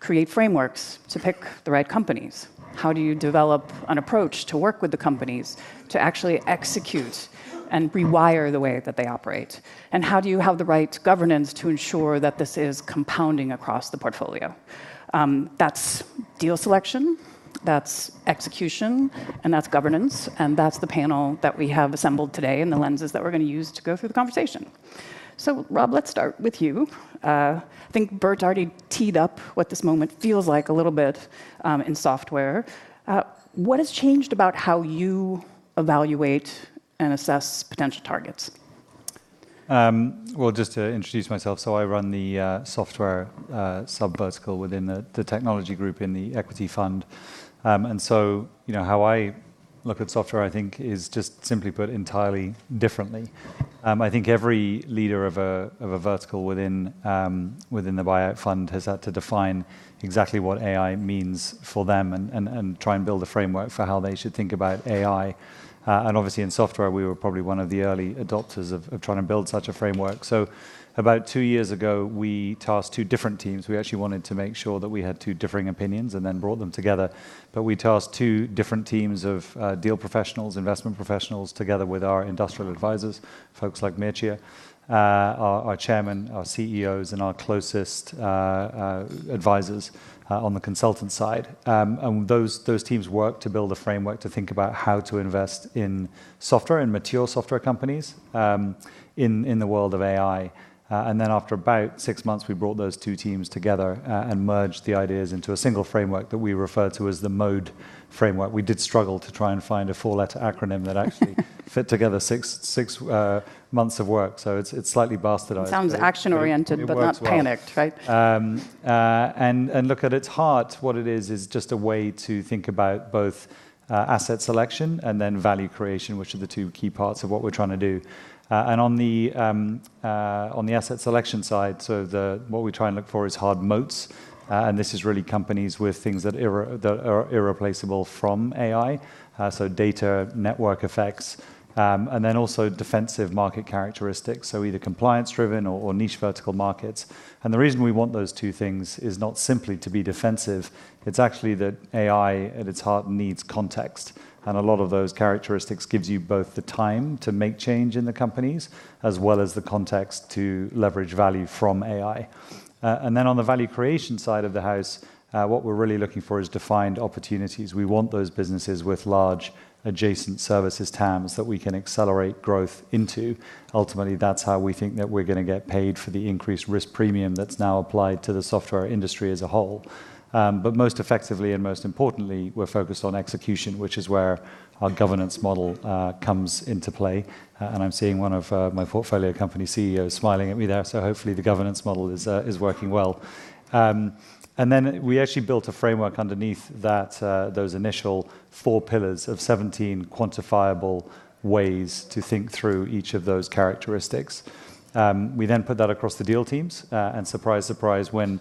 create frameworks to pick the right companies? How do you develop an approach to work with the companies to actually execute and rewire the way that they operate? How do you have the right governance to ensure that this is compounding across the portfolio? That's deal selection, that's execution, and that's governance, and that's the panel that we have assembled today and the lenses that we're going to use to go through the conversation. Rob, let's start with you. I think Bert's already teed up what this moment feels like a little bit in software. What has changed about how you evaluate and assess potential targets? Well, just to introduce myself, I run the software sub-vertical within the technology group in the equity fund. How I look at software, I think, is just simply put entirely differently. I think every leader of a vertical within the buyout fund has had to define exactly what AI means for them and try and build a framework for how they should think about AI. Obviously in software, we were probably one of the early adopters of trying to build such a framework. About two years ago, we tasked two different teams. We actually wanted to make sure that we had two differing opinions and then brought them together. We tasked two different teams of deal professionals, investment professionals, together with our industrial advisors, folks like Mircea, our chairman, our CEOs, and our closest advisors on the consultant side. Those teams worked to build a framework to think about how to invest in software and mature software companies in the world of AI. After about six months, we brought those two teams together and merged the ideas into a single framework that we refer to as the MODE framework. We did struggle to try and find a four-letter acronym that fit together six months of work. It's slightly bastardized. It sounds action-oriented. It works well. Not panicked, right? Look, at its heart, what it is is just a way to think about both asset selection and then value creation, which are the two key parts of what we're trying to do. On the asset selection side, what we try and look for is hard moats, and this is really companies with things that are irreplaceable from AI. Data network effects, and then also defensive market characteristics, so either compliance-driven or niche vertical markets. The reason we want those two things is not simply to be defensive. It's actually that AI at its heart needs context. A lot of those characteristics gives you both the time to make change in the companies as well as the context to leverage value from AI. Then on the value creation side of the house, what we're really looking for is defined opportunities. We want those businesses with large adjacent services TAMs that we can accelerate growth into. Ultimately, that's how we think that we're going to get paid for the increased risk premium that's now applied to the software industry as a whole. Most effectively and most importantly, we're focused on execution, which is where our governance model comes into play. I'm seeing one of my portfolio company CEOs smiling at me there, so hopefully the governance model is working well. Then we actually built a framework underneath those initial four pillars of 17 quantifiable ways to think through each of those characteristics. We then put that across the deal teams. Surprise, surprise, when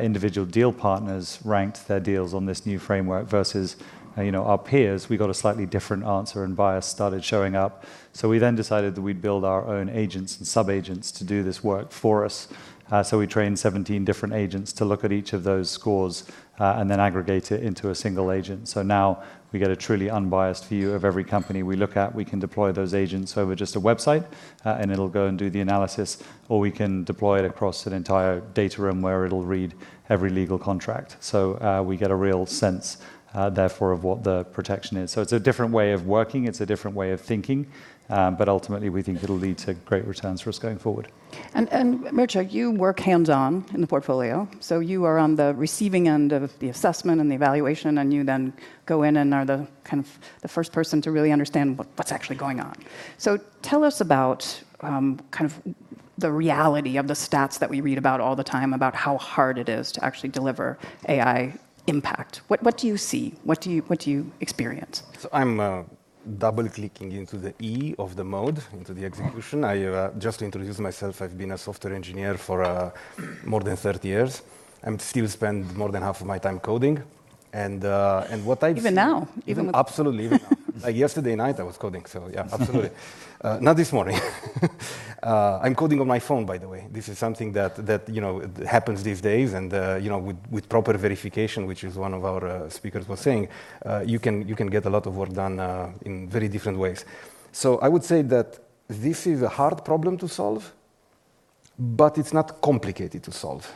individual deal partners ranked their deals on this new framework versus our peers, we got a slightly different answer, and bias started showing up. We then decided that we'd build our own agents and sub-agents to do this work for us. We trained 17 different agents to look at each of those scores and then aggregate it into a single agent. Now we get a truly unbiased view of every company we look at. We can deploy those agents over just a website, and it'll go and do the analysis, or we can deploy it across an entire data room where it'll read every legal contract. We get a real sense therefore of what the protection is. It's a different way of working, it's a different way of thinking, but ultimately we think it'll lead to great returns for us going forward. Mircea, you work hands-on in the portfolio, so you are on the receiving end of the assessment and the evaluation, and you then go in and are the first person to really understand what's actually going on. Tell us about the reality of the stats that we read about all the time about how hard it is to actually deliver AI impact. What do you see? What do you experience? I'm double-clicking into the E of the MODE, into the execution. I, just to introduce myself, I've been a software engineer for more than 30 years. I still spend more than half of my time coding, and what I've seen. Even now Absolutely, even now. Yesterday night I was coding, absolutely. Not this morning. I'm coding on my phone, by the way. This is something that happens these days. With proper verification, which is one of our speakers was saying, you can get a lot of work done in very different ways. I would say that this is a hard problem to solve, but it's not complicated to solve.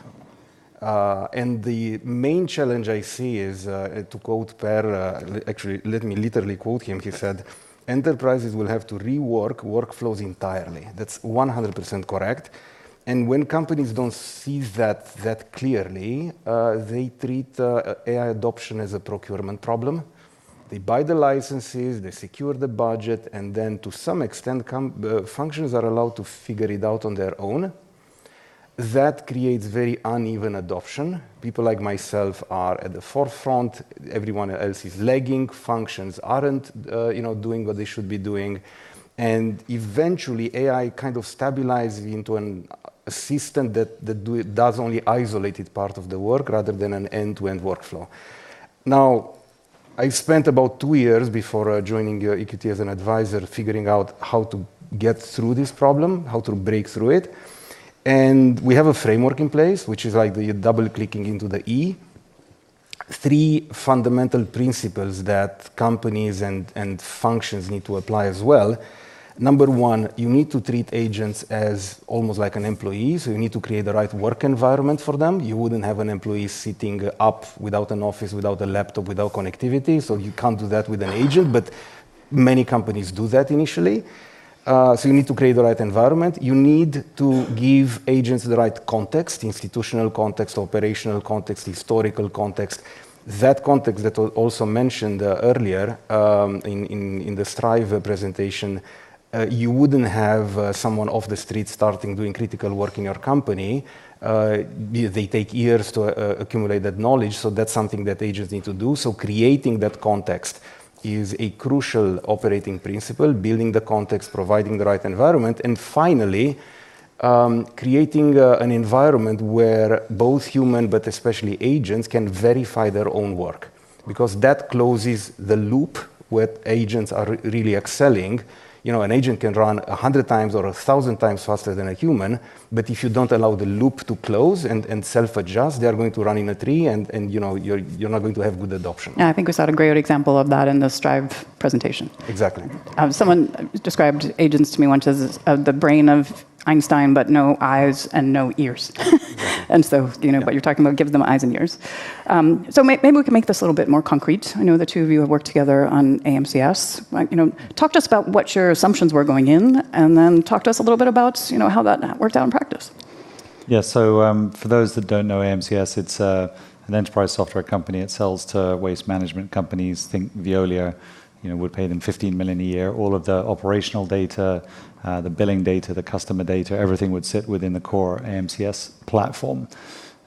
The main challenge I see is, to quote Per, actually, let me literally quote him. He said, "Enterprises will have to rework workflows entirely." That's 100% correct. When companies don't see that clearly, they treat AI adoption as a procurement problem. They buy the licenses, they secure the budget, and then to some extent, the functions are allowed to figure it out on their own. That creates very uneven adoption. People like myself are at the forefront. Everyone else is lagging. Functions aren't doing what they should be doing. Eventually, AI kind of stabilizes into a system that does only isolated part of the work rather than an end-to-end workflow. Now, I spent about two years before joining EQT as an advisor, figuring out how to get through this problem, how to break through it. We have a framework in place, which is like the double-clicking into the E. Three fundamental principles that companies and functions need to apply as well. Number 1, you need to treat agents as almost like an employee, so you need to create the right work environment for them. You wouldn't have an employee sitting up without an office, without a laptop, without connectivity, so you can't do that with an agent, but many companies do that initially. You need to create the right environment. You need to give agents the right context, institutional context, operational context, historical context. That context that was also mentioned earlier in the Straive presentation, you wouldn't have someone off the street starting doing critical work in your company. They take years to accumulate that knowledge. That's something that agents need to do. Creating that context is a crucial operating principle, building the context, providing the right environment, and finally creating an environment where both human, but especially agents, can verify their own work because that closes the loop where agents are really excelling. An agent can run 100 times or 1,000 times faster than a human, but if you don't allow the loop to close and self-adjust, they are going to run into a tree, and you're not going to have good adoption. Yeah, I think we saw a great example of that in the Straive presentation. Exactly. Someone described agents to me once as the brain of Einstein, no eyes and no ears. Yeah. What you're talking about, give them eyes and ears. Maybe we can make this a little bit more concrete. I know the two of you have worked together on AMCS. Talk to us about what your assumptions were going in, then talk to us a little bit about how that worked out in practice. Yeah. For those that don't know AMCS, it's an enterprise software company. It sells to waste management companies. Think Veolia, would pay them 15 million a year. All of the operational data, the billing data, the customer data, everything would sit within the core AMCS platform.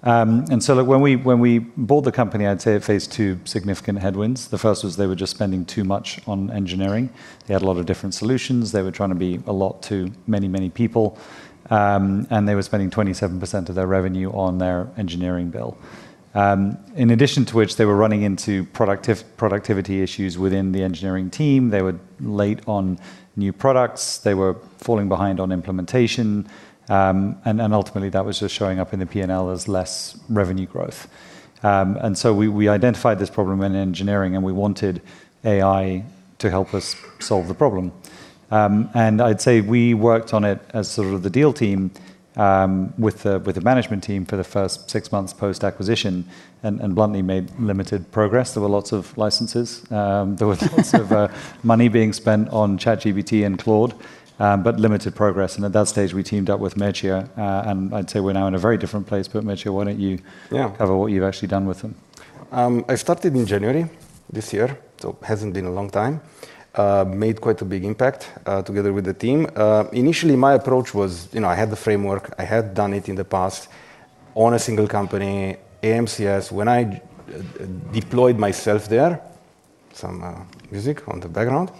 Look, when we bought the company, I'd say it faced two significant headwinds. The first was they were just spending too much on engineering. They had a lot of different solutions. They were trying to be a lot to many, many people, and they were spending 27% of their revenue on their engineering bill. In addition to which, they were running into productivity issues within the engineering team. They were late on new products. They were falling behind on implementation. Ultimately, that was just showing up in the P&L as less revenue growth. We identified this problem in engineering, and we wanted AI to help us solve the problem. I'd say we worked on it as sort of the deal team, with the management team for the first six months post-acquisition and bluntly made limited progress. There were lots of licenses. There were lots of money being spent on ChatGPT and Claude, but limited progress. At that stage, we teamed up with Mircea. I'd say we're now in a very different place, Mircea, why don't you- Yeah cover what you've actually done with them? I started in January this year, it hasn't been a long time. Made quite a big impact, together with the team. Initially, my approach was I had the framework, I had done it in the past on a single company, AMCS. When I deployed myself there, some music on the background.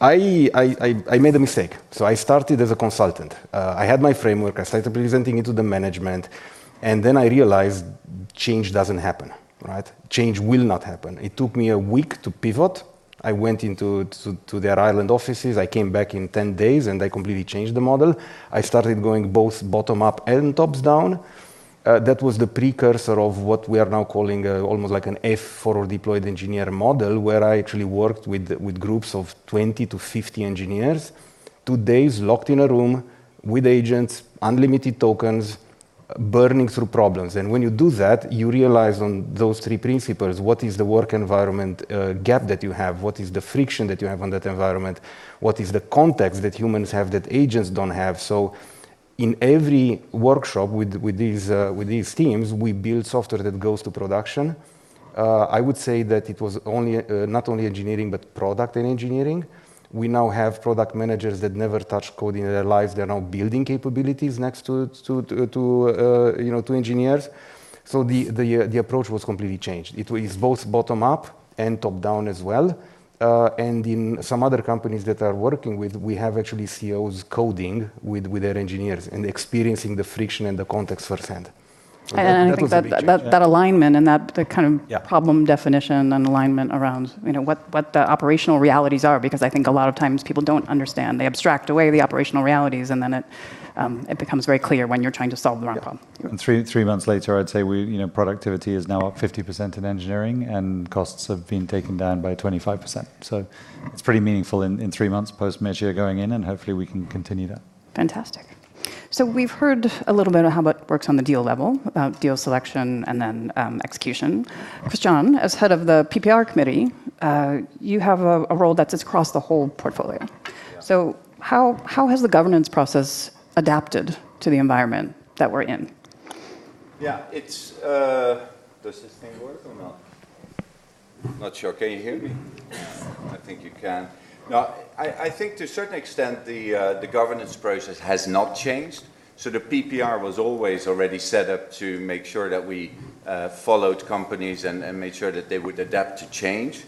I made a mistake, I started as a consultant. I had my framework. I started presenting it to the management, then I realized change doesn't happen. Right? Change will not happen. It took me a week to pivot. I went into their Ireland offices. I came back in 10 days, I completely changed the model. I started going both bottom up and top down. That was the precursor of what we are now calling almost like a forward-deployed engineer model, where I actually worked with groups of 20 to 50 engineers, two days locked in a room with agents, unlimited tokens, burning through problems. When you do that, you realize on those three principles what is the work environment gap that you have? What is the friction that you have on that environment? What is the context that humans have that agents don't have? In every workshop with these teams, we build software that goes to production. I would say that it was not only engineering, but product and engineering. We now have product managers that never touched code in their lives. They're now building capabilities next to engineers. The approach was completely changed. It is both bottom up and top down as well. In some other companies that we are working with, we have actually COs coding with their engineers and experiencing the friction and the context firsthand. That was a big change. Yeah. I think that alignment and that. Yeah problem definition and alignment around what the operational realities are because I think a lot of times people don't understand. They abstract away the operational realities, and then it becomes very clear when you're trying to solve the wrong problem. Yeah. Three months later, I'd say productivity is now up 50% in engineering, and costs have been taken down by 25%. It's pretty meaningful in three months post Mircea going in, and hopefully we can continue that. Fantastic. We have heard a little bit of how it works on the deal level, about deal selection and then execution. Christian, as head of the PPR committee, you have a role that is across the whole portfolio. Yeah. How has the governance process adapted to the environment that we are in? Yeah. Does this thing work or not? Not sure. Can you hear me? I think you can. I think to a certain extent, the governance process has not changed. The PPR was always already set up to make sure that we followed companies and made sure that they would adapt to change.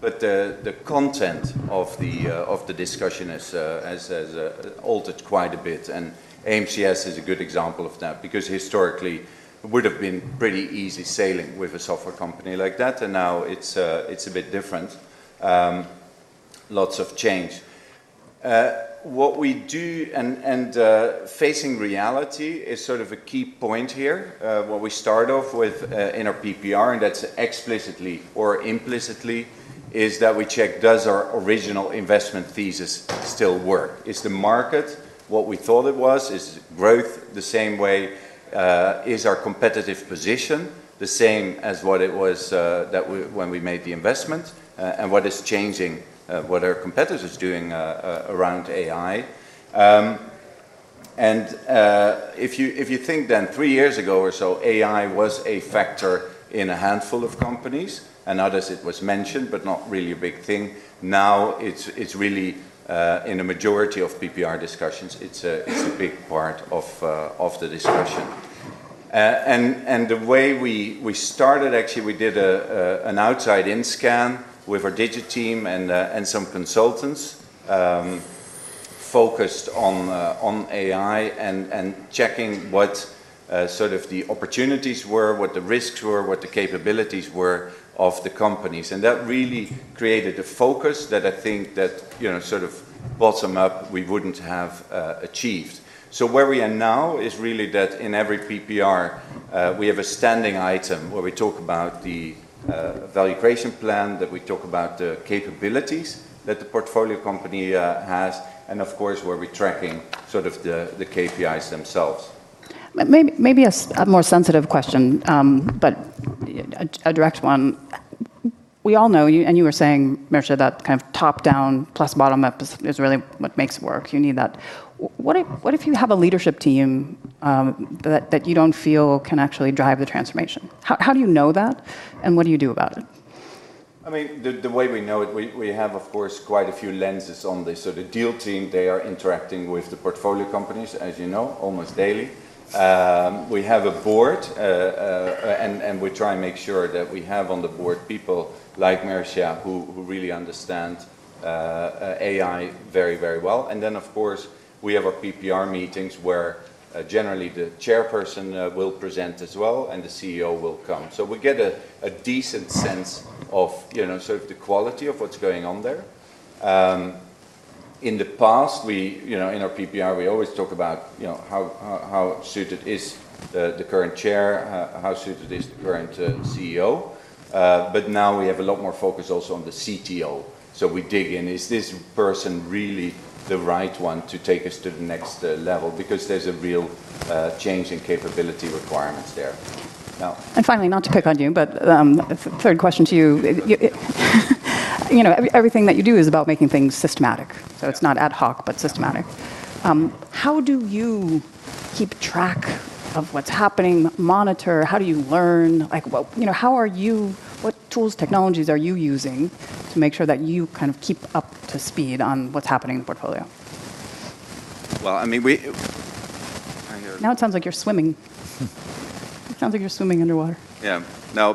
The content of the discussion has altered quite a bit, and AMCS is a good example of that because historically, it would have been pretty easy sailing with a software company like that, and now it is a bit different. Lots of change. What we do, and facing reality is sort of a key point here. What we start off with in our PPR, and that is explicitly or implicitly, is that we check, does our original investment thesis still work? Is the market what we thought it was? Is growth the same way? Is our competitive position the same as what it was when we made the investment? What is changing? What are competitors doing around AI? If you think then three years ago or so, AI was a factor in a handful of companies, and others it was mentioned, but not really a big thing. Now, it is really in a majority of PPR discussions. It is a big part of the discussion. The way we started, actually, we did an outside-in scan with our Digit team and some consultants, focused on AI and checking what the opportunities were, what the risks were, what the capabilities were of the companies. That really created a focus that I think that bottom up, we would not have achieved. Where we are now is really that in every PPR, we have a standing item where we talk about the value creation plan, that we talk about the capabilities that the portfolio company has, and of course, where we're tracking the KPIs themselves. Maybe a more sensitive question, but a direct one. We all know, and you were saying, Mircea, that kind of top-down plus bottom-up is really what makes it work. You need that. What if you have a leadership team that you don't feel can actually drive the transformation? How do you know that, and what do you do about it? The way we know it, we have, of course, quite a few lenses on this. The deal team, they are interacting with the portfolio companies, as you know, almost daily. We have a board, and we try and make sure that we have on the board people like Mircea who really understand AI very well. Then, of course, we have our PPR meetings where generally the chairperson will present as well and the CEO will come. We get a decent sense of the quality of what's going on there. In the past, in our PPR, we always talk about how suited is the current chair, how suited is the current CEO. Now we have a lot more focus also on the CTO. We dig in. Is this person really the right one to take us to the next level? Because there's a real change in capability requirements there now. Finally, not to pick on you, but third question to you. Everything that you do is about making things systematic. It's not ad hoc, but systematic. How do you keep track of what's happening, monitor? How do you learn? What tools, technologies are you using to make sure that you keep up to speed on what's happening in the portfolio? Well, I mean, Now it sounds like you're swimming. It sounds like you're swimming underwater. Yeah. No,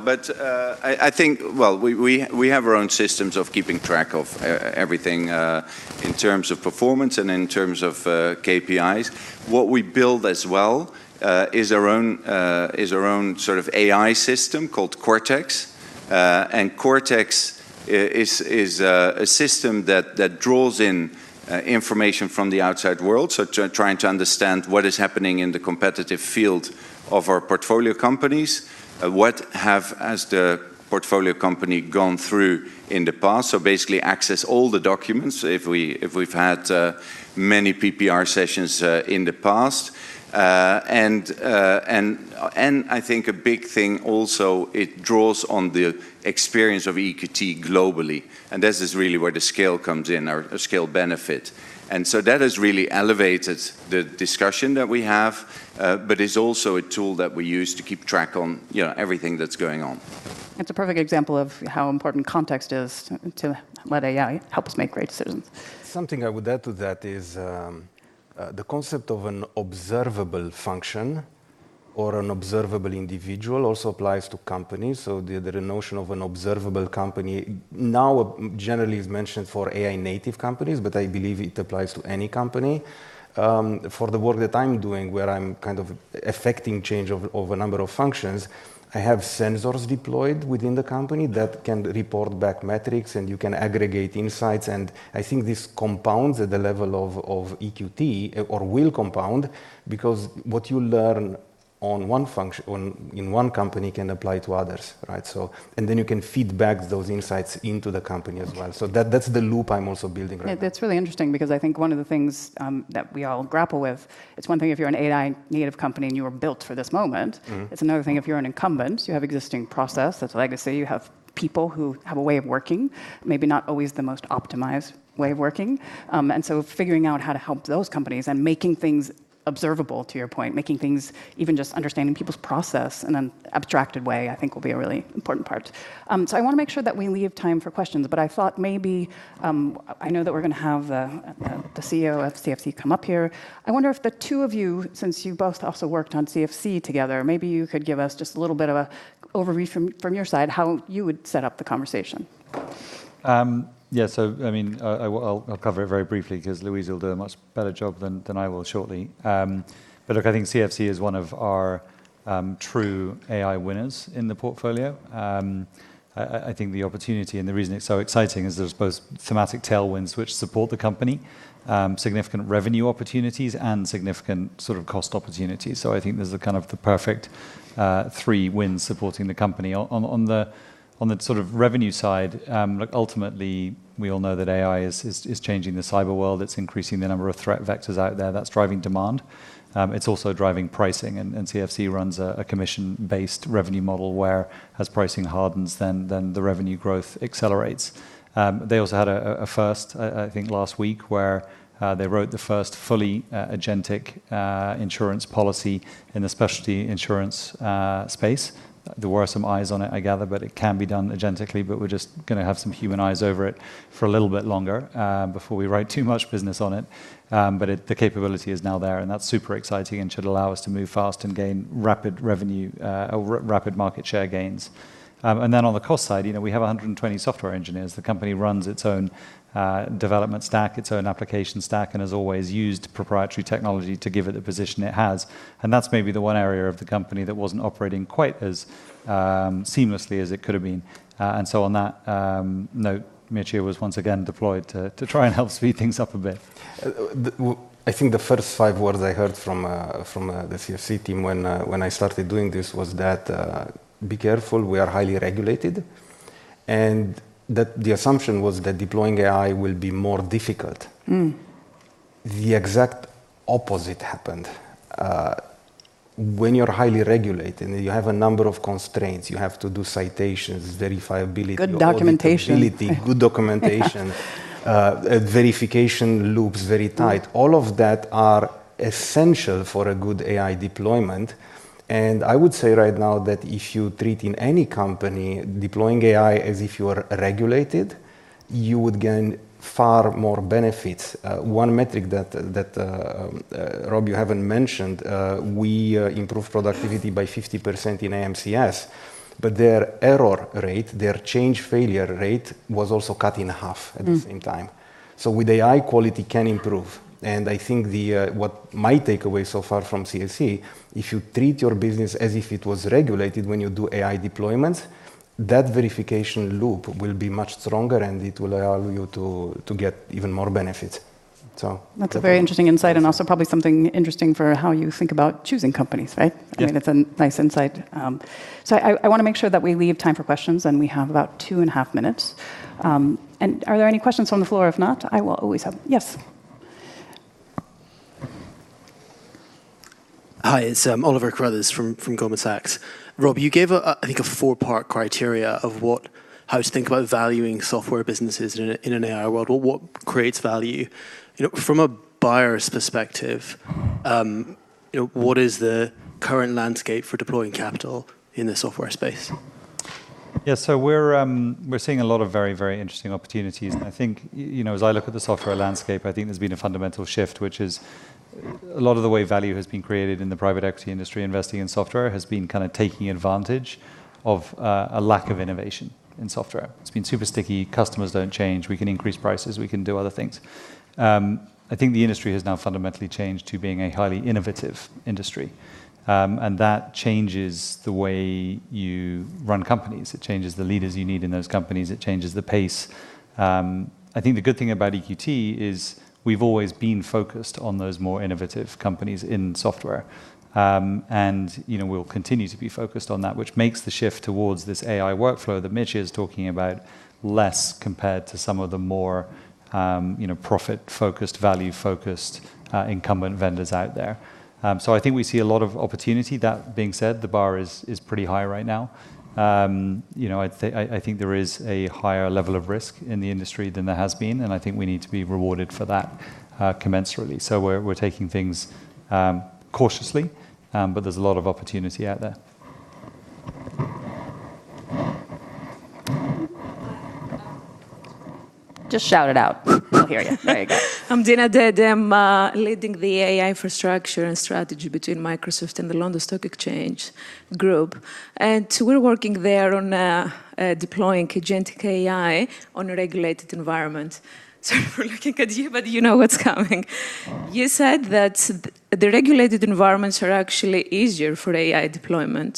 I think we have our own systems of keeping track of everything, in terms of performance and in terms of KPIs. What we build as well is our own sort of AI system called Motherbrain. Motherbrain is a system that draws in information from the outside world. Trying to understand what is happening in the competitive field of our portfolio companies. What has the portfolio company gone through in the past? Basically access all the documents if we've had many PPR sessions in the past. I think a big thing also, it draws on the experience of EQT globally, this is really where the scale comes in, our scale benefit. That has really elevated the discussion that we have, but is also a tool that we use to keep track on everything that's going on. It's a perfect example of how important context is to let AI help us make great decisions. Something I would add to that is the concept of an observable function or an observable individual also applies to companies. The notion of an observable company now generally is mentioned for AI-native companies, but I believe it applies to any company. For the work that I'm doing, where I'm kind of effecting change of a number of functions, I have sensors deployed within the company that can report back metrics, and you can aggregate insights, and I think this compounds at the level of EQT, or will compound, because what you learn in one company can apply to others, right? Then you can feed back those insights into the company as well. That's the loop I'm also building right now. That's really interesting because I think one of the things that we all grapple with, it's one thing if you're an AI-native company and you were built for this moment. It's another thing if you're an incumbent. You have existing process. That's a legacy. You have people who have a way of working, maybe not always the most optimized way of working. Figuring out how to help those companies and making things observable, to your point, even just understanding people's process in an abstracted way, I think will be a really important part. I want to make sure that we leave time for questions, but I thought maybe, I know that we're going to have the CEO of CFC come up here. I wonder if the two of you, since you both also worked on CFC together, maybe you could give us just a little bit of overview from your side, how you would set up the conversation. I'll cover it very briefly because Louise will do a much better job than I will shortly. Look, I think CFC is one of our true AI winners in the portfolio. I think the opportunity and the reason it's so exciting is there's both thematic tailwinds which support the company, significant revenue opportunities, and significant sort of cost opportunities. I think there's the kind of the perfect three wins supporting the company. On the sort of revenue side, look, ultimately, we all know that AI is changing the cyber world. It's increasing the number of threat vectors out there. That's driving demand. It's also driving pricing, and CFC runs a commission-based revenue model where as pricing hardens, then the revenue growth accelerates. They also had a first, I think last week, where they wrote the first fully agentic insurance policy in the specialty insurance space. There were some eyes on it, I gather, it can be done agentically, we're just going to have some human eyes over it for a little bit longer before we write too much business on it. The capability is now there, and that's super exciting and should allow us to move fast and gain rapid market share gains. Then on the cost side, we have 120 software engineers. The company runs its own development stack, its own application stack, and has always used proprietary technology to give it the position it has. That's maybe the one area of the company that wasn't operating quite as seamlessly as it could have been. On that note, Mircea was once again deployed to try and help speed things up a bit. I think the first five words I heard from the CFC team when I started doing this was, "Be careful, we are highly regulated." The assumption was that deploying AI will be more difficult. The exact opposite happened. When you're highly regulated, you have a number of constraints. You have to do citations, verifiability. Good documentation auditability, good documentation, verification loops very tight. All of that are essential for a good AI deployment. I would say right now that if you treat in any company deploying AI as if you are regulated, you would gain far more benefits. One metric that, Rob, you haven't mentioned, we improved productivity by 50% in AMCS, but their error rate, their change failure rate, was also cut in half at the same time. With AI, quality can improve. I think what my takeaway so far from CFC, if you treat your business as if it was regulated when you do AI deployment, that verification loop will be much stronger, and it will allow you to get even more benefits. That's a very interesting insight and also probably something interesting for how you think about choosing companies, right? Yeah. I think that's a nice insight. I want to make sure that we leave time for questions. We have about two and a half minutes. Are there any questions on the floor? If not, I will always have Yes. Hi, it's Oliver Carruthers from Goldman Sachs. Rob, you gave, I think, a four-part criteria of how to think about valuing software businesses in an AI world. What creates value? From a buyer's perspective, what is the current landscape for deploying capital in the software space? Yeah. We're seeing a lot of very, very interesting opportunities. I think, as I look at the software landscape, I think there's been a fundamental shift, which is a lot of the way value has been created in the private equity industry, investing in software, has been kind of taking advantage of a lack of innovation in software. It's been super sticky. Customers don't change. We can increase prices. We can do other things. I think the industry has now fundamentally changed to being a highly innovative industry. That changes the way you run companies. It changes the leaders you need in those companies. It changes the pace. I think the good thing about EQT is we've always been focused on those more innovative companies in software. We'll continue to be focused on that, which makes the shift towards this AI workflow that Mircea is talking about less compared to some of the more profit-focused, value-focused incumbent vendors out there. I think we see a lot of opportunity. That being said, the bar is pretty high right now. I think there is a higher level of risk in the industry than there has been, and I think we need to be rewarded for that commensurately. There's a lot of opportunity out there. Just shout it out. We'll hear you. There you go. I'm Dina Dede. I'm leading the AI infrastructure and strategy between Microsoft and the London Stock Exchange Group. We're working there on deploying agentic AI on a regulated environment. Sorry we're looking at you, but you know what's coming. Wow. You said that the regulated environments are actually easier for AI deployment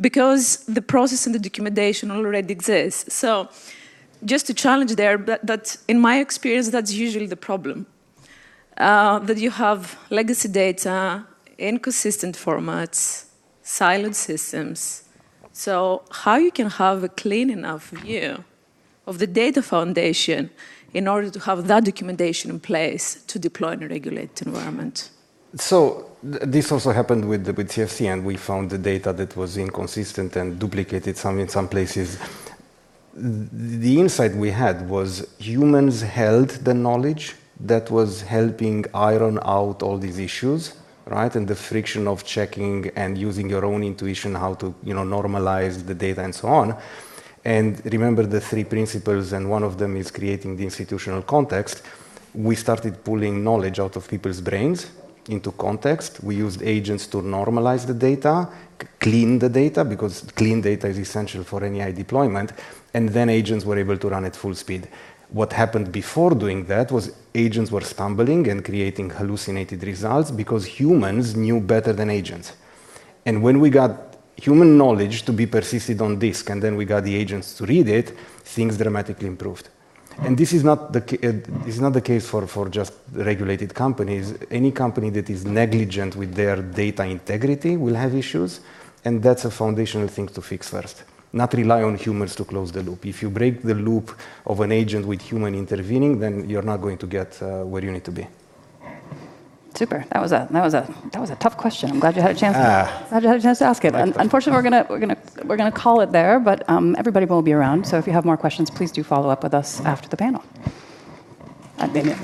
because the process and the documentation already exists. Just to challenge there, but in my experience, that's usually the problem, that you have legacy data, inconsistent formats, silent systems. How you can have a clean enough view of the data foundation in order to have that documentation in place to deploy in a regulated environment? This also happened with CFC, and we found the data that was inconsistent and duplicated in some places. The insight we had was humans held the knowledge that was helping iron out all these issues, right? The friction of checking and using your own intuition how to normalize the data and so on. Remember the three principles, and one of them is creating the institutional context. We started pulling knowledge out of people's brains into context. We used agents to normalize the data, clean the data, because clean data is essential for any AI deployment, and then agents were able to run at full speed. What happened before doing that was agents were stumbling and creating hallucinated results because humans knew better than agents. When we got human knowledge to be persisted on this, and then we got the agents to read it, things dramatically improved. This is not the case for just regulated companies. Any company that is negligent with their data integrity will have issues, and that's a foundational thing to fix first, not rely on humans to close the loop. If you break the loop of an agent with human intervening, then you're not going to get where you need to be. Super. That was a tough question. I'm glad you had a chance to ask it. Unfortunately, we're going to call it there, but everybody will be around, so if you have more questions, please do follow up with us after the panel. Hi, Damien.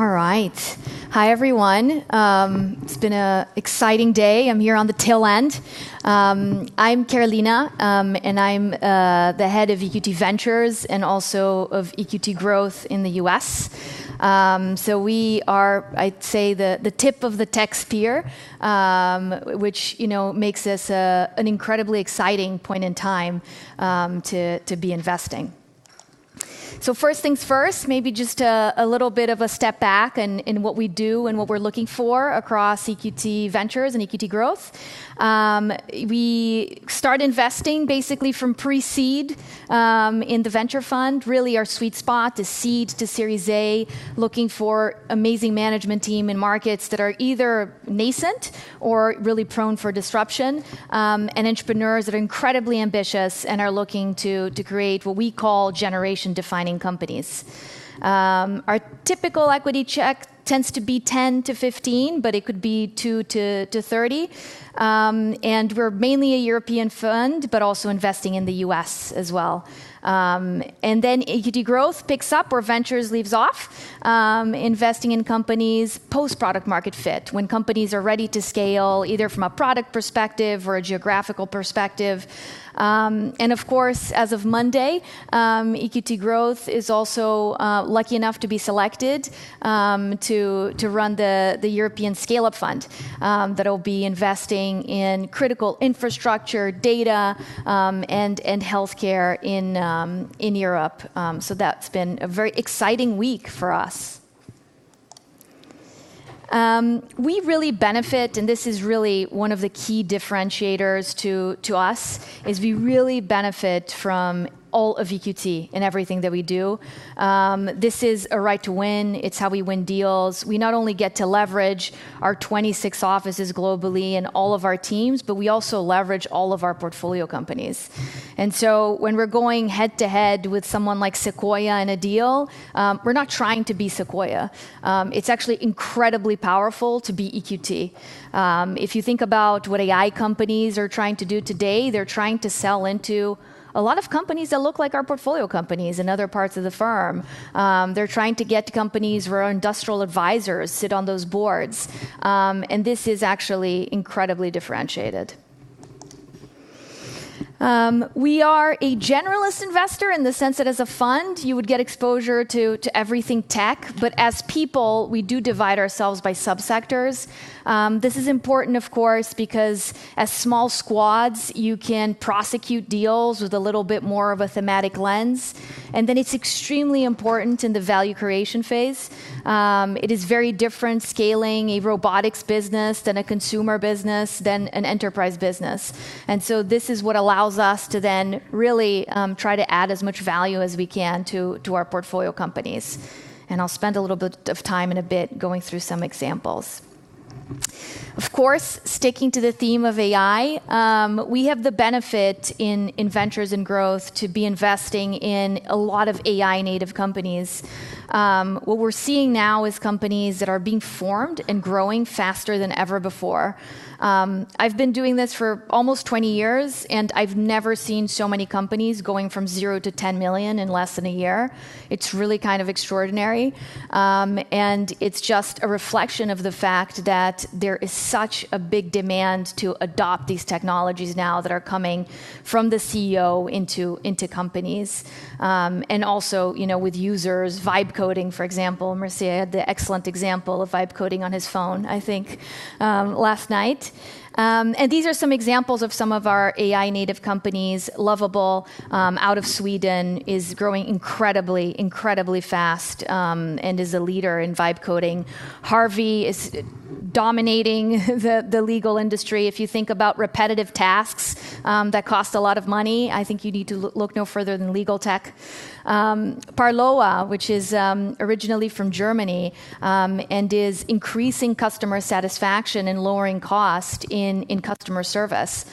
All right. Hi, everyone. It's been an exciting day. I'm here on the tail end. I'm Carolina, and I'm the head of EQT Ventures and also of EQT Growth in the U.S. We are, I'd say, the tip of the tech spear, which makes this an incredibly exciting point in time to be investing. First things first, maybe just a little bit of a step back in what we do and what we're looking for across EQT Ventures and EQT Growth. We start investing basically from pre-seed in the venture fund, really our sweet spot is seed to Series A, looking for amazing management team in markets that are either nascent or really prone for disruption. Entrepreneurs that are incredibly ambitious and are looking to create what we call generation-defining companies. Our typical equity check tends to be 10-15, but it could be 2-30. We're mainly a European fund, but also investing in the U.S. as well. EQT Growth picks up where Ventures leaves off, investing in companies post-product market fit, when companies are ready to scale, either from a product perspective or a geographical perspective. Of course, as of Monday, EQT Growth is also lucky enough to be selected to run the European Scale-up Fund that'll be investing in critical infrastructure, data, and healthcare in Europe. That's been a very exciting week for us. We really benefit, and this is really one of the key differentiators to us, is we really benefit from all of EQT in everything that we do. This is a right to win. It's how we win deals. We not only get to leverage our 26 offices globally and all of our teams, but we also leverage all of our portfolio companies. When we're going head to head with someone like Sequoia in a deal, we're not trying to be Sequoia. It's actually incredibly powerful to be EQT. If you think about what AI companies are trying to do today, they're trying to sell into a lot of companies that look like our portfolio companies in other parts of the firm. They're trying to get to companies where our industrial advisors sit on those boards. This is actually incredibly differentiated. We are a generalist investor in the sense that as a fund, you would get exposure to everything tech. As people, we do divide ourselves by sub-sectors. This is important, of course, because as small squads, you can prosecute deals with a little bit more of a thematic lens. Then it's extremely important in the value creation phase. It is very different scaling a robotics business than a consumer business than an enterprise business. So this is what allows us to then really try to add as much value as we can to our portfolio companies. I'll spend a little bit of time in a bit going through some examples. Of course, sticking to the theme of AI, we have the benefit in EQT Ventures and EQT Growth to be investing in a lot of AI-native companies. What we're seeing now is companies that are being formed and growing faster than ever before. I've been doing this for almost 20 years, and I've never seen so many companies going from zero to 10 million in less than a year. It's really kind of extraordinary, and it's just a reflection of the fact that there is such a big demand to adopt these technologies now that are coming from the CEO into companies. Also, with users, vibe coding, for example. Mircea had the excellent example of vibe coding on his phone, I think, last night. These are some examples of some of our AI-native companies. Lovable, out of Sweden, is growing incredibly fast and is a leader in vibe coding. Harvey is dominating the legal industry. If you think about repetitive tasks that cost a lot of money, I think you need to look no further than legal tech. Parloa, which is originally from Germany and is increasing customer satisfaction and lowering cost in customer service.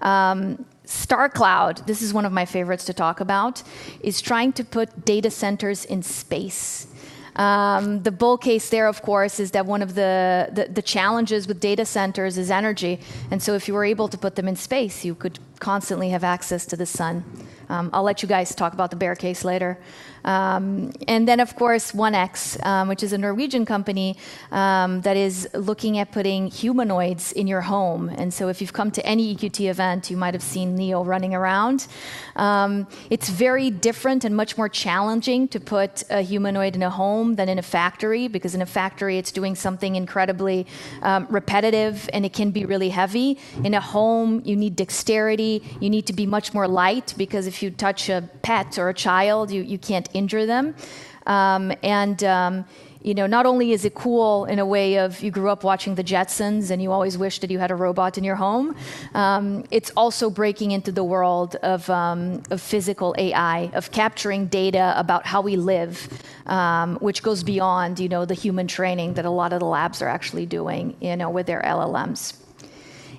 Starcloud, this is one of my favorites to talk about, is trying to put data centers in space. The bull case there, of course, is that one of the challenges with data centers is energy, if you were able to put them in space, you could constantly have access to the sun. I'll let you guys talk about the bear case later. Then, of course, 1X, which is a Norwegian company that is looking at putting humanoids in your home. So if you've come to any EQT event, you might have seen Neo running around. It's very different and much more challenging to put a humanoid in a home than in a factory, because in a factory, it's doing something incredibly repetitive, and it can be really heavy. In a home, you need dexterity, you need to be much more light, because if you touch a pet or a child, you can't injure them. Not only is it cool in a way of you grew up watching "The Jetsons" and you always wished that you had a robot in your home, it's also breaking into the world of physical AI, of capturing data about how we live, which goes beyond the human training that a lot of the labs are actually doing with their LLMs.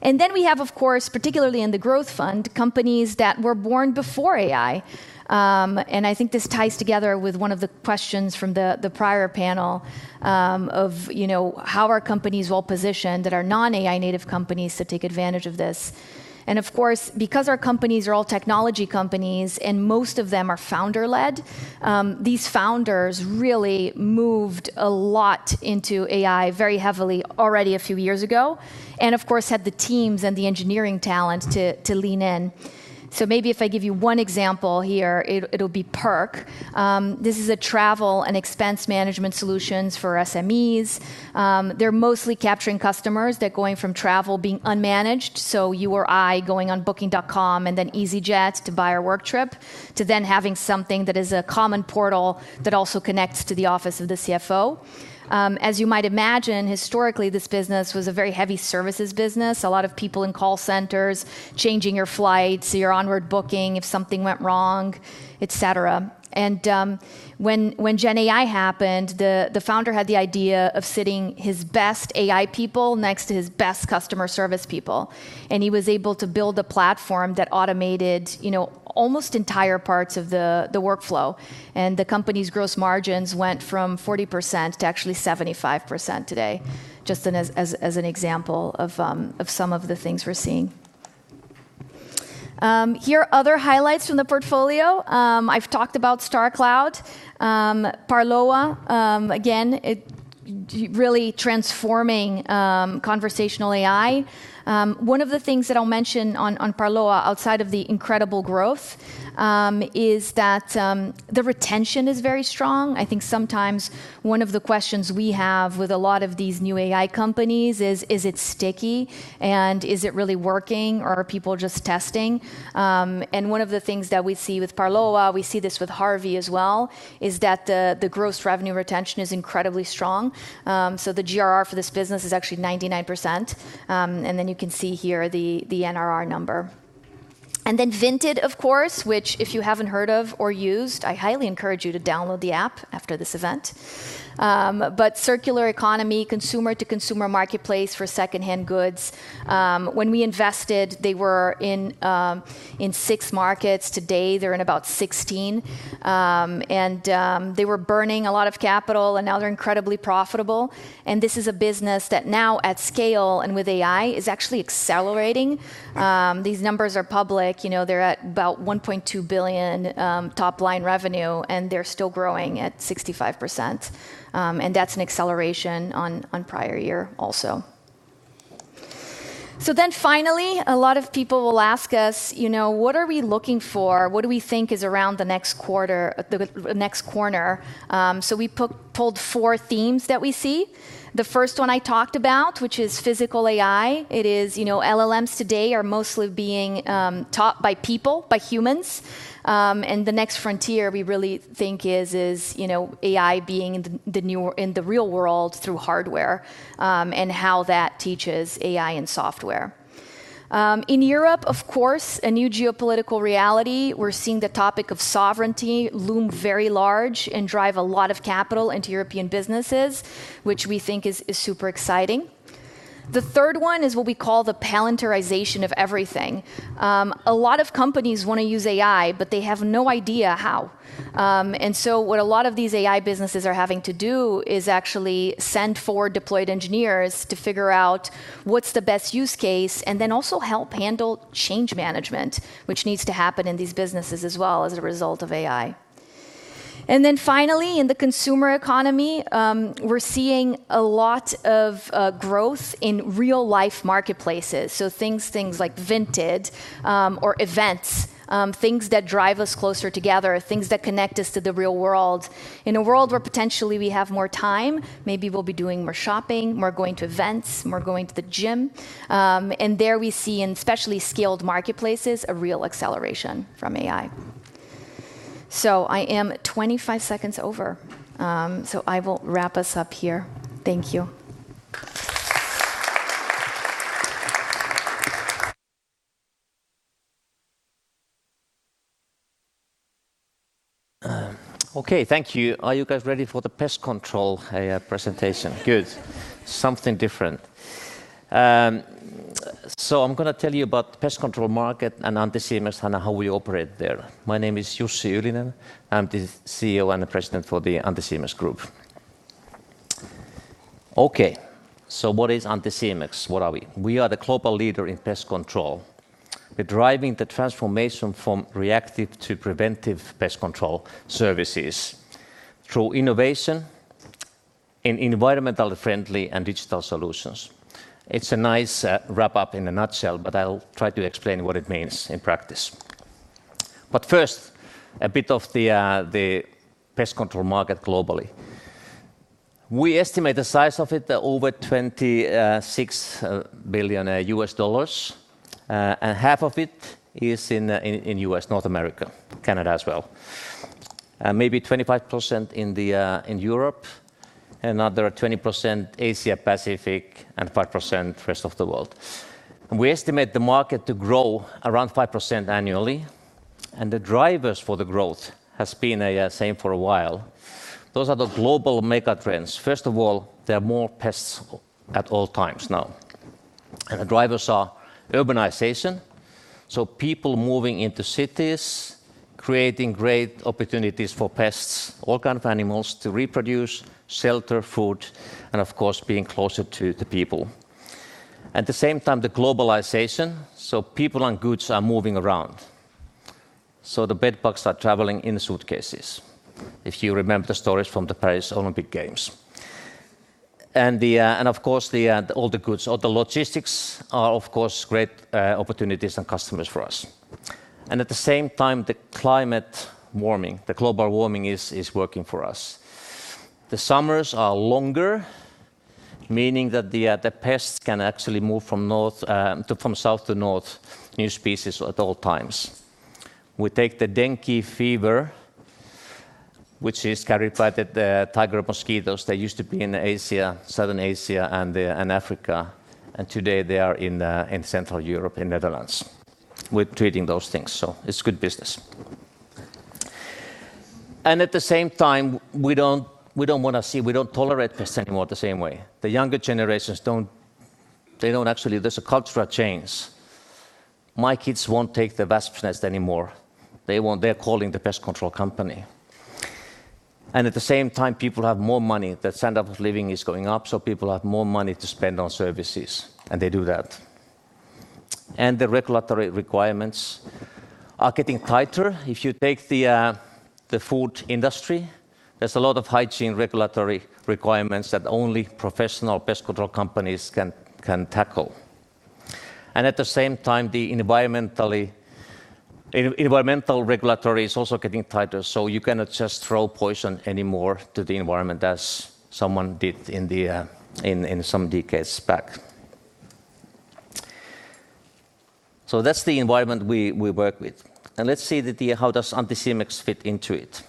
Then we have, of course, particularly in the growth fund, companies that were born before AI. I think this ties together with one of the questions from the prior panel of how are companies well-positioned that are non-AI native companies to take advantage of this. Of course, because our companies are all technology companies and most of them are founder-led, these founders really moved a lot into AI very heavily already a few years ago, of course, had the teams and the engineering talent to lean in. Maybe if I give you one example here, it'll be Perk. This is a travel and expense management solutions for SMEs. They're mostly capturing customers that are going from travel being unmanaged. You or I going on booking.com and then EasyJet to buy our work trip, to then having something that is a common portal that also connects to the office of the CFO. You might imagine, historically, this business was a very heavy services business. A lot of people in call centers changing your flights, your onward booking if something went wrong, et cetera. When GenAI happened, the founder had the idea of sitting his best AI people next to his best customer service people, he was able to build a platform that automated almost entire parts of the workflow. The company's gross margins went from 40% to actually 75% today, just as an example of some of the things we're seeing. Here are other highlights from the portfolio. I've talked about StarCloud. Parloa, again, really transforming conversational AI. One of the things that I'll mention on Parloa, outside of the incredible growth, is that the retention is very strong. I think sometimes one of the questions we have with a lot of these new AI companies is it sticky and is it really working, or are people just testing? One of the things that we see with Parloa, we see this with Harvey as well, is that the gross revenue retention is incredibly strong. The GRR for this business is actually 99%. Then you can see here the NRR number. Then Vinted, of course, which if you haven't heard of or used, I highly encourage you to download the app after this event. Circular economy, consumer-to-consumer marketplace for secondhand goods. When we invested, they were in six markets. Today, they're in about 16. They were burning a lot of capital, now they're incredibly profitable. This is a business that now at scale and with AI, is actually accelerating. These numbers are public. They're at about 1.2 billion top-line revenue, they're still growing at 65%, that's an acceleration on prior year also. Finally, a lot of people will ask us, what are we looking for? What do we think is around the next corner? We pulled four themes that we see. The first one I talked about, which is physical AI. It is LLMs today are mostly being taught by people, by humans. The next frontier we really think is AI being in the real world through hardware, and how that teaches AI and software. In Europe, of course, a new geopolitical reality. We are seeing the topic of sovereignty loom very large and drive a lot of capital into European businesses, which we think is super exciting. The third one is what we call the Palantirization of everything. A lot of companies want to use AI, they have no idea how. What a lot of these AI businesses are having to do is actually send forward deployed engineers to figure out what's the best use case, and then also help handle change management, which needs to happen in these businesses as well as a result of AI. Finally, in the consumer economy, we are seeing a lot of growth in real-life marketplaces. So things like Vinted or events, things that drive us closer together, things that connect us to the real world. In a world where potentially we have more time, maybe we will be doing more shopping, more going to events, more going to the gym. There we see, in especially skilled marketplaces, a real acceleration from AI. So I am 25 seconds over, so I will wrap us up here. Thank you. Okay. Thank you. Are you guys ready for the pest control AI presentation? Good. Something different. I am going to tell you about pest control market and Anticimex and how we operate there. My name is Jussi Ylinen. I am the CEO and the president for the Anticimex group. Okay, so what is Anticimex? What are we? We are the global leader in pest control. We are driving the transformation from reactive to preventive pest control services through innovation in environmentally friendly and digital solutions. It is a nice wrap-up in a nutshell, but I will try to explain what it means in practice. First, a bit of the pest control market globally. We estimate the size of it at over $26 billion, and half of it is in U.S., North America, Canada as well. Maybe 25% in Europe, another 20% Asia-Pacific, and 5% rest of the world. We estimate the market to grow around 5% annually. The drivers for the growth has been the same for a while. Those are the global mega trends. First of all, there are more pests at all times now. The drivers are urbanization, so people moving into cities, creating great opportunities for pests, all kind of animals, to reproduce, shelter, food, and of course, being closer to the people. At the same time, the globalization, so people and goods are moving around. So the bedbugs are traveling in the suitcases, if you remember the stories from the Paris Olympic Games. Of course, all the goods, all the logistics are, of course, great opportunities and customers for us. At the same time, the climate warming, the global warming is working for us. The summers are longer, meaning that the pests can actually move from south to north, new species at all times. We take the dengue fever, which is carried by the tiger mosquitoes that used to be in Asia, Southern Asia, and Africa, and today they are in Central Europe and Netherlands. We're treating those things, so it's good business. At the same time, we don't want to see, we don't tolerate pests anymore the same way. The younger generations don't actually. There's a cultural change. My kids won't take the wasp nest anymore. They're calling the pest control company. At the same time, people have more money. The standard of living is going up, so people have more money to spend on services, and they do that. The regulatory requirements are getting tighter. If you take the food industry, there's a lot of hygiene regulatory requirements that only professional pest control companies can tackle. At the same time, the environmental regulatory is also getting tighter, so you cannot just throw poison anymore to the environment as someone did in some decades back. That's the environment we work with. Let's see how does Anticimex fit into it.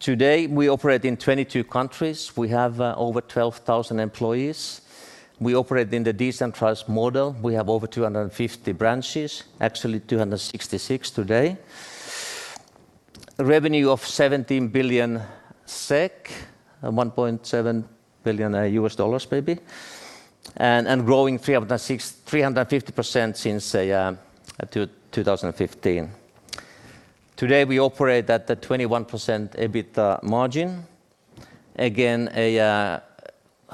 Today, we operate in 22 countries. We have over 12,000 employees. We operate in the decentralized model. We have over 250 branches, actually 266 today. Revenue of 17 billion SEK, 1.7 billion U.S. dollars maybe, and growing 350% since 2015. Today, we operate at the 21% EBITA margin. Again, a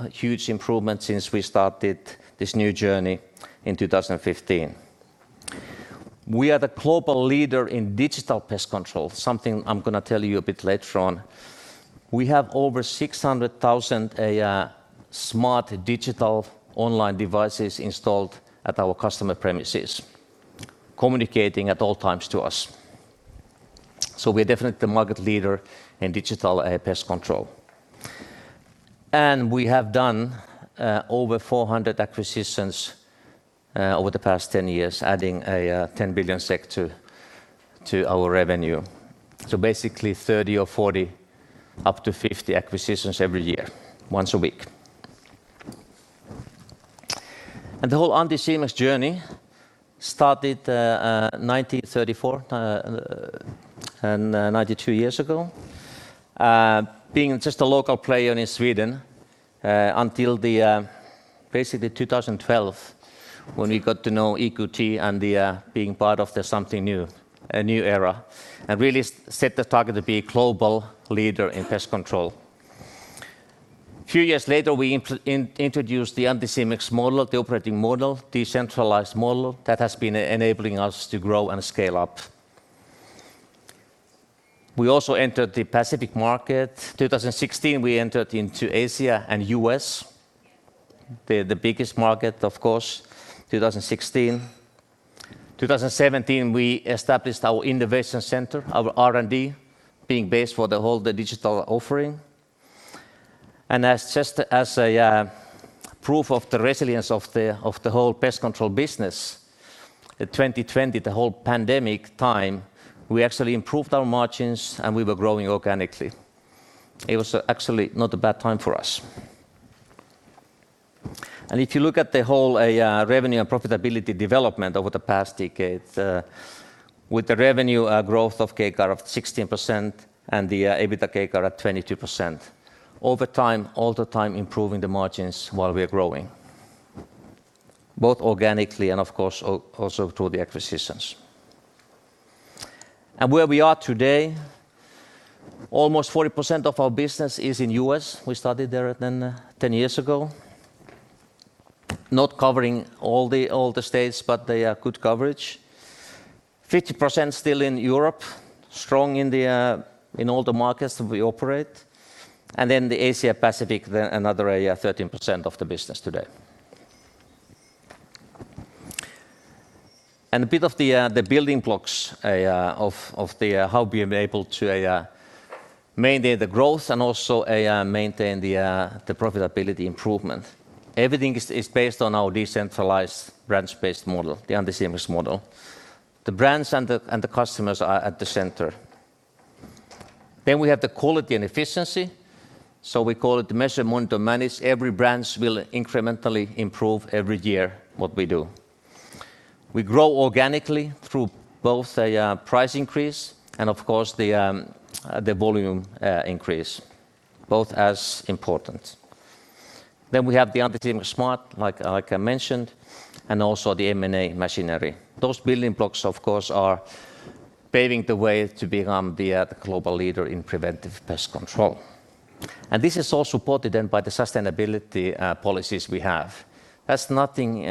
huge improvement since we started this new journey in 2015. We are the global leader in digital pest control, something I'm going to tell you a bit later on. We have over 600,000 smart digital online devices installed at our customer premises, communicating at all times to us. We're definitely the market leader in digital pest control. We have done over 400 acquisitions over the past 10 years, adding 10 billion SEK to our revenue. Basically, 30 or 40, up to 50 acquisitions every year, once a week. The whole Anticimex journey started 1934, 92 years ago, being just a local player in Sweden until basically 2012 when we got to know EQT and being part of something new, a new era, and really set the target to be a global leader in pest control. Few years later, we introduced the Anticimex model, the operating model, decentralized model that has been enabling us to grow and scale up. We also entered the Pacific market. 2016, we entered into Asia and U.S., the biggest market, of course, 2016. 2017, we established our innovation center, our R&D, being base for the whole digital offering. Just as a proof of the resilience of the whole pest control business, 2020, the whole pandemic time, we actually improved our margins and we were growing organically. It was actually not a bad time for us. If you look at the whole revenue and profitability development over the past decade, with the revenue growth of CAGR of 16% and the EBITA CAGR at 22%. All the time improving the margins while we're growing, both organically and of course, also through the acquisitions. Where we are today, almost 40% of our business is in U.S. We started there 10 years ago. Not covering all the states, but they are good coverage. 50% still in Europe, strong in all the markets that we operate. The Asia Pacific, another 13% of the business today. A bit of the building blocks of how we are able to maintain the growth and also maintain the profitability improvement. Everything is based on our decentralized branch-based model, the Anticimex model. The brands and the customers are at the center. We have the quality and efficiency. We call it measure, monitor, manage. Every branch will incrementally improve every year what we do. We grow organically through both a price increase and, of course, the volume increase, both as important. We have the Anticimex Smart, like I mentioned, and also the M&A machinery. Those building blocks, of course, are paving the way to become the global leader in preventive pest control. This is all supported by the sustainability policies we have. That's nothing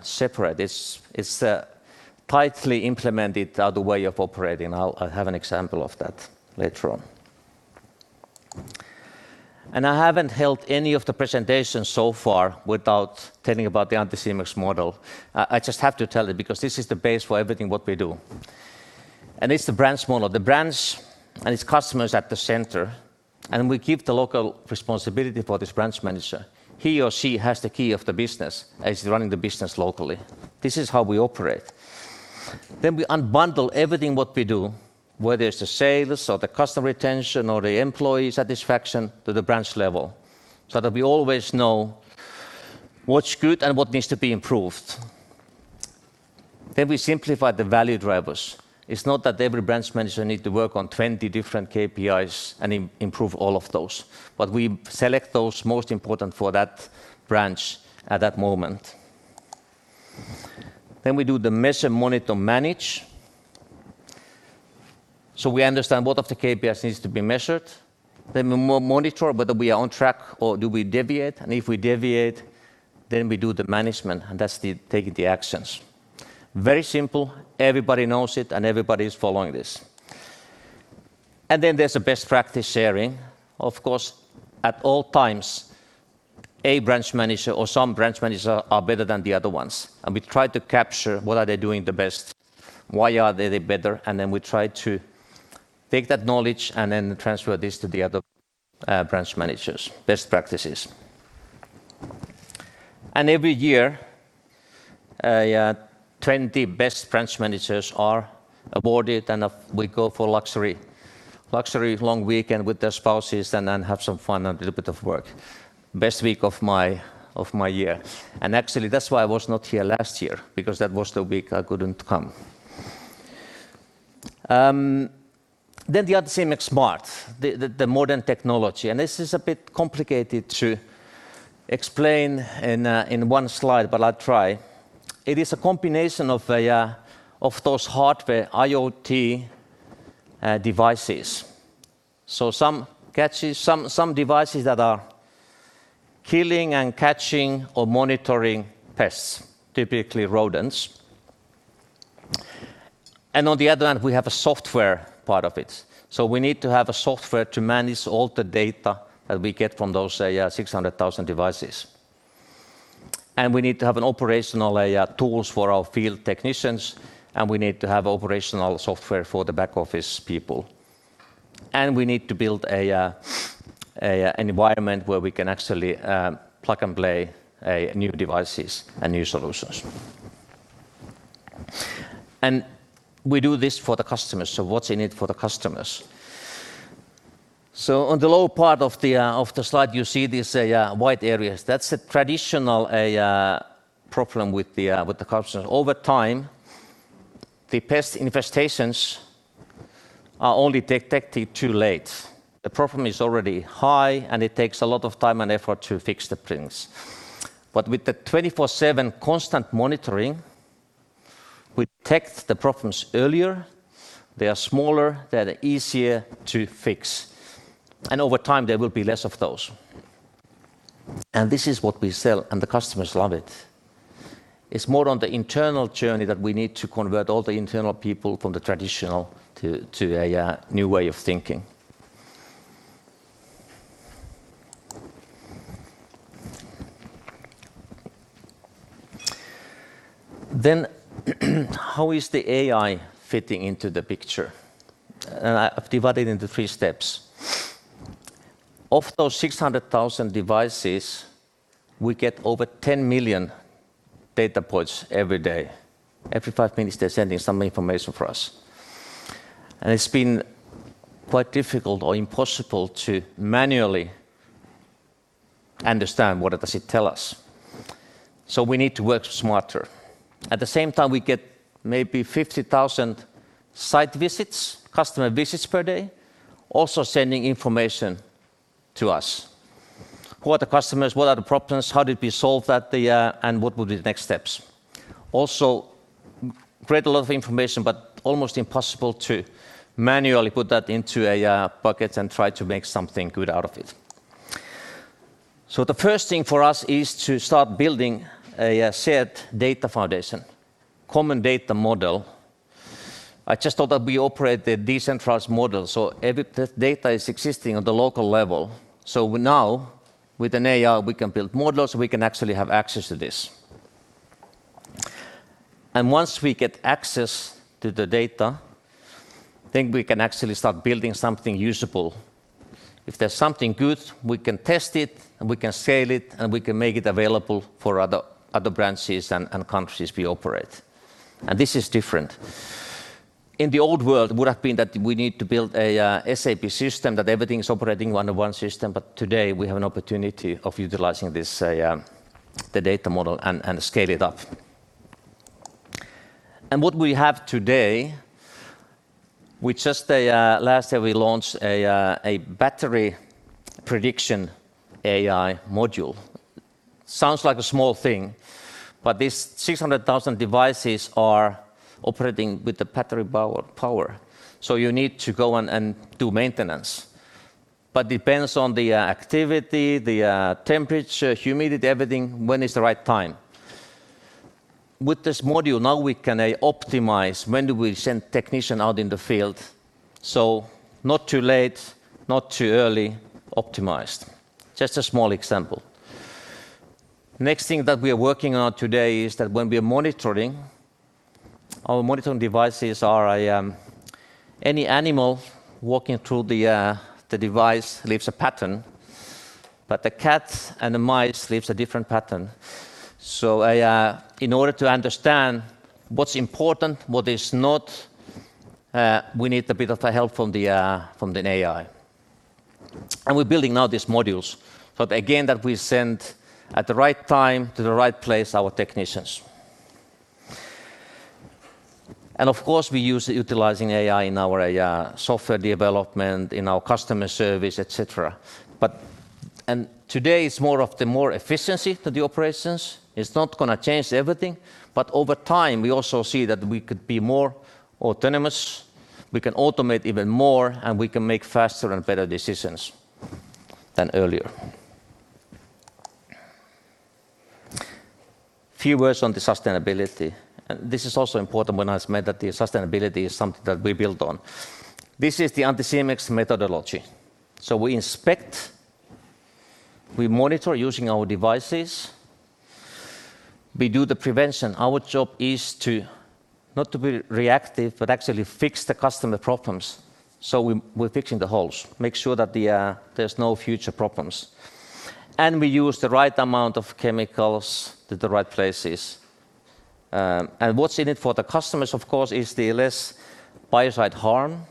separate. It's tightly implemented, the way of operating. I'll have an example of that later on. I haven't held any of the presentations so far without telling about the Anticimex model. I just have to tell it because this is the base for everything what we do. It's the branch model, the branch and its customers at the center. We keep the local responsibility for this branch manager. He or she has the key of the business, as they're running the business locally. This is how we operate. We unbundle everything what we do, whether it's the sales or the customer retention or the employee satisfaction, to the branch level, so that we always know what's good and what needs to be improved. We simplify the value drivers. It's not that every branch manager need to work on 20 different KPIs and improve all of those, but we select those most important for that branch at that moment. We do the measure, monitor, manage, so we understand what of the KPIs needs to be measured. We monitor whether we are on track or do we deviate, and if we deviate, we do the management, and that's taking the actions. Very simple. Everybody knows it, everybody is following this. There's a best practice sharing. Of course, at all times, a branch manager or some branch manager are better than the other ones. We try to capture what are they doing the best, why are they better. We try to take that knowledge and transfer this to the other branch managers. Best practices. Every year, 20 best branch managers are awarded. We go for luxury long weekend with their spouses and have some fun and a little bit of work. Best week of my year. Actually, that's why I was not here last year, because that was the week I couldn't come. The Anticimex Smart, the modern technology, this is a bit complicated to explain in one slide, but I'll try. It is a combination of those hardware IoT devices. Some devices that are killing and catching or monitoring pests, typically rodents. On the other hand, we have a software part of it. We need to have a software to manage all the data that we get from those 600,000 devices. We need to have an operational tools for our field technicians, we need to have operational software for the back office people. We need to build an environment where we can actually plug and play new devices and new solutions. We do this for the customers, what's in it for the customers? On the lower part of the slide, you see these white areas. That's a traditional problem with the customers. Over time, the pest infestations are only detected too late. The problem is already high, and it takes a lot of time and effort to fix the things. With the 24/7 constant monitoring, we detect the problems earlier. They are smaller. They are easier to fix. Over time, there will be less of those. This is what we sell, and the customers love it. It's more on the internal journey that we need to convert all the internal people from the traditional to a new way of thinking. How is the AI fitting into the picture? I've divided into three steps. Of those 600,000 devices, we get over 10 million data points every day. Every five minutes, they're sending some information for us. It's been quite difficult or impossible to manually understand what does it tell us. We need to work smarter. At the same time, we get maybe 50,000 site visits, customer visits per day, also sending information to us. Who are the customers, what are the problems, how did we solve that, and what will be the next steps? Also, create a lot of information, almost impossible to manually put that into a bucket and try to make something good out of it. The first thing for us is to start building a shared data foundation, common data model. I just thought that we operate the decentralized model, every data is existing at the local level. Now with an AI, we can build models, we can actually have access to this. Once we get access to the data, we can actually start building something usable. If there's something good, we can test it, we can sell it, we can make it available for other branches and countries we operate. This is different. In the old world, it would have been that we need to build a SAP system that everything's operating under one system, today we have an opportunity of utilizing the data model and scale it up. What we have today, just last year, we launched a battery prediction AI module. Sounds like a small thing, these 600,000 devices are operating with the battery power. You need to go and do maintenance. Depends on the activity, the temperature, humidity, everything, when is the right time. With this module, now we can optimize when do we send technician out in the field, not too late, not too early, optimized. Just a small example. Next thing that we are working on today is that when we are monitoring, our monitoring devices are any animal walking through the device leaves a pattern. The cats and the mice leaves a different pattern. In order to understand what's important, what is not, we need a bit of help from the AI. We're building now these modules. Again, that we send at the right time to the right place our technicians. we use utilizing AI in our software development, in our customer service, et cetera. Today it's more of the more efficiency to the operations. It's not going to change everything. Over time, we also see that we could be more autonomous, we can automate even more, and we can make faster and better decisions than earlier. Few words on the sustainability. This is also important when I said that the sustainability is something that we build on. This is the Anticimex methodology. We inspect, we monitor using our devices, we do the prevention. Our job is to not to be reactive but actually fix the customer problems. We're fixing the holes, make sure that there's no future problems. We use the right amount of chemicals to the right places. What's in it for the customers, of course, is the less biocide harm,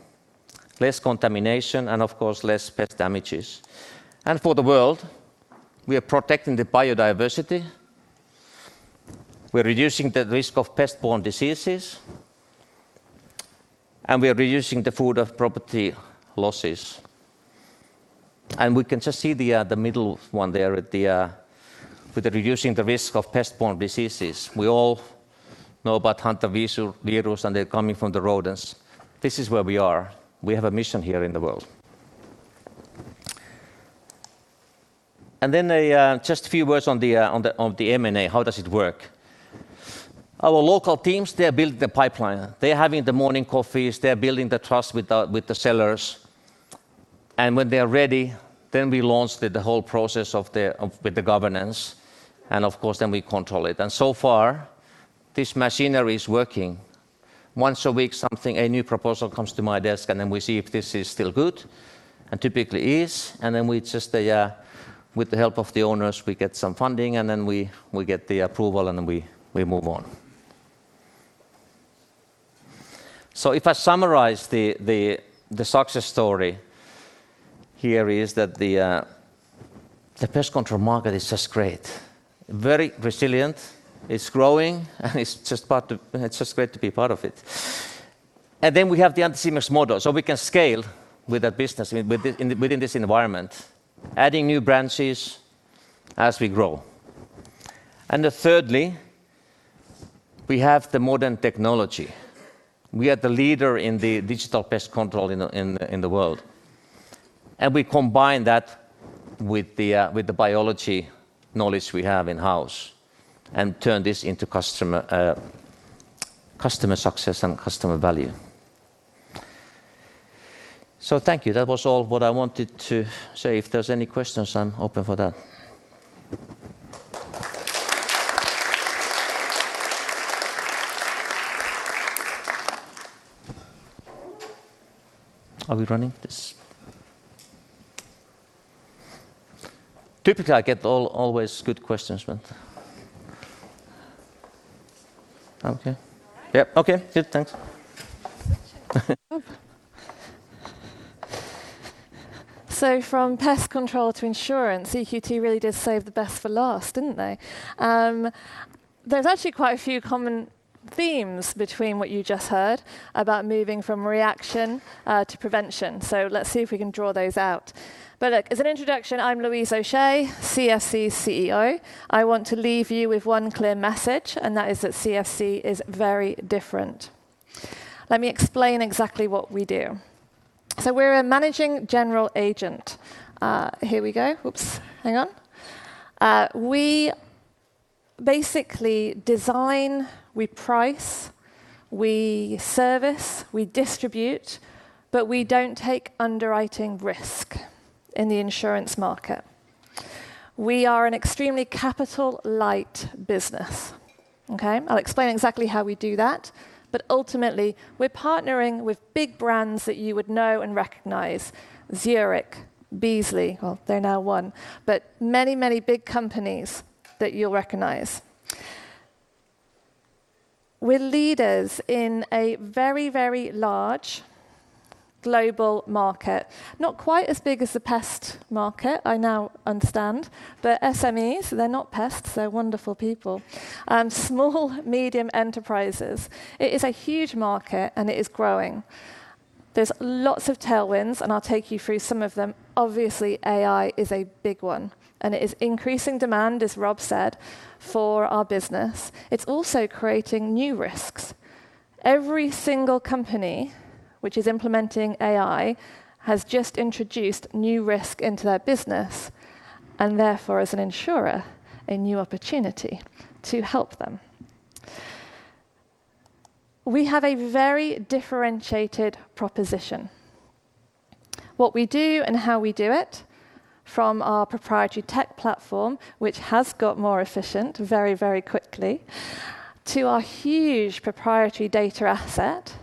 less contamination, and of course, less pest damages. For the world, we are protecting the biodiversity, we're reducing the risk of pest-borne diseases, and we are reducing the food of property losses. We can just see the middle one there with the reducing the risk of pest-borne diseases. We all know about hantavirus, and they're coming from the rodents. This is where we are. We have a mission here in the world. Then just a few words on the M&A, how does it work. Our local teams, they're building the pipeline. They're having the morning coffees. They're building the trust with the sellers. When they're ready, then we launch the whole process with the governance. Of course, then we control it. So far, this machinery is working. Once a week, a new proposal comes to my desk, and then we see if this is still good, and typically is. Then with the help of the owners, we get some funding, and then we get the approval and we move on. If I summarize the success story here is that the pest control market is just great, very resilient. It's growing, and it's just great to be part of it. Then we have the Anticimex model, so we can scale with the business within this environment, adding new branches as we grow. Thirdly, we have the modern technology. We are the leader in the digital pest control in the world. We combine that with the biology knowledge we have in-house and turn this into customer success and customer value. Thank you. That was all what I wanted to say. If there's any questions, I'm open for that. Are we running this? Typically, I get always good questions. Okay. Yep. Okay, good, thanks. From pest control to insurance, EQT really did save the best for last, didn't they? There's actually quite a few common themes between what you just heard about moving from reaction to prevention. Let's see if we can draw those out. Look, as an introduction, I'm Louise O'Shea, CFC's CEO. I want to leave you with one clear message, and that is that CFC is very different. Let me explain exactly what we do. We're a managing general agent. Here we go. Oops, hang on. We basically design, we price, we service, we distribute, but we don't take underwriting risk in the insurance market. We are an extremely capital light business. Okay. I'll explain exactly how we do that, but ultimately, we're partnering with big brands that you would know and recognize. Zurich, Beazley, well, they're now one, but many big companies that you'll recognize. We're leaders in a very large global market. Not quite as big as the pest market, I now understand, but SMEs, they're not pests, they're wonderful people. Small, medium enterprises. It is a huge market and it is growing. There's lots of tailwinds, and I'll take you through some of them. Obviously, AI is a big one. It is increasing demand, as Rob said, for our business. It's also creating new risks. Every single company which is implementing AI has just introduced new risk into their business. Therefore, as an insurer, a new opportunity to help them. We have a very differentiated proposition. What we do and how we do it from our proprietary tech platform, which has got more efficient very quickly, to our huge proprietary data asset,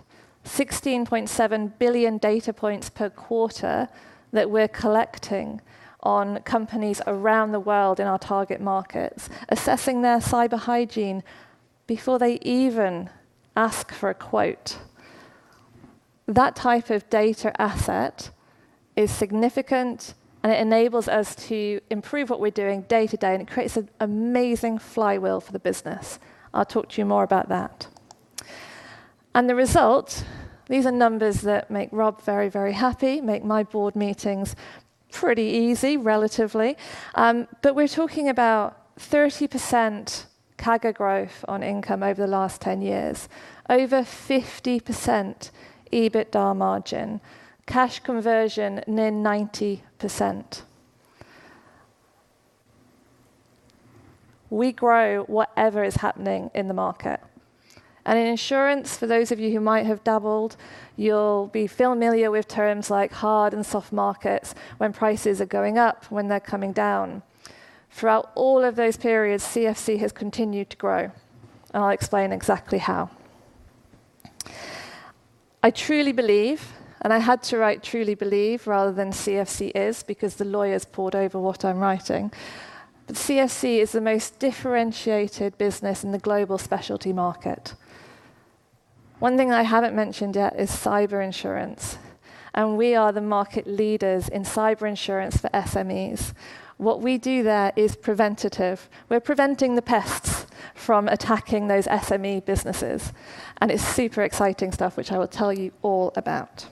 16.7 billion data points per quarter that we're collecting on companies around the world in our target markets, assessing their cyber hygiene before they even ask for a quote. That type of data asset is significant and it enables us to improve what we're doing day to day, and it creates an amazing flywheel for the business. I'll talk to you more about that. The result, these are numbers that make Rob very happy, make my board meetings pretty easy, relatively. We're talking about 30% CAGR growth on income over the last 10 years. Over 50% EBITDA margin. Cash conversion, near 90%. We grow whatever is happening in the market. In insurance, for those of you who might have dabbled, you'll be familiar with terms like hard and soft markets, when prices are going up, when they're coming down. Throughout all of those periods, CFC has continued to grow, and I'll explain exactly how. I truly believe. I had to write truly believe rather than CFC is because the lawyers pored over what I'm writing. CFC is the most differentiated business in the global specialty market. One thing I haven't mentioned yet is cyber insurance. We are the market leaders in cyber insurance for SMEs. What we do there is preventative. We're preventing the pests from attacking those SME businesses. It's super exciting stuff, which I will tell you all about.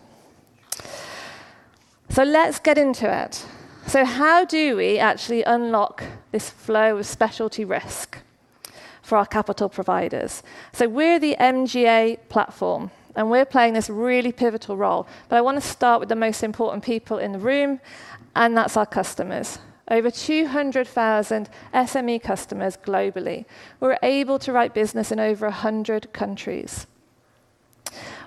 Let's get into it. How do we actually unlock this flow of specialty risk for our capital providers? We're the MGA platform. We're playing this really pivotal role. I want to start with the most important people in the room. That's our customers. Over 200,000 SME customers globally. We're able to write business in over 100 countries.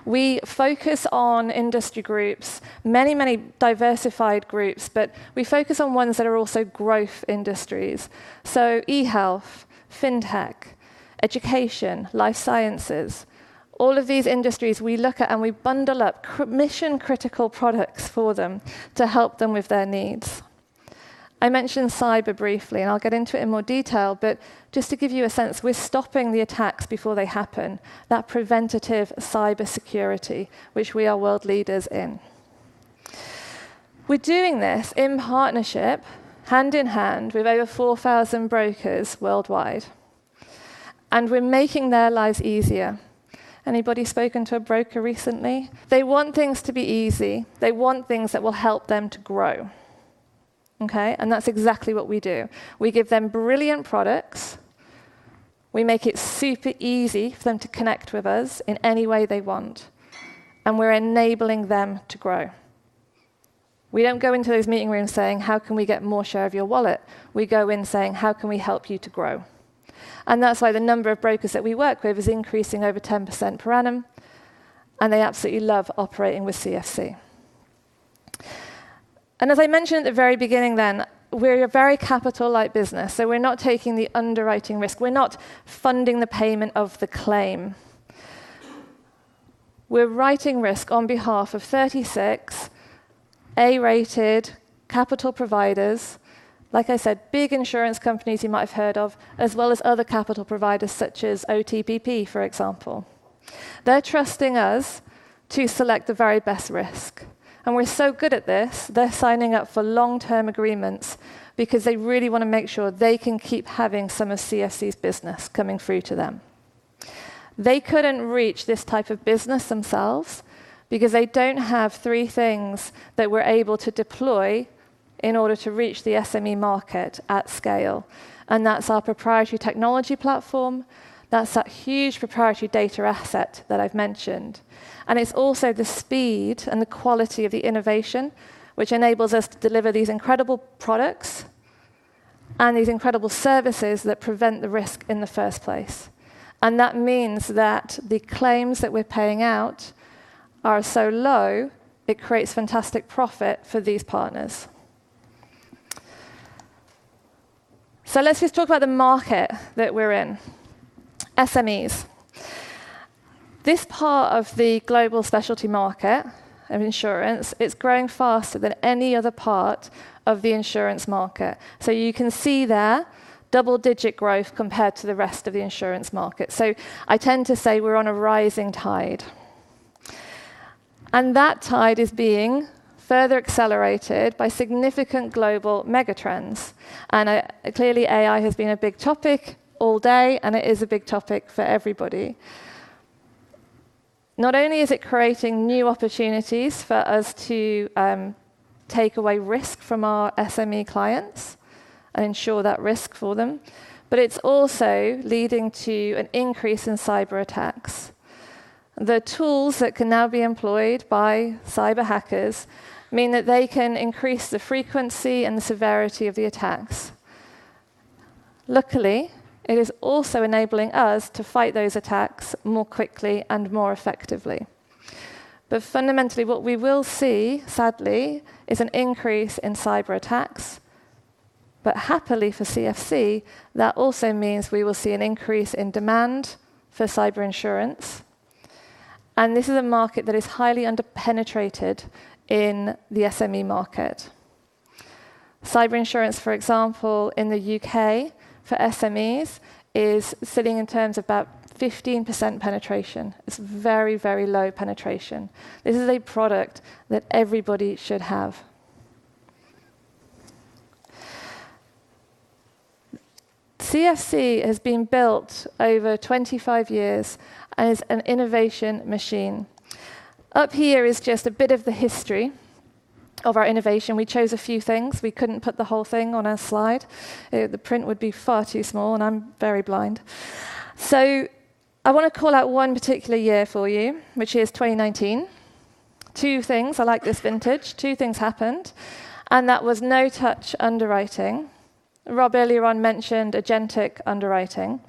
We focus on industry groups, many diversified groups. We focus on ones that are also growth industries. E-health, fintech, education, life sciences. All of these industries we look at and we bundle up mission-critical products for them to help them with their needs. I mentioned cyber briefly. I'll get into it in more detail. Just to give you a sense, we're stopping the attacks before they happen, that preventative cybersecurity, which we are world leaders in. We're doing this in partnership, hand in hand, with over 4,000 brokers worldwide. We're making their lives easier. Anybody spoken to a broker recently? They want things to be easy. They want things that will help them to grow. That's exactly what we do. We give them brilliant products, we make it super easy for them to connect with us in any way they want. We're enabling them to grow. We don't go into those meeting rooms saying, "How can we get more share of your wallet?" We go in saying, "How can we help you to grow?" That's why the number of brokers that we work with is increasing over 10% per annum. They absolutely love operating with CFC. As I mentioned at the very beginning, we're a very capital light business. We're not taking the underwriting risk. We're not funding the payment of the claim. We're writing risk on behalf of 36 A-rated capital providers. Like I said, big insurance companies you might have heard of, as well as other capital providers such as OTPP, for example. They're trusting us to select the very best risk. We're so good at this, they're signing up for long-term agreements because they really want to make sure they can keep having some of CFC's business coming through to them. They couldn't reach this type of business themselves because they don't have three things that we're able to deploy in order to reach the SME market at scale. That's our proprietary technology platform, that's that huge proprietary data asset that I've mentioned. It's also the speed and the quality of the innovation, which enables us to deliver these incredible products and these incredible services that prevent the risk in the first place. That means that the claims that we're paying out are so low it creates fantastic profit for these partners. Let's just talk about the market that we're in. SMEs. This part of the global specialty market of insurance, it's growing faster than any other part of the insurance market. You can see there, double-digit growth compared to the rest of the insurance market. I tend to say we're on a rising tide. That tide is being further accelerated by significant global mega trends. Clearly, AI has been a big topic all day. It is a big topic for everybody. Not only is it creating new opportunities for us to take away risk from our SME clients and ensure that risk for them, but it's also leading to an increase in cyber attacks. The tools that can now be employed by cyber hackers mean that they can increase the frequency and the severity of the attacks. Luckily, it is also enabling us to fight those attacks more quickly and more effectively. Fundamentally, what we will see, sadly, is an increase in cyber attacks. Happily for CFC, that also means we will see an increase in demand for cyber insurance. This is a market that is highly under-penetrated in the SME market. Cyber insurance, for example, in the U.K. for SMEs, is sitting in terms of about 15% penetration. It is very low penetration. This is a product that everybody should have. CFC has been built over 25 years as an innovation machine. Up here is just a bit of the history of our innovation. We chose a few things. We couldn't put the whole thing on a slide. The print would be far too small, and I'm very blind. I want to call out one particular year for you, which is 2019. Two things, I like this vintage. Two things happened, and that was no-touch underwriting. Rob earlier on mentioned agentic underwriting.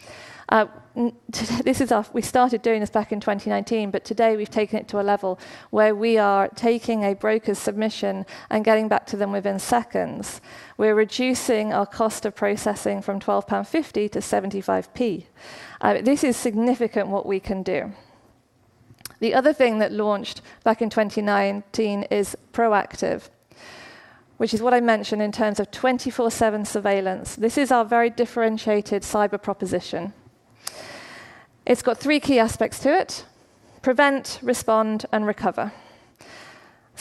Today we've taken it to a level where we are taking a broker's submission and getting back to them within seconds. We're reducing our cost of processing from 12.50 pound to 0.75. This is significant what we can do. The other thing that launched back in 2019 is Proactive, which is what I mentioned in terms of 24/7 surveillance. This is our very differentiated cyber proposition. It's got three key aspects to it, prevent, respond, and recover.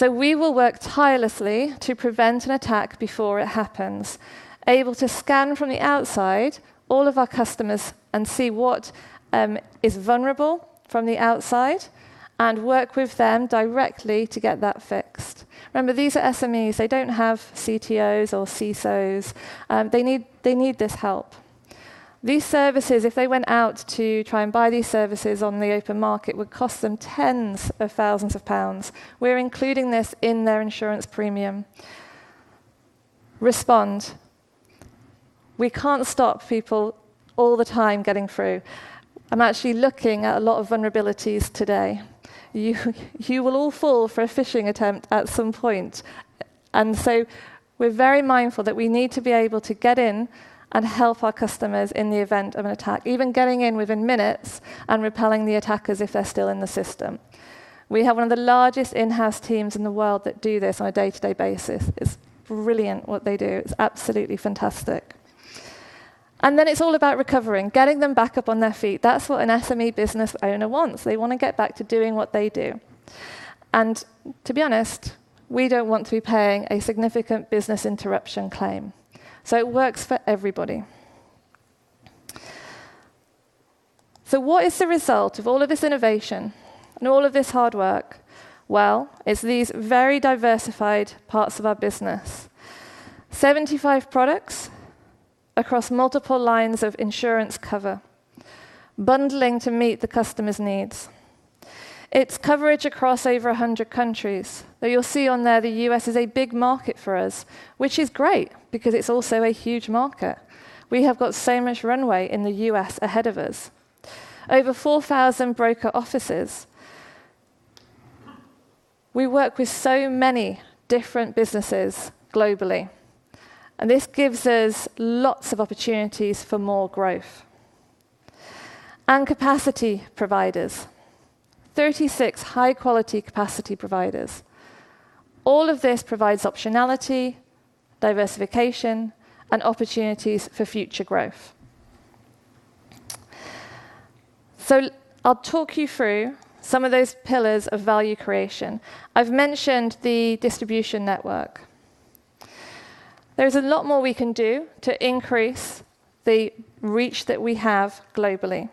We will work tirelessly to prevent an attack before it happens. Able to scan from the outside all of our customers and see what is vulnerable from the outside and work with them directly to get that fixed. Remember, these are SMEs. They don't have CTOs or CSOs. They need this help. These services, if they went out to try and buy these services on the open market, would cost them tens of thousands of GBP. We're including this in their insurance premium. Respond. We can't stop people all the time getting through. I'm actually looking at a lot of vulnerabilities today. You will all fall for a phishing attempt at some point. We're very mindful that we need to be able to get in and help our customers in the event of an attack, even getting in within minutes and repelling the attackers if they're still in the system. We have one of the largest in-house teams in the world that do this on a day-to-day basis. It's brilliant what they do. It's absolutely fantastic. It's all about recovering, getting them back up on their feet. That's what an SME business owner wants. They want to get back to doing what they do. To be honest, we don't want to be paying a significant business interruption claim. It works for everybody. What is the result of all of this innovation and all of this hard work? Well, it's these very diversified parts of our business. 75 products across multiple lines of insurance cover, bundling to meet the customer's needs. It's coverage across over 100 countries. Though you'll see on there, the U.S. is a big market for us, which is great because it's also a huge market. We have got so much runway in the U.S. ahead of us. Over 4,000 broker offices. We work with so many different businesses globally. This gives us lots of opportunities for more growth. Capacity providers. 36 high-quality capacity providers. All of this provides optionality, diversification, and opportunities for future growth. I'll talk you through some of those pillars of value creation. I've mentioned the distribution network. There's a lot more we can do to increase the reach that we have globally.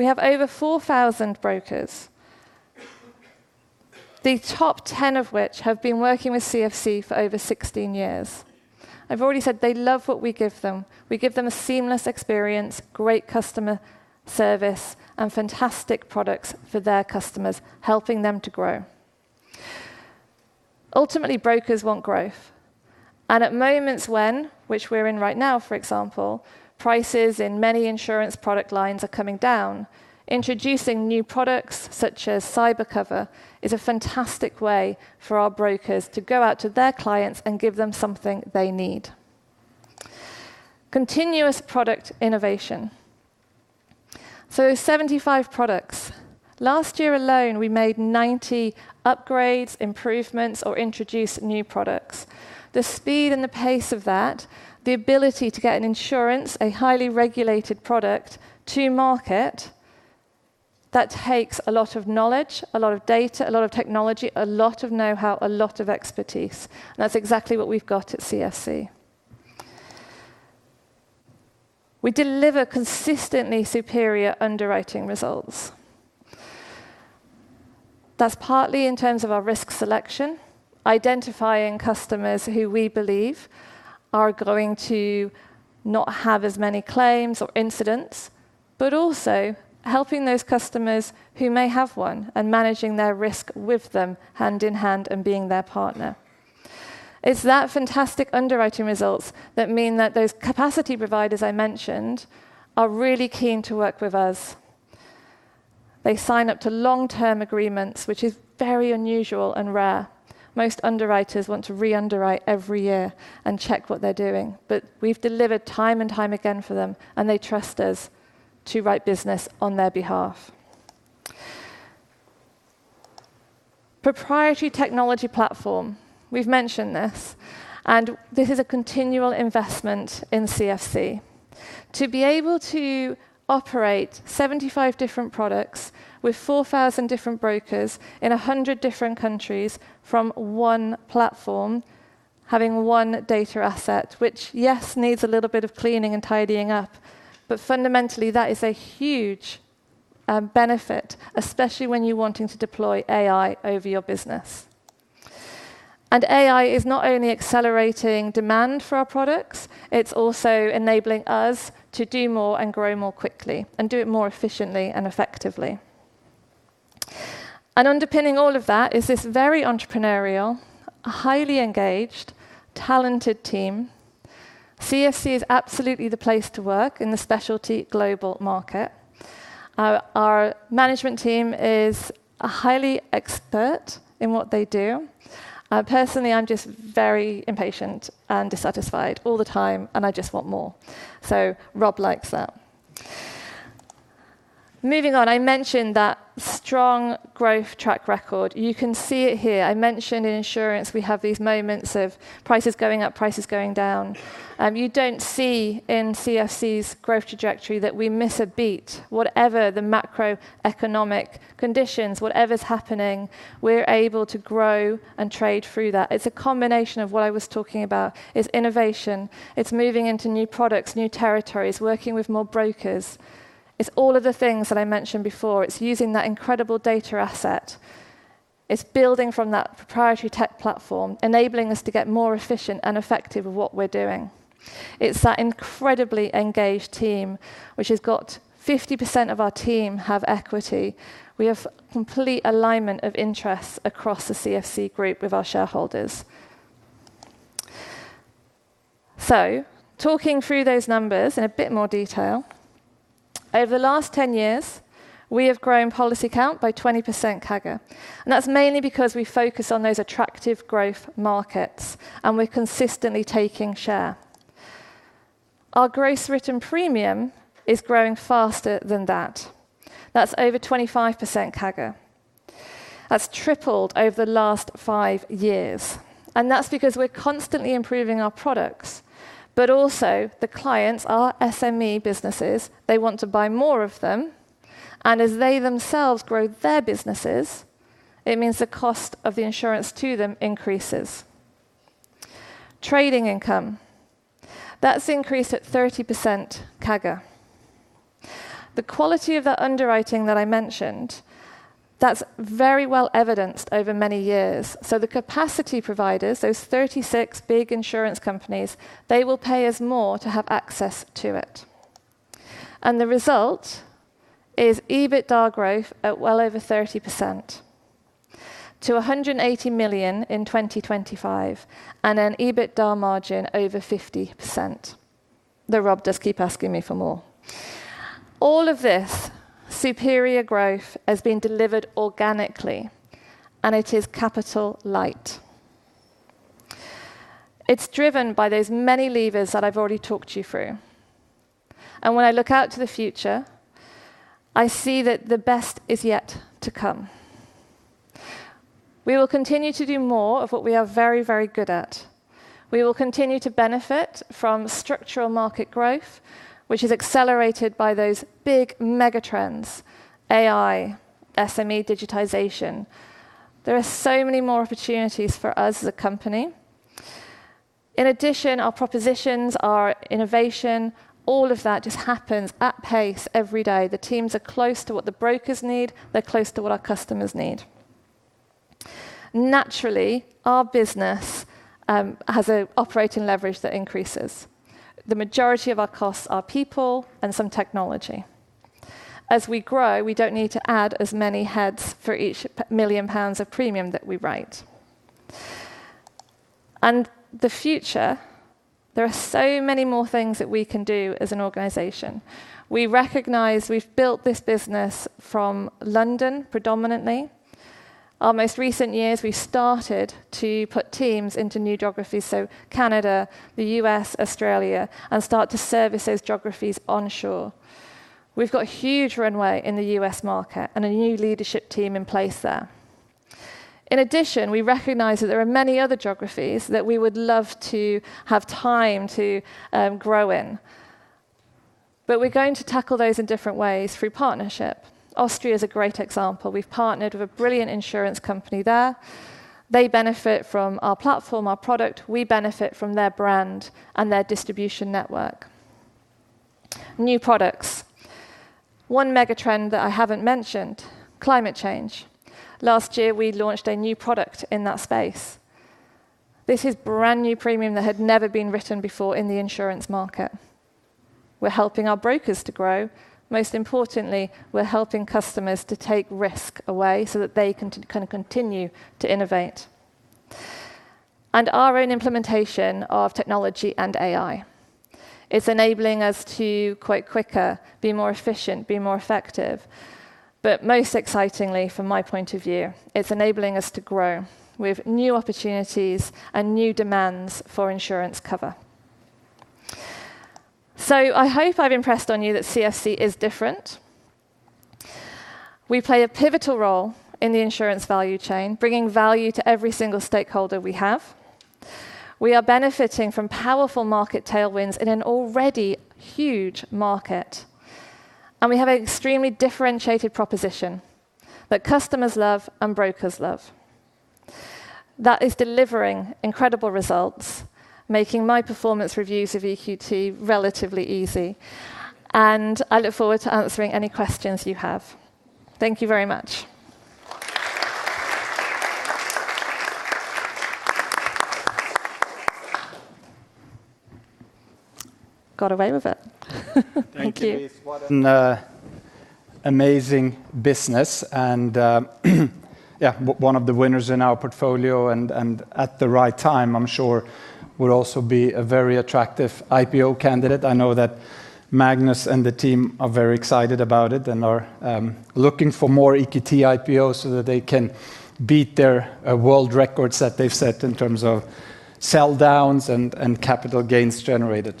We have over 4,000 brokers, the top 10 of which have been working with CFC for over 16 years. I've already said they love what we give them. We give them a seamless experience, great customer service, and fantastic products for their customers, helping them to grow. Ultimately, brokers want growth. At moments when, which we're in right now, for example, prices in many insurance product lines are coming down, introducing new products such as cyber cover is a fantastic way for our brokers to go out to their clients and give them something they need. Continuous product innovation. 75 products. Last year alone, we made 90 upgrades, improvements, or introduced new products. The speed and the pace of that, the ability to get an insurance, a highly regulated product, to market, that takes a lot of knowledge, a lot of data, a lot of technology, a lot of know-how, a lot of expertise. That's exactly what we've got at CFC. We deliver consistently superior underwriting results. That's partly in terms of our risk selection, identifying customers who we believe are going to not have as many claims or incidents, but also helping those customers who may have one and managing their risk with them hand in hand and being their partner. It's that fantastic underwriting results that mean that those capacity providers I mentioned are really keen to work with us. They sign up to long-term agreements, which is very unusual and rare. Most underwriters want to re-underwrite every year and check what they're doing. We've delivered time and time again for them, and they trust us to write business on their behalf. Proprietary technology platform. We've mentioned this. This is a continual investment in CFC. To be able to operate 75 different products with 4,000 different brokers in 100 different countries from one platform, having one data asset, which, yes, needs a little bit of cleaning and tidying up, but fundamentally, that is a huge benefit, especially when you're wanting to deploy AI over your business. AI is not only accelerating demand for our products, it's also enabling us to do more and grow more quickly, and do it more efficiently and effectively. Underpinning all of that is this very entrepreneurial, highly engaged, talented team. CFC is absolutely the place to work in the specialty global market. Our management team is highly expert in what they do. Personally, I'm just very impatient and dissatisfied all the time. I just want more. Rob likes that. Moving on, I mentioned that strong growth track record. You can see it here. I mentioned in insurance, we have these moments of prices going up, prices going down. You don't see in CFC's growth trajectory that we miss a beat. Whatever the macroeconomic conditions, whatever's happening, we're able to grow and trade through that. It's a combination of what I was talking about. It's innovation. It's moving into new products, new territories, working with more brokers. It's all of the things that I mentioned before. It's using that incredible data asset. It's building from that proprietary tech platform, enabling us to get more efficient and effective with what we're doing. It's that incredibly engaged team, which has got 50% of our team have equity. We have complete alignment of interests across the CFC group with our shareholders. Talking through those numbers in a bit more detail, over the last 10 years, we have grown policy count by 20% CAGR, and that's mainly because we focus on those attractive growth markets, and we're consistently taking share. Our gross written premium is growing faster than that. That's over 25% CAGR. That's tripled over the last 5 years, and that's because we're constantly improving our products. The clients are SME businesses. They want to buy more of them, and as they themselves grow their businesses, it means the cost of the insurance to them increases. Trading income. That's increased at 30% CAGR. The quality of that underwriting that I mentioned, that's very well evidenced over many years. The capacity providers, those 36 big insurance companies, they will pay us more to have access to it. The result is EBITDA growth at well over 30% to 180 million in 2025 and an EBITDA margin over 50%, though Rob does keep asking me for more. All of this superior growth has been delivered organically, and it is capital light. It's driven by those many levers that I've already talked you through. When I look out to the future, I see that the best is yet to come. We will continue to do more of what we are very, very good at. We will continue to benefit from structural market growth, which is accelerated by those big mega trends, AI, SME digitization. There are so many more opportunities for us as a company. In addition, our propositions, our innovation, all of that just happens at pace every day. The teams are close to what the brokers need. They're close to what our customers need. Naturally, our business has operating leverage that increases. The majority of our costs are people and some technology. As we grow, we don't need to add as many heads for each 1 million pounds of premium that we write. The future, there are so many more things that we can do as an organization. We recognize we've built this business from London predominantly. Our most recent years, we started to put teams into new geographies, Canada, the U.S., Australia, and start to service those geographies onshore. We've got a huge runway in the U.S. market and a new leadership team in place there. In addition, we recognize that there are many other geographies that we would love to have time to grow in, but we're going to tackle those in different ways through partnership. Austria is a great example. We've partnered with a brilliant insurance company there. They benefit from our platform, our product. We benefit from their brand and their distribution network. New products. One mega trend that I haven't mentioned, climate change. Last year, we launched a new product in that space. This is brand-new premium that had never been written before in the insurance market. We're helping our brokers to grow. Most importantly, we're helping customers to take risk away so that they can continue to innovate. Our own implementation of technology and AI is enabling us to quote quicker, be more efficient, be more effective. Most excitingly, from my point of view, it's enabling us to grow with new opportunities and new demands for insurance cover. I hope I've impressed on you that CFC is different. We play a pivotal role in the insurance value chain, bringing value to every single stakeholder we have. We are benefiting from powerful market tailwinds in an already huge market. We have an extremely differentiated proposition that customers love and brokers love that is delivering incredible results, making my performance reviews of EQT relatively easy. I look forward to answering any questions you have. Thank you very much. Got away with it. Thank you. Thank you, Louise. What an amazing business, yeah, one of the winners in our portfolio and at the right time, I'm sure, will also be a very attractive IPO candidate. I know that Magnus and the team are very excited about it, are looking for more EQT IPOs so that they can beat their world records that they've set in terms of sell downs and capital gains generated.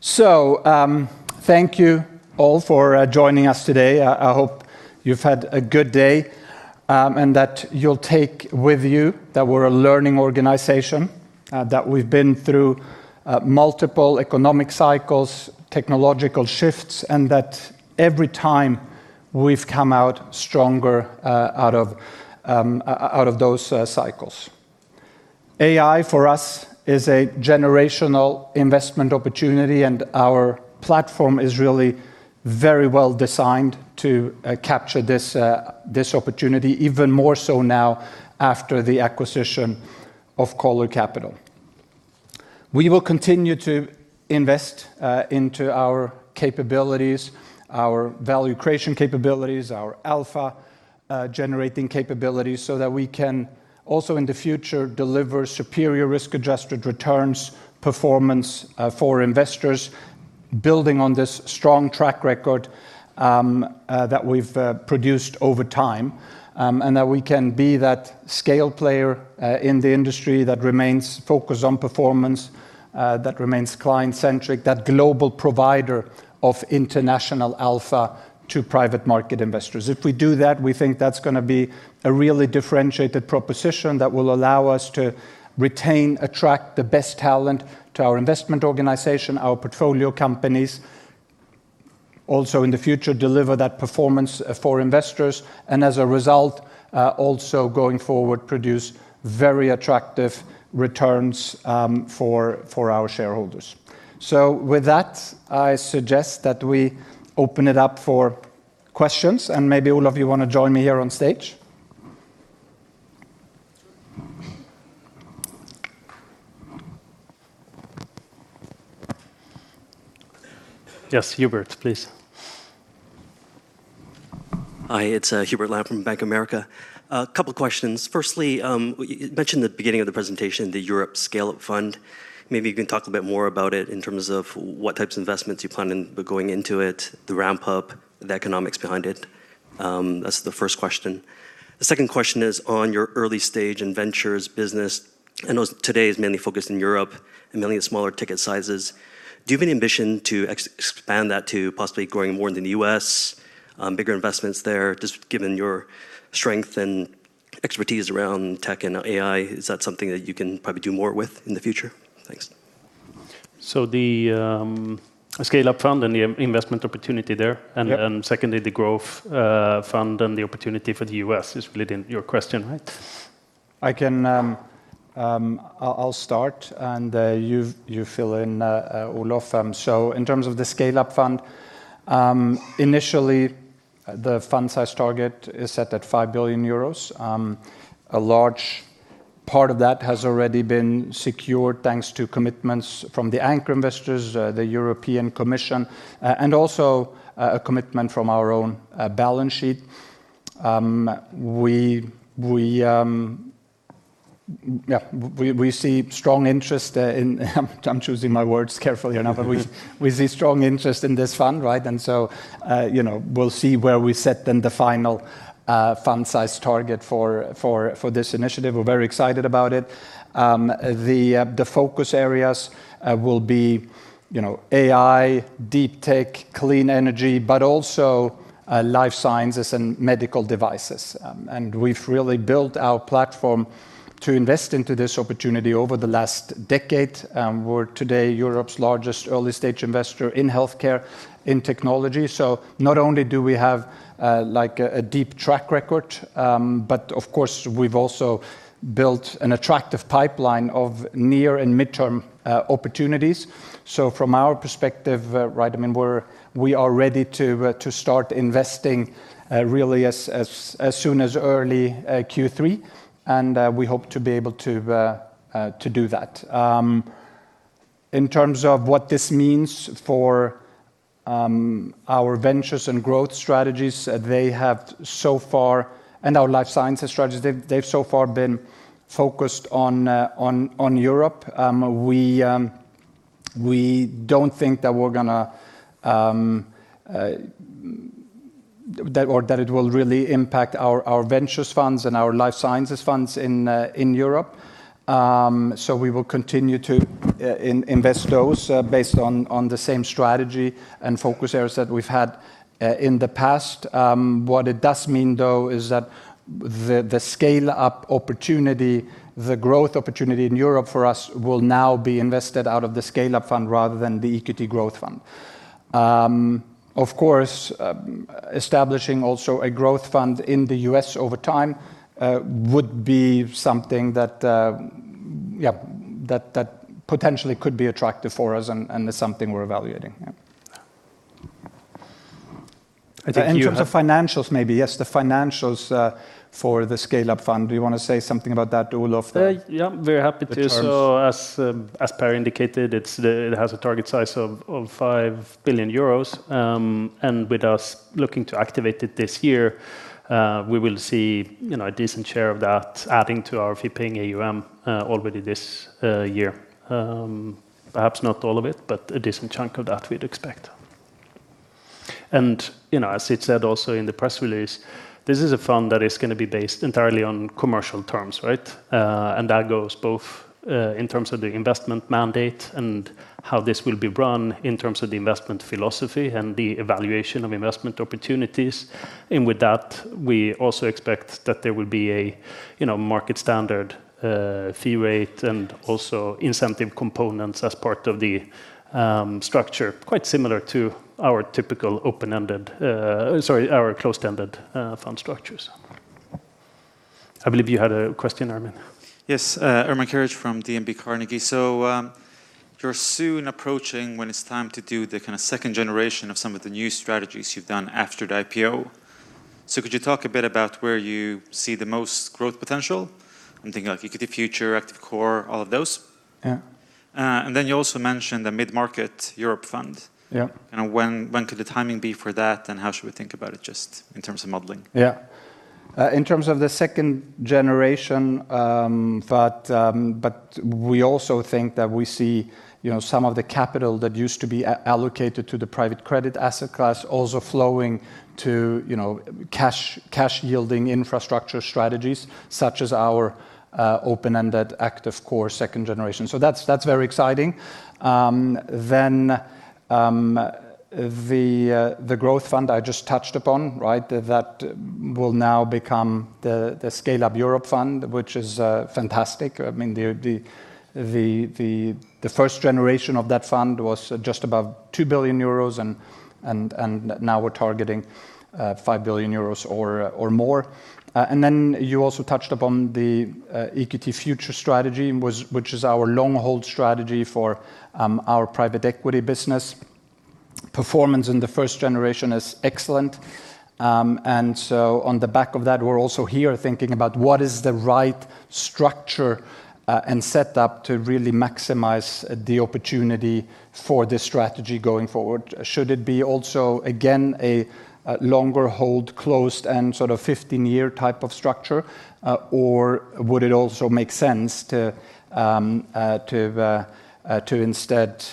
Thank you all for joining us today. I hope you've had a good day, that you'll take with you that we're a learning organization, that we've been through multiple economic cycles, technological shifts, that every time we've come out stronger out of those cycles. AI for us is a generational investment opportunity. Our platform is really very well designed to capture this opportunity even more so now after the acquisition of Coller Capital. We will continue to invest into our capabilities, our value creation capabilities, our alpha-generating capabilities so that we can also in the future deliver superior risk-adjusted returns performance for investors, building on this strong track record that we've produced over time that we can be that scale player in the industry that remains focused on performance, that remains client-centric, that global provider of international alpha to private market investors. If we do that, we think that's going to be a really differentiated proposition that will allow us to retain, attract the best talent to our investment organization, our portfolio companies, also in the future deliver that performance for investors, as a result, also going forward produce very attractive returns for our shareholders. With that, I suggest that we open it up for questions and maybe all of you want to join me here on stage. Yes, Hubert, please. Hi, it's Hubert Lam from Bank of America. A couple questions. Firstly, you mentioned at the beginning of the presentation the Europe Scale Up Fund. Maybe you can talk a bit more about it in terms of what types of investments you plan on going into it, the ramp-up, the economics behind it. That's the first question. The second question is on your early stage and ventures business. I know today is mainly focused in Europe and mainly in smaller ticket sizes. Do you have any ambition to expand that to possibly growing more in the U.S., bigger investments there? Just given your strength and expertise around tech and AI, is that something that you can probably do more with in the future? Thanks. The Scale Up Fund and the investment opportunity there. Yep secondly, the growth fund and the opportunity for the U.S. is really your question, right? I'll start and you fill in, Olof. In terms of the Scale-up Fund, initially the fund size target is set at 5 billion euros, a large part of that has already been secured thanks to commitments from the anchor investors, the European Commission, and also a commitment from our own balance sheet. We see strong interest in— I'm choosing my words carefully enough. We see strong interest in this fund, we'll see where we set then the final fund size target for this initiative. We're very excited about it. The focus areas will be AI, deep tech, clean energy, but also life sciences and medical devices. We've really built our platform to invest into this opportunity over the last decade. We're today Europe's largest early-stage investor in healthcare and technology. Not only do we have a deep track record, but of course, we've also built an attractive pipeline of near and mid-term opportunities. From our perspective, we are ready to start investing really as soon as early Q3, and we hope to be able to do that. In terms of what this means for our ventures and growth strategies, and our life sciences strategies, they've so far been focused on Europe. We don't think that it will really impact our ventures funds and our life sciences funds in Europe. We will continue to invest those based on the same strategy and focus areas that we've had in the past. What it does mean, though, is that the scale-up opportunity, the growth opportunity in Europe for us will now be invested out of the Scale-up Fund rather than the EQT Growth Fund. Of course, establishing also a growth fund in the U.S. over time would be something that potentially could be attractive for us and is something we're evaluating. Yeah. You have- In terms of financials, maybe. Yes, the financials for the Scaleup Fund. Do you want to say something about that, Olof? Yeah, very happy to. The terms. As Per indicated, it has a target size of 5 billion euros. With us looking to activate it this year, we will see a decent share of that adding to our fee-paying AUM already this year. Perhaps not all of it, but a decent chunk of that we'd expect. As Sid said also in the press release, this is a fund that is going to be based entirely on commercial terms. That goes both in terms of the investment mandate and how this will be run in terms of the investment philosophy and the evaluation of investment opportunities. With that, we also expect that there will be a market standard fee rate and also incentive components as part of the structure, quite similar to our closed-ended fund structures. I believe you had a question, Ermin. Ermin Keric from DNB Carnegie. You're soon approaching when it's time to do the kind of second generation of some of the new strategies you've done after the IPO. Could you talk a bit about where you see the most growth potential? I'm thinking of EQT Future, Active Core, all of those. Yeah. You also mentioned the mid-market Europe fund. Yeah. When could the timing be for that? How should we think about it, just in terms of modeling? In terms of the second generation, we also think that we see some of the capital that used to be allocated to the private credit asset class also flowing to cash-yielding infrastructure strategies such as our open-ended Active Core second generation. That's very exciting. The growth fund I just touched upon. That will now become the Scaleup Europe Fund, which is fantastic. The first generation of that fund was just above 2 billion euros and now we're targeting 5 billion euros or more. You also touched upon the EQT Future strategy, which is our long-hold strategy for our private equity business. Performance in the first generation is excellent. On the back of that, we're also here thinking about what is the right structure and setup to really maximize the opportunity for this strategy going forward. Should it be also, again, a longer hold closed and sort of 15-year type of structure, or would it also make sense to instead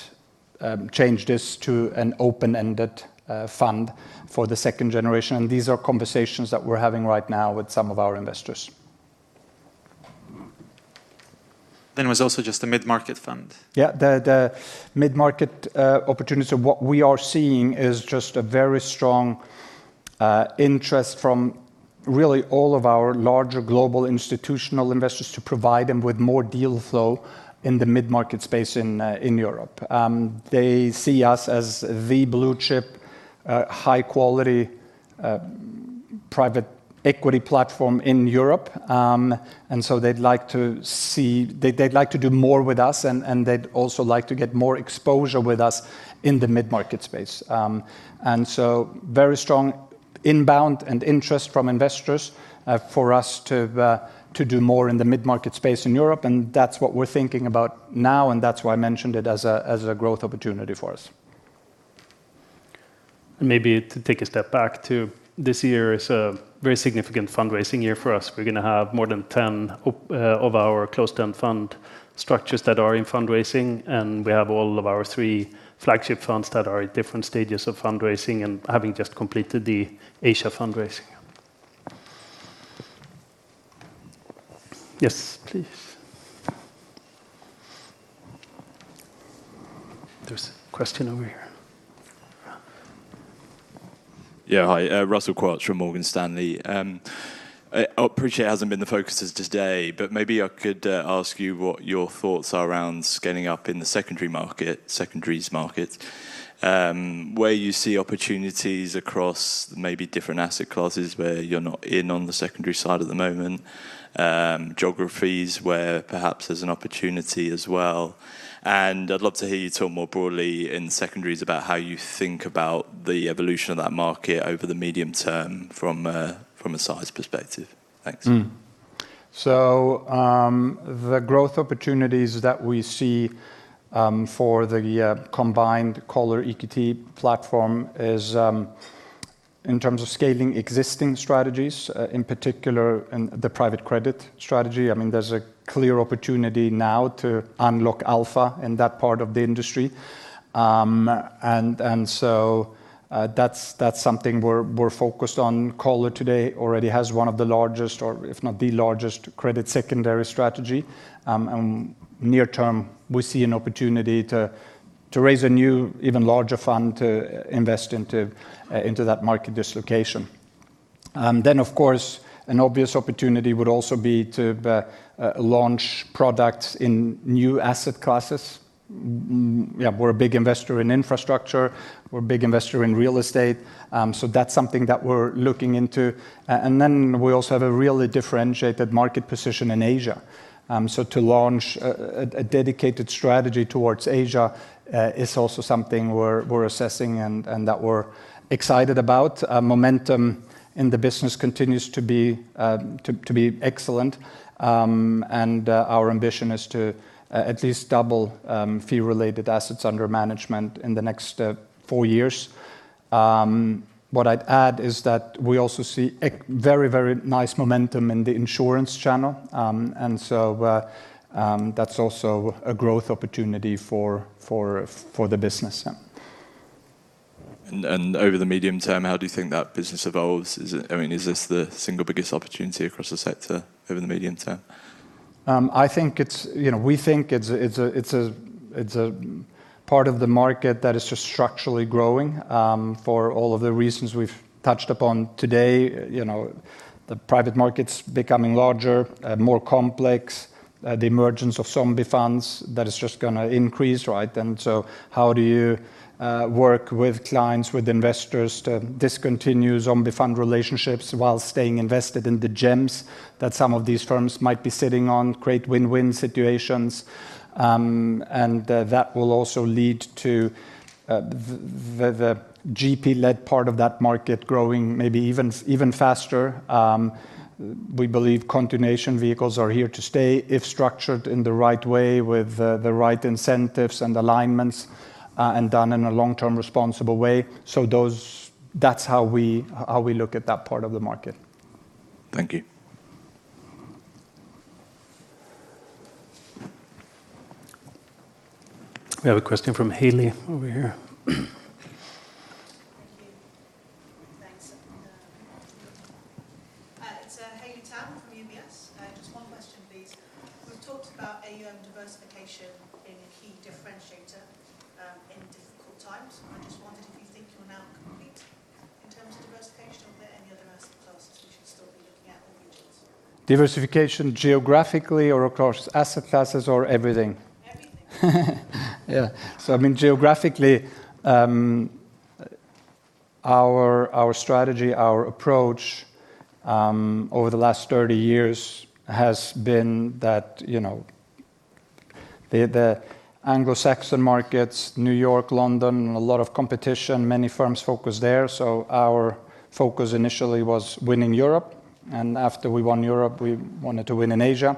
change this to an open-ended fund for the second generation? These are conversations that we're having right now with some of our investors. Was also just the mid-market fund. The mid-market opportunity. What we are seeing is just a very strong interest from really all of our larger global institutional investors to provide them with more deal flow in the mid-market space in Europe. They see us as the blue chip, high quality, private equity platform in Europe. They'd like to do more with us, and they'd also like to get more exposure with us in the mid-market space. Very strong inbound and interest from investors for us to do more in the mid-market space in Europe and that's what we're thinking about now and that's why I mentioned it as a growth opportunity for us. Maybe to take a step back to this year is a very significant fundraising year for us. We're going to have more than 10 of our closed-end fund structures that are in fundraising and we have all of our three flagship funds that are at different stages of fundraising and having just completed the Asia fundraising. Yes, please. There's a question over here. Yeah. Hi. Russell Quelch from Morgan Stanley. Maybe I could ask you what your thoughts are around scaling up in the secondaries market, where you see opportunities across maybe different asset classes where you're not in on the secondary side at the moment, geographies where perhaps there's an opportunity as well and I'd love to hear you talk more broadly in secondaries about how you think about the evolution of that market over the medium term from a size perspective. Thanks. The growth opportunities that we see for the combined Coller EQT platform is in terms of scaling existing strategies, in particular in the private credit strategy. There's a clear opportunity now to unlock alpha in that part of the industry. That's something we're focused on. Coller today already has one of the largest or if not the largest credit secondary strategy. Near term, we see an opportunity to raise a new, even larger fund to invest into that market dislocation. Of course, an obvious opportunity would also be to launch products in new asset classes. We're a big investor in infrastructure. We're a big investor in real estate. That's something that we're looking into. We also have a really differentiated market position in Asia. To launch a dedicated strategy towards Asia is also something we're assessing and that we're excited about. Momentum in the business continues to be excellent. Our ambition is to at least double fee-related assets under management in the next four years. What I'd add is that we also see a very nice momentum in the insurance channel and so that's also a growth opportunity for the business. Over the medium term, how do you think that business evolves? Is this the single biggest opportunity across the sector over the medium term? We think it's a part of the market that is just structurally growing for all of the reasons we've touched upon today. The private market's becoming larger, more complex, the emergence of zombie funds, that is just going to increase. How do you work with clients, with investors to discontinue zombie fund relationships while staying invested in the gems that some of these firms might be sitting on? Create win-win situations. That will also lead to the GP-led part of that market growing maybe even faster. We believe continuation vehicles are here to stay if structured in the right way with the right incentives and alignments and done in a long-term responsible way. That's how we look at that part of the market. Thank you. We have a question from Haley over here. Thank you. Thanks. It's Haley Tam from UBS. Just one question please. We've talked about AUM diversification being a key differentiator in difficult times. I just wondered if you think you're now complete in terms of diversification. Are there any other asset classes we should still be looking at? Diversification geographically or across asset classes or everything? Everything. Yeah. Geographically our strategy, our approach over the last 30 years has been that the Anglo-Saxon markets, New York, London, a lot of competition, many firms focus there our focus initially was winning Europe and after we won Europe we wanted to win in Asia.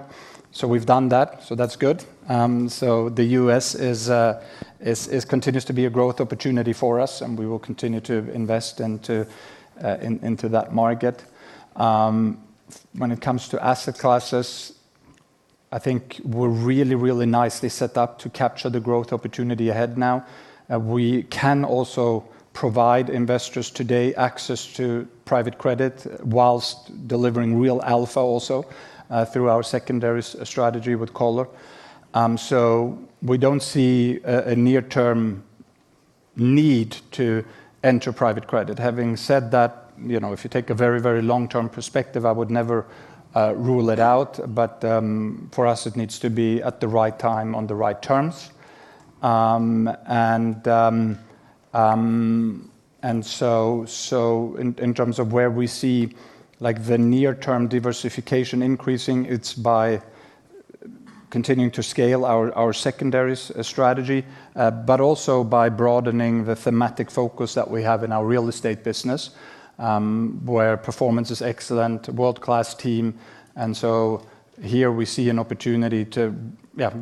We've done that's good. The U.S. continues to be a growth opportunity for us and we will continue to invest into that market. When it comes to asset classes, I think we're really nicely set up to capture the growth opportunity ahead now. We can also provide investors today access to private credit whilst delivering real alpha also through our secondaries strategy with Coller. We don't see a near-term need to enter private credit. Having said that, if you take a very long-term perspective, I would never rule it out but for us it needs to be at the right time on the right terms. In terms of where we see the near-term diversification increasing, it's by continuing to scale our secondaries strategy, but also by broadening the thematic focus that we have in our real estate business, where performance is excellent, world-class team. Here we see an opportunity to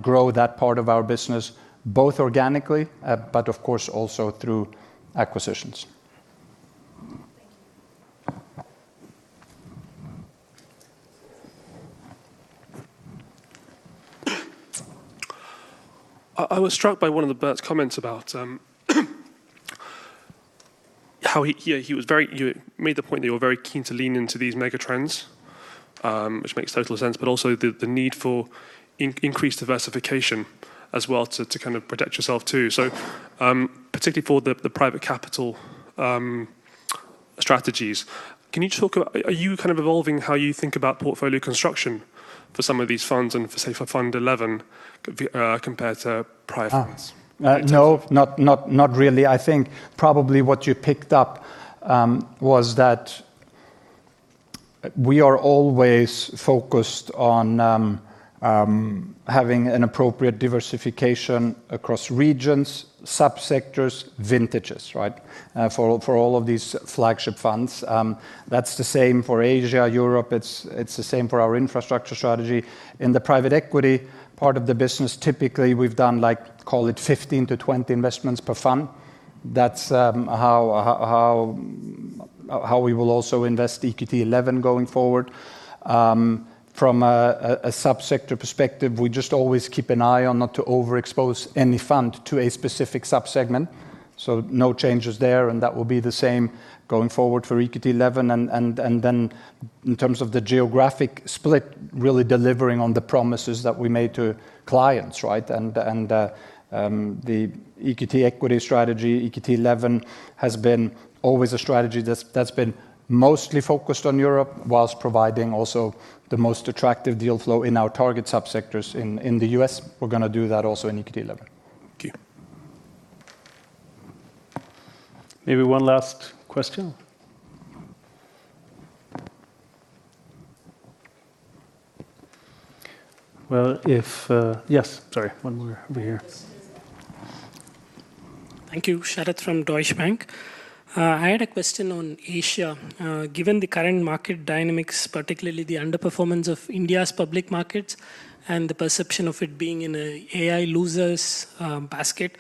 grow that part of our business both organically, but of course also through acquisitions. Thank you. I was struck by one of Bert's comments about how he made the point that you're very keen to lean into these mega trends, which makes total sense, but also the need for increased diversification as well to protect yourself too. Particularly for the private capital strategies, are you evolving how you think about portfolio construction for some of these funds and for, say, Fund XI compared to prior funds? No, not really. I think probably what you picked up was that we are always focused on having an appropriate diversification across regions, subsectors, vintages. For all of these flagship funds. That's the same for Asia, Europe. It's the same for our infrastructure strategy. In the private equity part of the business, typically, we've done, call it 15 to 20 investments per fund. That's how we will also invest EQT XI going forward. From a subsector perspective, we just always keep an eye on not to overexpose any fund to a specific subsegment. No changes there, and that will be the same going forward for EQT XI and then in terms of the geographic split, really delivering on the promises that we made to clients. The EQT equity strategy, EQT XI, has been always a strategy that's been mostly focused on Europe whilst providing also the most attractive deal flow in our target subsectors in the U.S. We're going to do that also in EQT XI. Thank you. Maybe one last question. Yes. Sorry, one more over here. Thank you. Sharath from Deutsche Bank. I had a question on Asia. Given the current market dynamics, particularly the underperformance of India's public markets and the perception of it being in AI losers basket.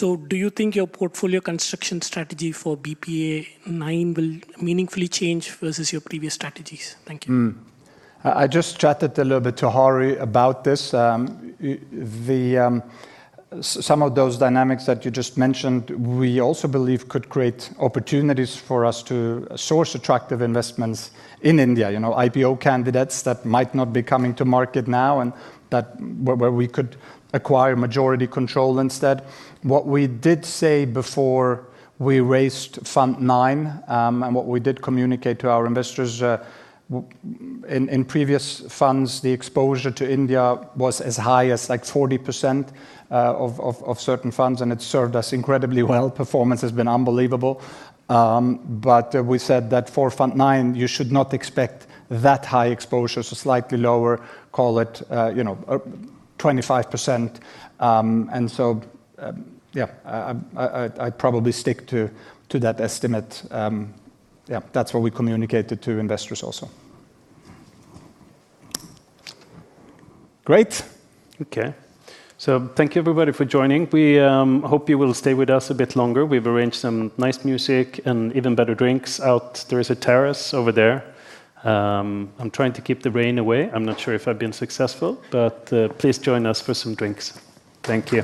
Do you think your portfolio construction strategy for BPEA IX will meaningfully change versus your previous strategies? Thank you. I just chatted a little bit to Hari about this. Some of those dynamics that you just mentioned, we also believe could create opportunities for us to source attractive investments in India. IPO candidates that might not be coming to market now and where we could acquire majority control instead. What we did say before we raised EQT IX, and what we did communicate to our investors, in previous funds, the exposure to India was as high as 40% of certain funds, and it served us incredibly well. Performance has been unbelievable. We said that for EQT IX you should not expect that high exposure, slightly lower, call it 25%. Yeah, I'd probably stick to that estimate. That's what we communicated to investors also. Great. Okay. Thank you everybody for joining. We hope you will stay with us a bit longer. We've arranged some nice music and even better drinks out. There is a terrace over there. I'm trying to keep the rain away. I'm not sure if I've been successful, but please join us for some drinks. Thank you.